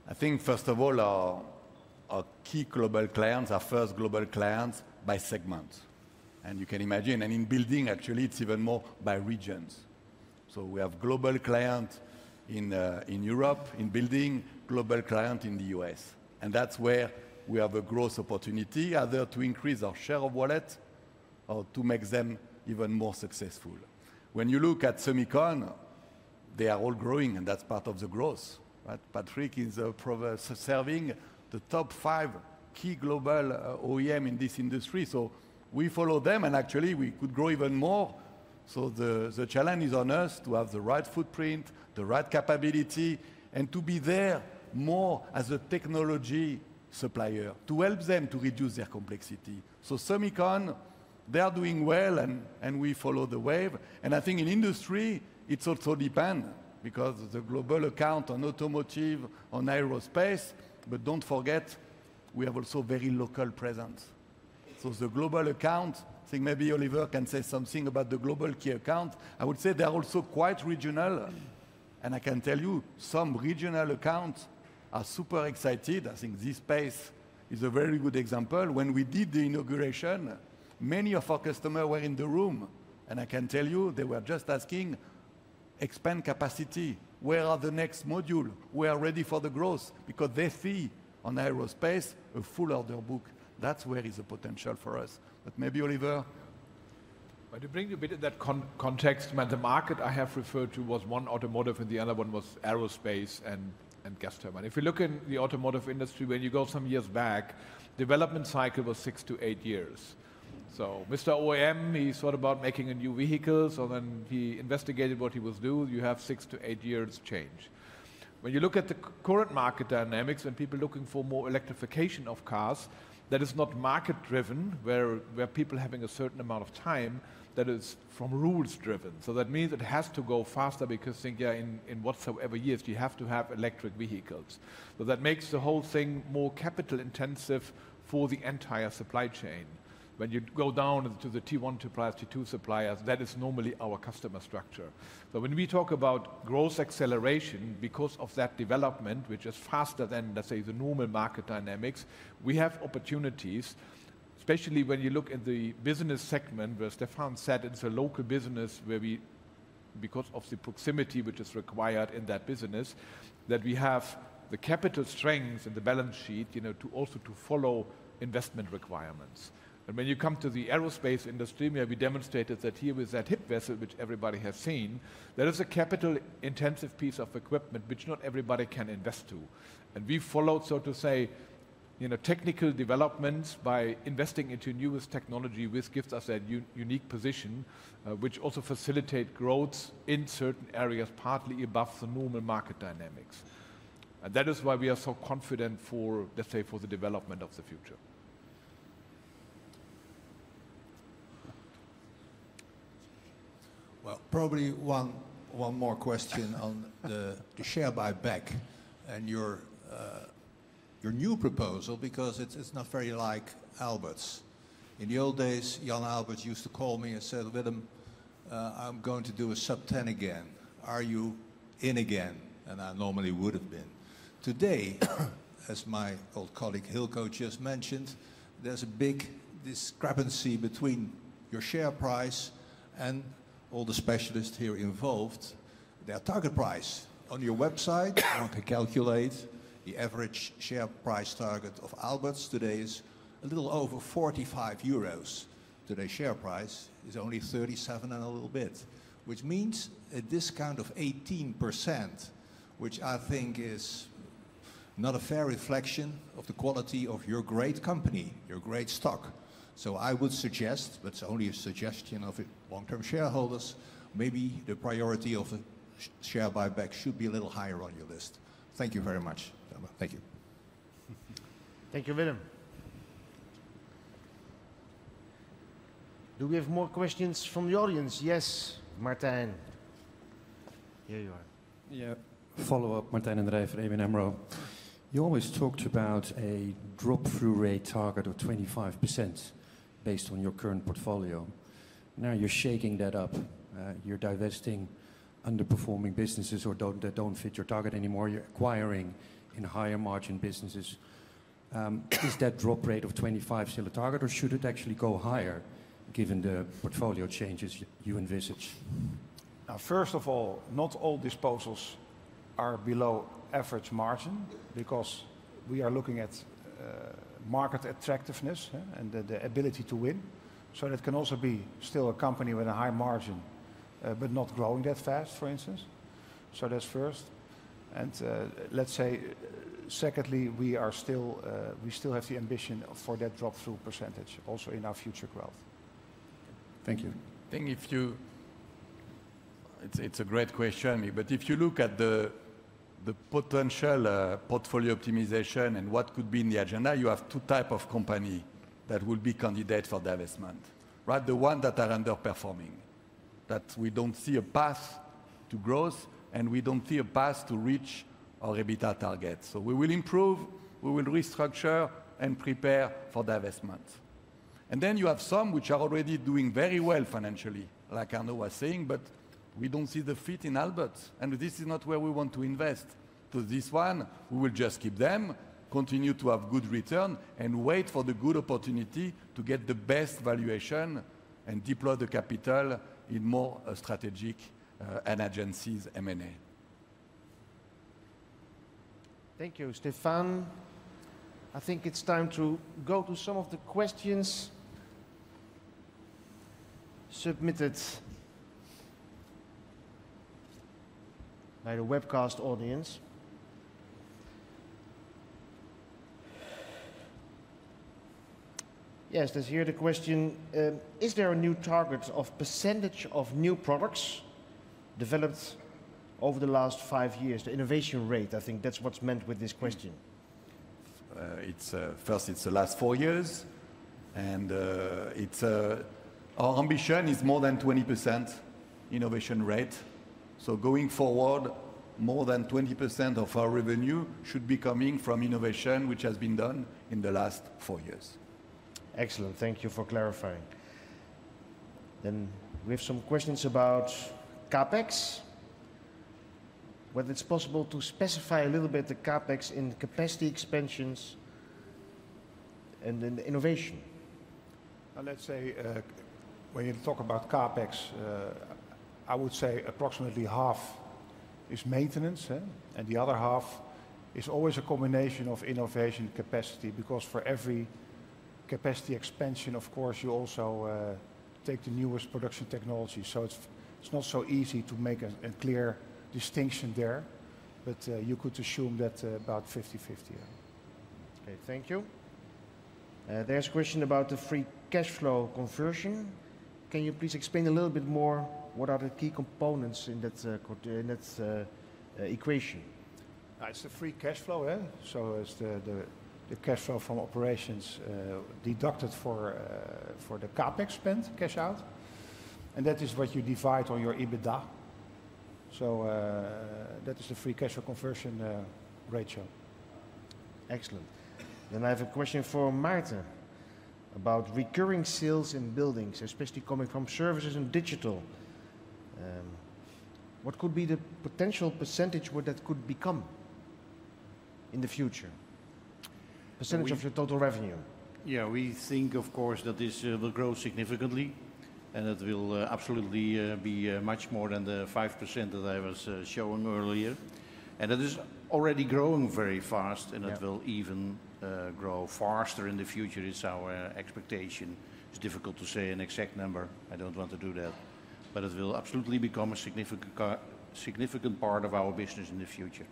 I think, first of all, our key global clients, our first global clients, by segment. And you can imagine, and in building, actually, it's even more by regions. So we have global clients in Europe, in building, global clients in the U.S. And that's where we have a growth opportunity either to increase our share of wallet or to make them even more successful. When you look at Semicon, they are all growing, and that's part of the growth. Patrick is serving the top five key global OEMs in this industry. So we follow them, and actually, we could grow even more. So the challenge is on us to have the right footprint, the right capability, and to be there more as a technology supplier to help them to reduce their complexity. So Semicon, they are doing well, and we follow the wave. And I think in industry, it also depends because the global account on automotive, on aerospace, but don't forget, we have also very local presence. So the global account, I think maybe Oliver can say something about the global key account. I would say they are also quite regional. And I can tell you, some regional accounts are super excited. I think this space is a very good example. When we did the inauguration, many of our customers were in the room. I can tell you, they were just asking, "Expand capacity. Where are the next modules? We are ready for the growth." Because they see on aerospace a full order book. That's where is the potential for us. But maybe Oliver. To bring you a bit of that context, the market I have referred to was one automotive and the other one was aerospace and gas turbine. If you look in the automotive industry, when you go some years back, development cycle was six-to-eight years. So Mr. OEM, he thought about making a new vehicle, so then he investigated what he was doing. You have six-to-eight years change. When you look at the current market dynamics and people looking for more electrification of cars, that is not market-driven, where people are having a certain amount of time, that is from rules-driven. So that means it has to go faster because I think in whatever years, you have to have electric vehicles. So that makes the whole thing more capital-intensive for the entire supply chain. When you go down to the T1 suppliers, T2 suppliers, that is normally our customer structure. So when we talk about growth acceleration because of that development, which is faster than, let's say, the normal market dynamics, we have opportunities, especially when you look at the business segment, where Stefan said it's a local business where we, because of the proximity which is required in that business, that we have the capital strength and the balance sheet also to follow investment requirements. And when you come to the aerospace industry, we have demonstrated that here with that HIP vessel, which everybody has seen, there is a capital-intensive piece of equipment which not everybody can invest to. We followed, so to say, technical developments by investing into newest technology, which gives us that unique position, which also facilitates growth in certain areas partly above the normal market dynamics. That is why we are so confident for, let's say, for the development of the future. Probably one more question on the share buyback and your new proposal because it's not very like Aalberts. In the old days, Jan Aalberts used to call me and say, "Willem, I'm going to do a sub 10 again. Are you in again?" I normally would have been. Today, as my old colleague Hilco just mentioned, there's a big discrepancy between your share price and all the specialists here involved. Their target price on your website. I can calculate the average share price target of Aalberts today is a little over 45 euros. Today's share price is only 37 and a little bit, which means a discount of 18%, which I think is not a fair reflection of the quality of your great company, your great stock. So I would suggest, but it's only a suggestion of long-term shareholders, maybe the priority of share buyback should be a little higher on your list. Thank you very much. Thank you. Thank you, Willem. Do we have more questions from the audience? Yes, Martin. Here you are. Yeah. Follow-up, Martin and Ralph, Eamon and Monroe. You always talked about a drop-through rate target of 25% based on your current portfolio. Now you're shaking that up. You're divesting underperforming businesses that don't fit your target anymore. You're acquiring in higher margin businesses. Is that drop rate of 25 still a target, or should it actually go higher given the portfolio changes you envisage? First of all, not all disposals are below average margin because we are looking at market attractiveness and the ability to win. So that can also be still a company with a high margin, but not growing that fast, for instance. So that's first. And let's say, secondly, we still have the ambition for that drop-through percentage also in our future growth. Thank you. I think if you, it's a great question, but if you look at the potential portfolio optimization and what could be in the agenda, you have two types of companies that will be candidates for divestment, right? The ones that are underperforming, that we don't see a path to growth, and we don't see a path to reach our EBITDA target. So we will improve, we will restructure and prepare for divestment. And then you have some which are already doing very well financially, like Arno was saying, but we don't see the fit in Aalberts. And this is not where we want to invest. So this one, we will just keep them, continue to have good return, and wait for the good opportunity to get the best valuation and deploy the capital in more strategic and adjacent M&A. Thank you, Stéphane. I think it's time to go to some of the questions submitted by the webcast audience. Yes, there's a question here, is there a new target of percentage of new products developed over the last five years? The innovation rate, I think that's what's meant with this question. First, it's the last four years, and our ambition is more than 20% innovation rate. So going forward, more than 20% of our revenue should be coming from innovation, which has been done in the last four years. Excellent. Thank you for clarifying. Then we have some questions about CapEx, whether it's possible to specify a little bit the CapEx in capacity expansions and innovation. Let's say, when you talk about CapEx, I would say approximately half is maintenance, and the other half is always a combination of innovation capacity because for every capacity expansion, of course, you also take the newest production technology. So it's not so easy to make a clear distinction there, but you could assume that about 50-50. Okay, thank you. There's a question about the free cash flow conversion. Can you please explain a little bit more what are the key components in that equation? It's the free cash flow, so it's the cash flow from operations deducted for the CapEx spent cash out. And that is what you divide on your EBITDA. So that is the free cash flow conversion ratio. Excellent. Then I have a question for Martijn about recurring sales in buildings, especially coming from services and digital. What could be the potential percentage that could become in the future? Percentage of your total revenue. Yeah, we think, of course, that this will grow significantly, and it will absolutely be much more than the 5% that I was showing earlier. And it is already growing very fast, and it will even grow faster in the future, is our expectation. It's difficult to say an exact number. I don't want to do that. But it will absolutely become a significant part of our business in the future.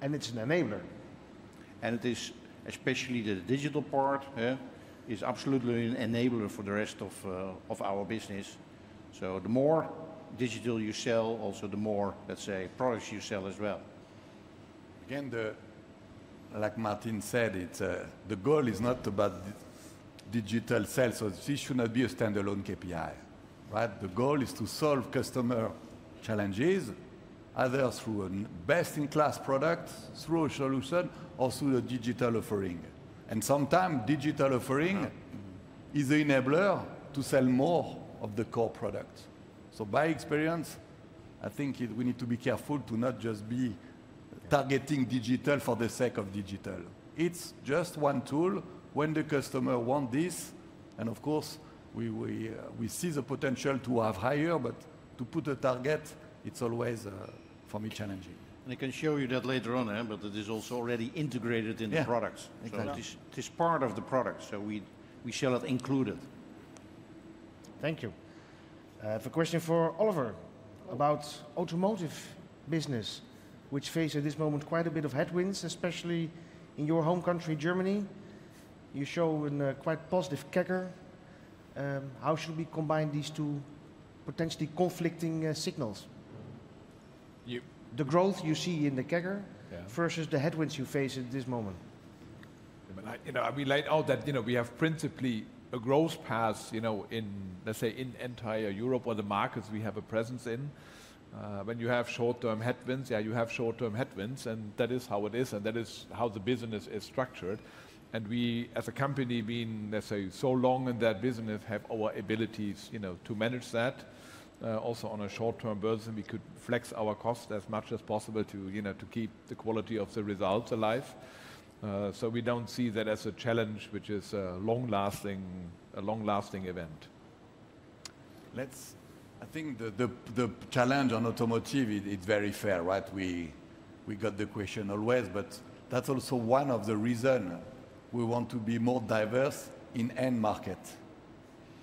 And it's an enabler. It is, especially the digital part, absolutely an enabler for the rest of our business. So the more digital you sell, also the more, let's say, products you sell as well. Again, like Maarten said, the goal is not about digital sales, so this should not be a standalone KPI, right? The goal is to solve customer challenges, either through a best-in-class product, through a solution, or through a digital offering. And sometimes digital offering is the enabler to sell more of the core products. So by experience, I think we need to be careful to not just be targeting digital for the sake of digital. It's just one tool when the customer wants this. And of course, we see the potential to have higher, but to put a target, it's always for me challenging. I can show you that later on, but it is also already integrated in the products. This part of the product, so we shall not include it. Thank you. I have a question for Oliver about automotive business, which faces at this moment quite a bit of headwinds, especially in your home country, Germany. You show a quite positive picture. How should we combine these two potentially conflicting signals? The growth you see in the picture versus the headwinds you face at this moment. I will lay out that we have principally a growth path in, let's say, in entire Europe or the markets we have a presence in. When you have short-term headwinds, yeah, you have short-term headwinds, and that is how it is, and that is how the business is structured. We, as a company, being, let's say, so long in that business, have our abilities to manage that. Also, on a short-term basis, we could flex our cost as much as possible to keep the quality of the results alive. So we don't see that as a challenge, which is a long-lasting event. I think the challenge on automotive, it's very fair, right? We got the question always, but that's also one of the reasons we want to be more diverse in end market,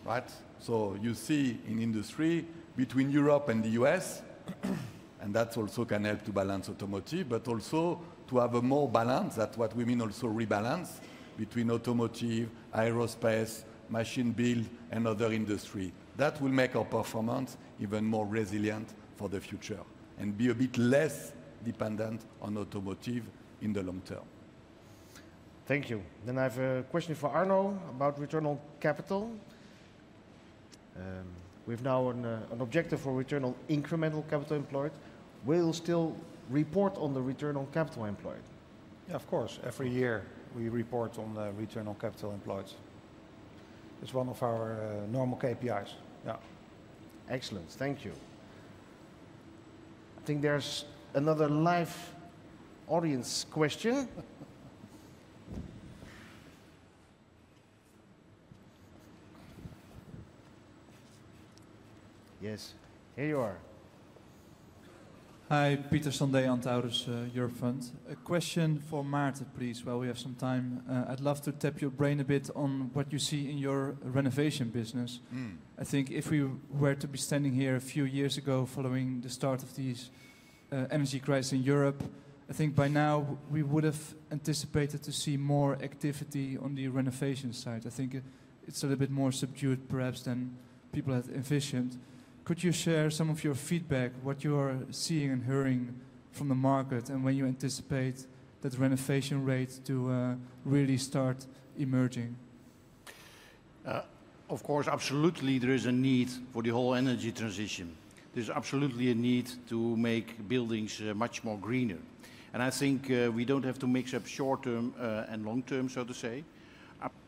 right? So you see in industry between Europe and the US, and that also can help to balance automotive, but also to have a more balance, that's what we mean also rebalance between automotive, aerospace, machine build, and other industry. That will make our performance even more resilient for the future and be a bit less dependent on automotive in the long term. Thank you. Then, I have a question for Arno about return on capital. We have now an objective for return on incremental capital employed. Will you still report on the return on capital employed? Yeah, of course. Every year we report on the return on capital employed. It's one of our normal KPIs. Yeah. Excellent. Thank you. I think there's another live audience question. Yes, here you are. Hi, Peter Sandé, Antaurus Europe Fund. A question for Maarten, please, while we have some time. I'd love to tap your brain a bit on what you see in your renovation business. I think if we were to be standing here a few years ago following the start of these energy crises in Europe, I think by now we would have anticipated to see more activity on the renovation side. I think it's a little bit more subdued, perhaps, than people had envisioned. Could you share some of your feedback, what you're seeing and hearing from the market, and when you anticipate that renovation rate to really start emerging? Of course, absolutely, there is a need for the whole energy transition. There's absolutely a need to make buildings much more greener. And I think we don't have to mix up short-term and long-term, so to say.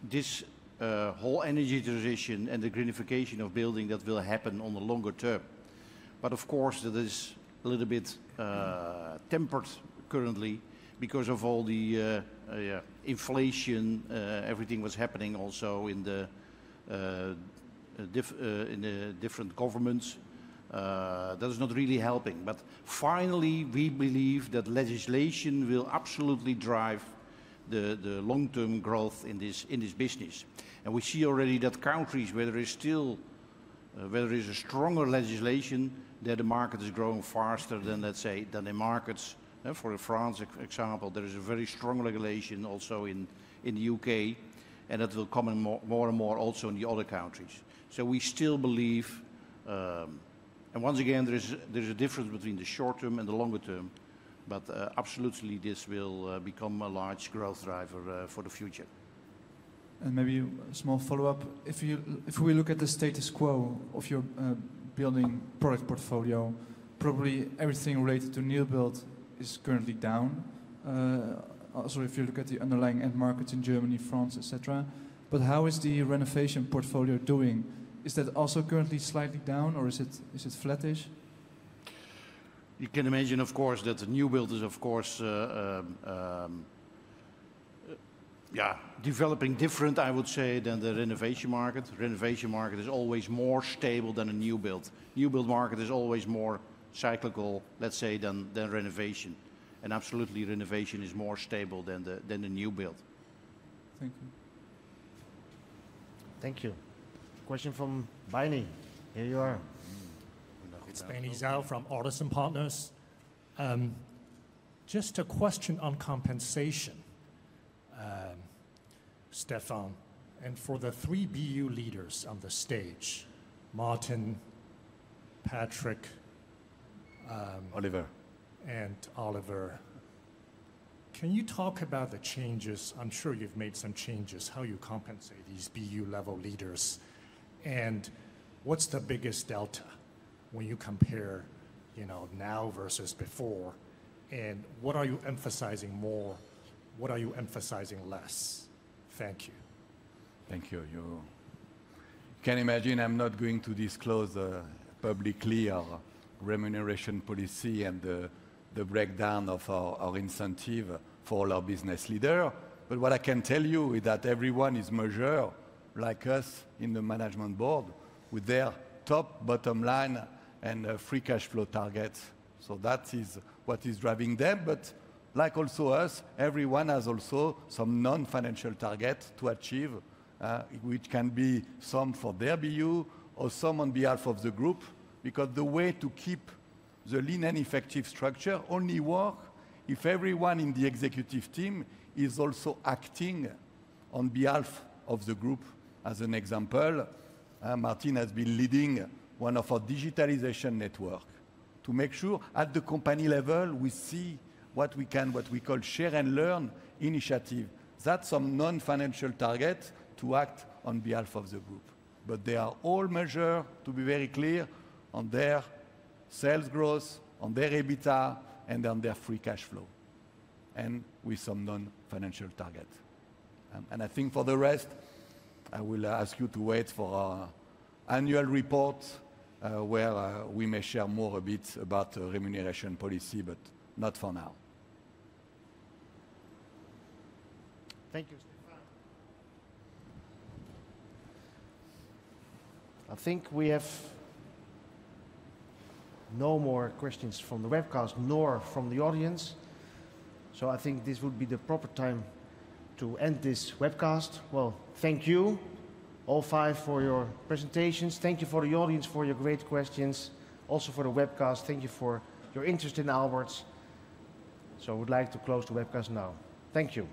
This whole energy transition and the greenification of building that will happen on the longer term. But of course, that is a little bit tempered currently because of all the inflation, everything was happening also in the different governments. That is not really helping. But finally, we believe that legislation will absolutely drive the long-term growth in this business. And we see already that countries where there is still, where there is a stronger legislation, that the market is growing faster than, let's say, than the markets. For France, for example, there is a very strong regulation also in the U.K., and that will come in more and more also in the other countries. So we still believe, and once again, there is a difference between the short-term and the longer-term, but absolutely this will become a large growth driver for the future. And maybe a small follow-up. If we look at the status quo of your building product portfolio, probably everything related to new build is currently down. Also, if you look at the underlying end markets in Germany, France, etc. But how is the renovation portfolio doing? Is that also currently slightly down, or is it flattish? You can imagine, of course, that the new build is, of course, yeah, developing different, I would say, than the renovation market. Renovation market is always more stable than a new build. New build market is always more cyclical, let's say, than renovation. And absolutely, renovation is more stable than the new build. Thank you. Thank you. Question from Beini. Here you are. It's Bini Zell from Artisan Partners. Just a question on compensation, Stéphane. And for the three BU leaders on the stage, Maarten, Patrick, Oliver. And Oliver, can you talk about the changes? I'm sure you've made some changes, how you compensate these BU level leaders. And what's the biggest delta when you compare now versus before? And what are you emphasizing more? What are you emphasizing less? Thank you. Thank you. You can imagine I'm not going to disclose publicly our remuneration policy and the breakdown of our incentive for all our business leaders. But what I can tell you is that everyone is measured like us in the management board with their top, bottom line, and free cash flow targets. So that is what is driving them. But like also us, everyone has also some non-financial targets to achieve, which can be some for their BU or some on behalf of the group, because the way to keep the lean and effective structure only works if everyone in the executive team is also acting on behalf of the group. As an example, Maarten has been leading one of our digitalization networks to make sure at the company level we see what we can, what we call share and learn initiative. That's some non-financial targets to act on behalf of the group. But they are all measured, to be very clear, on their sales growth, on their EBITDA, and on their free cash flow, and with some non-financial targets. And I think for the rest, I will ask you to wait for our annual reports where we may share more a bit about remuneration policy, but not for now. Thank you, Stéphane. I think we have no more questions from the webcast nor from the audience. So I think this would be the proper time to end this webcast. Well, thank you all five for your presentations. Thank you for the audience for your great questions. Also for the webcast, thank you for your interest in Aalberts. So we'd like to close the webcast now. Thank you.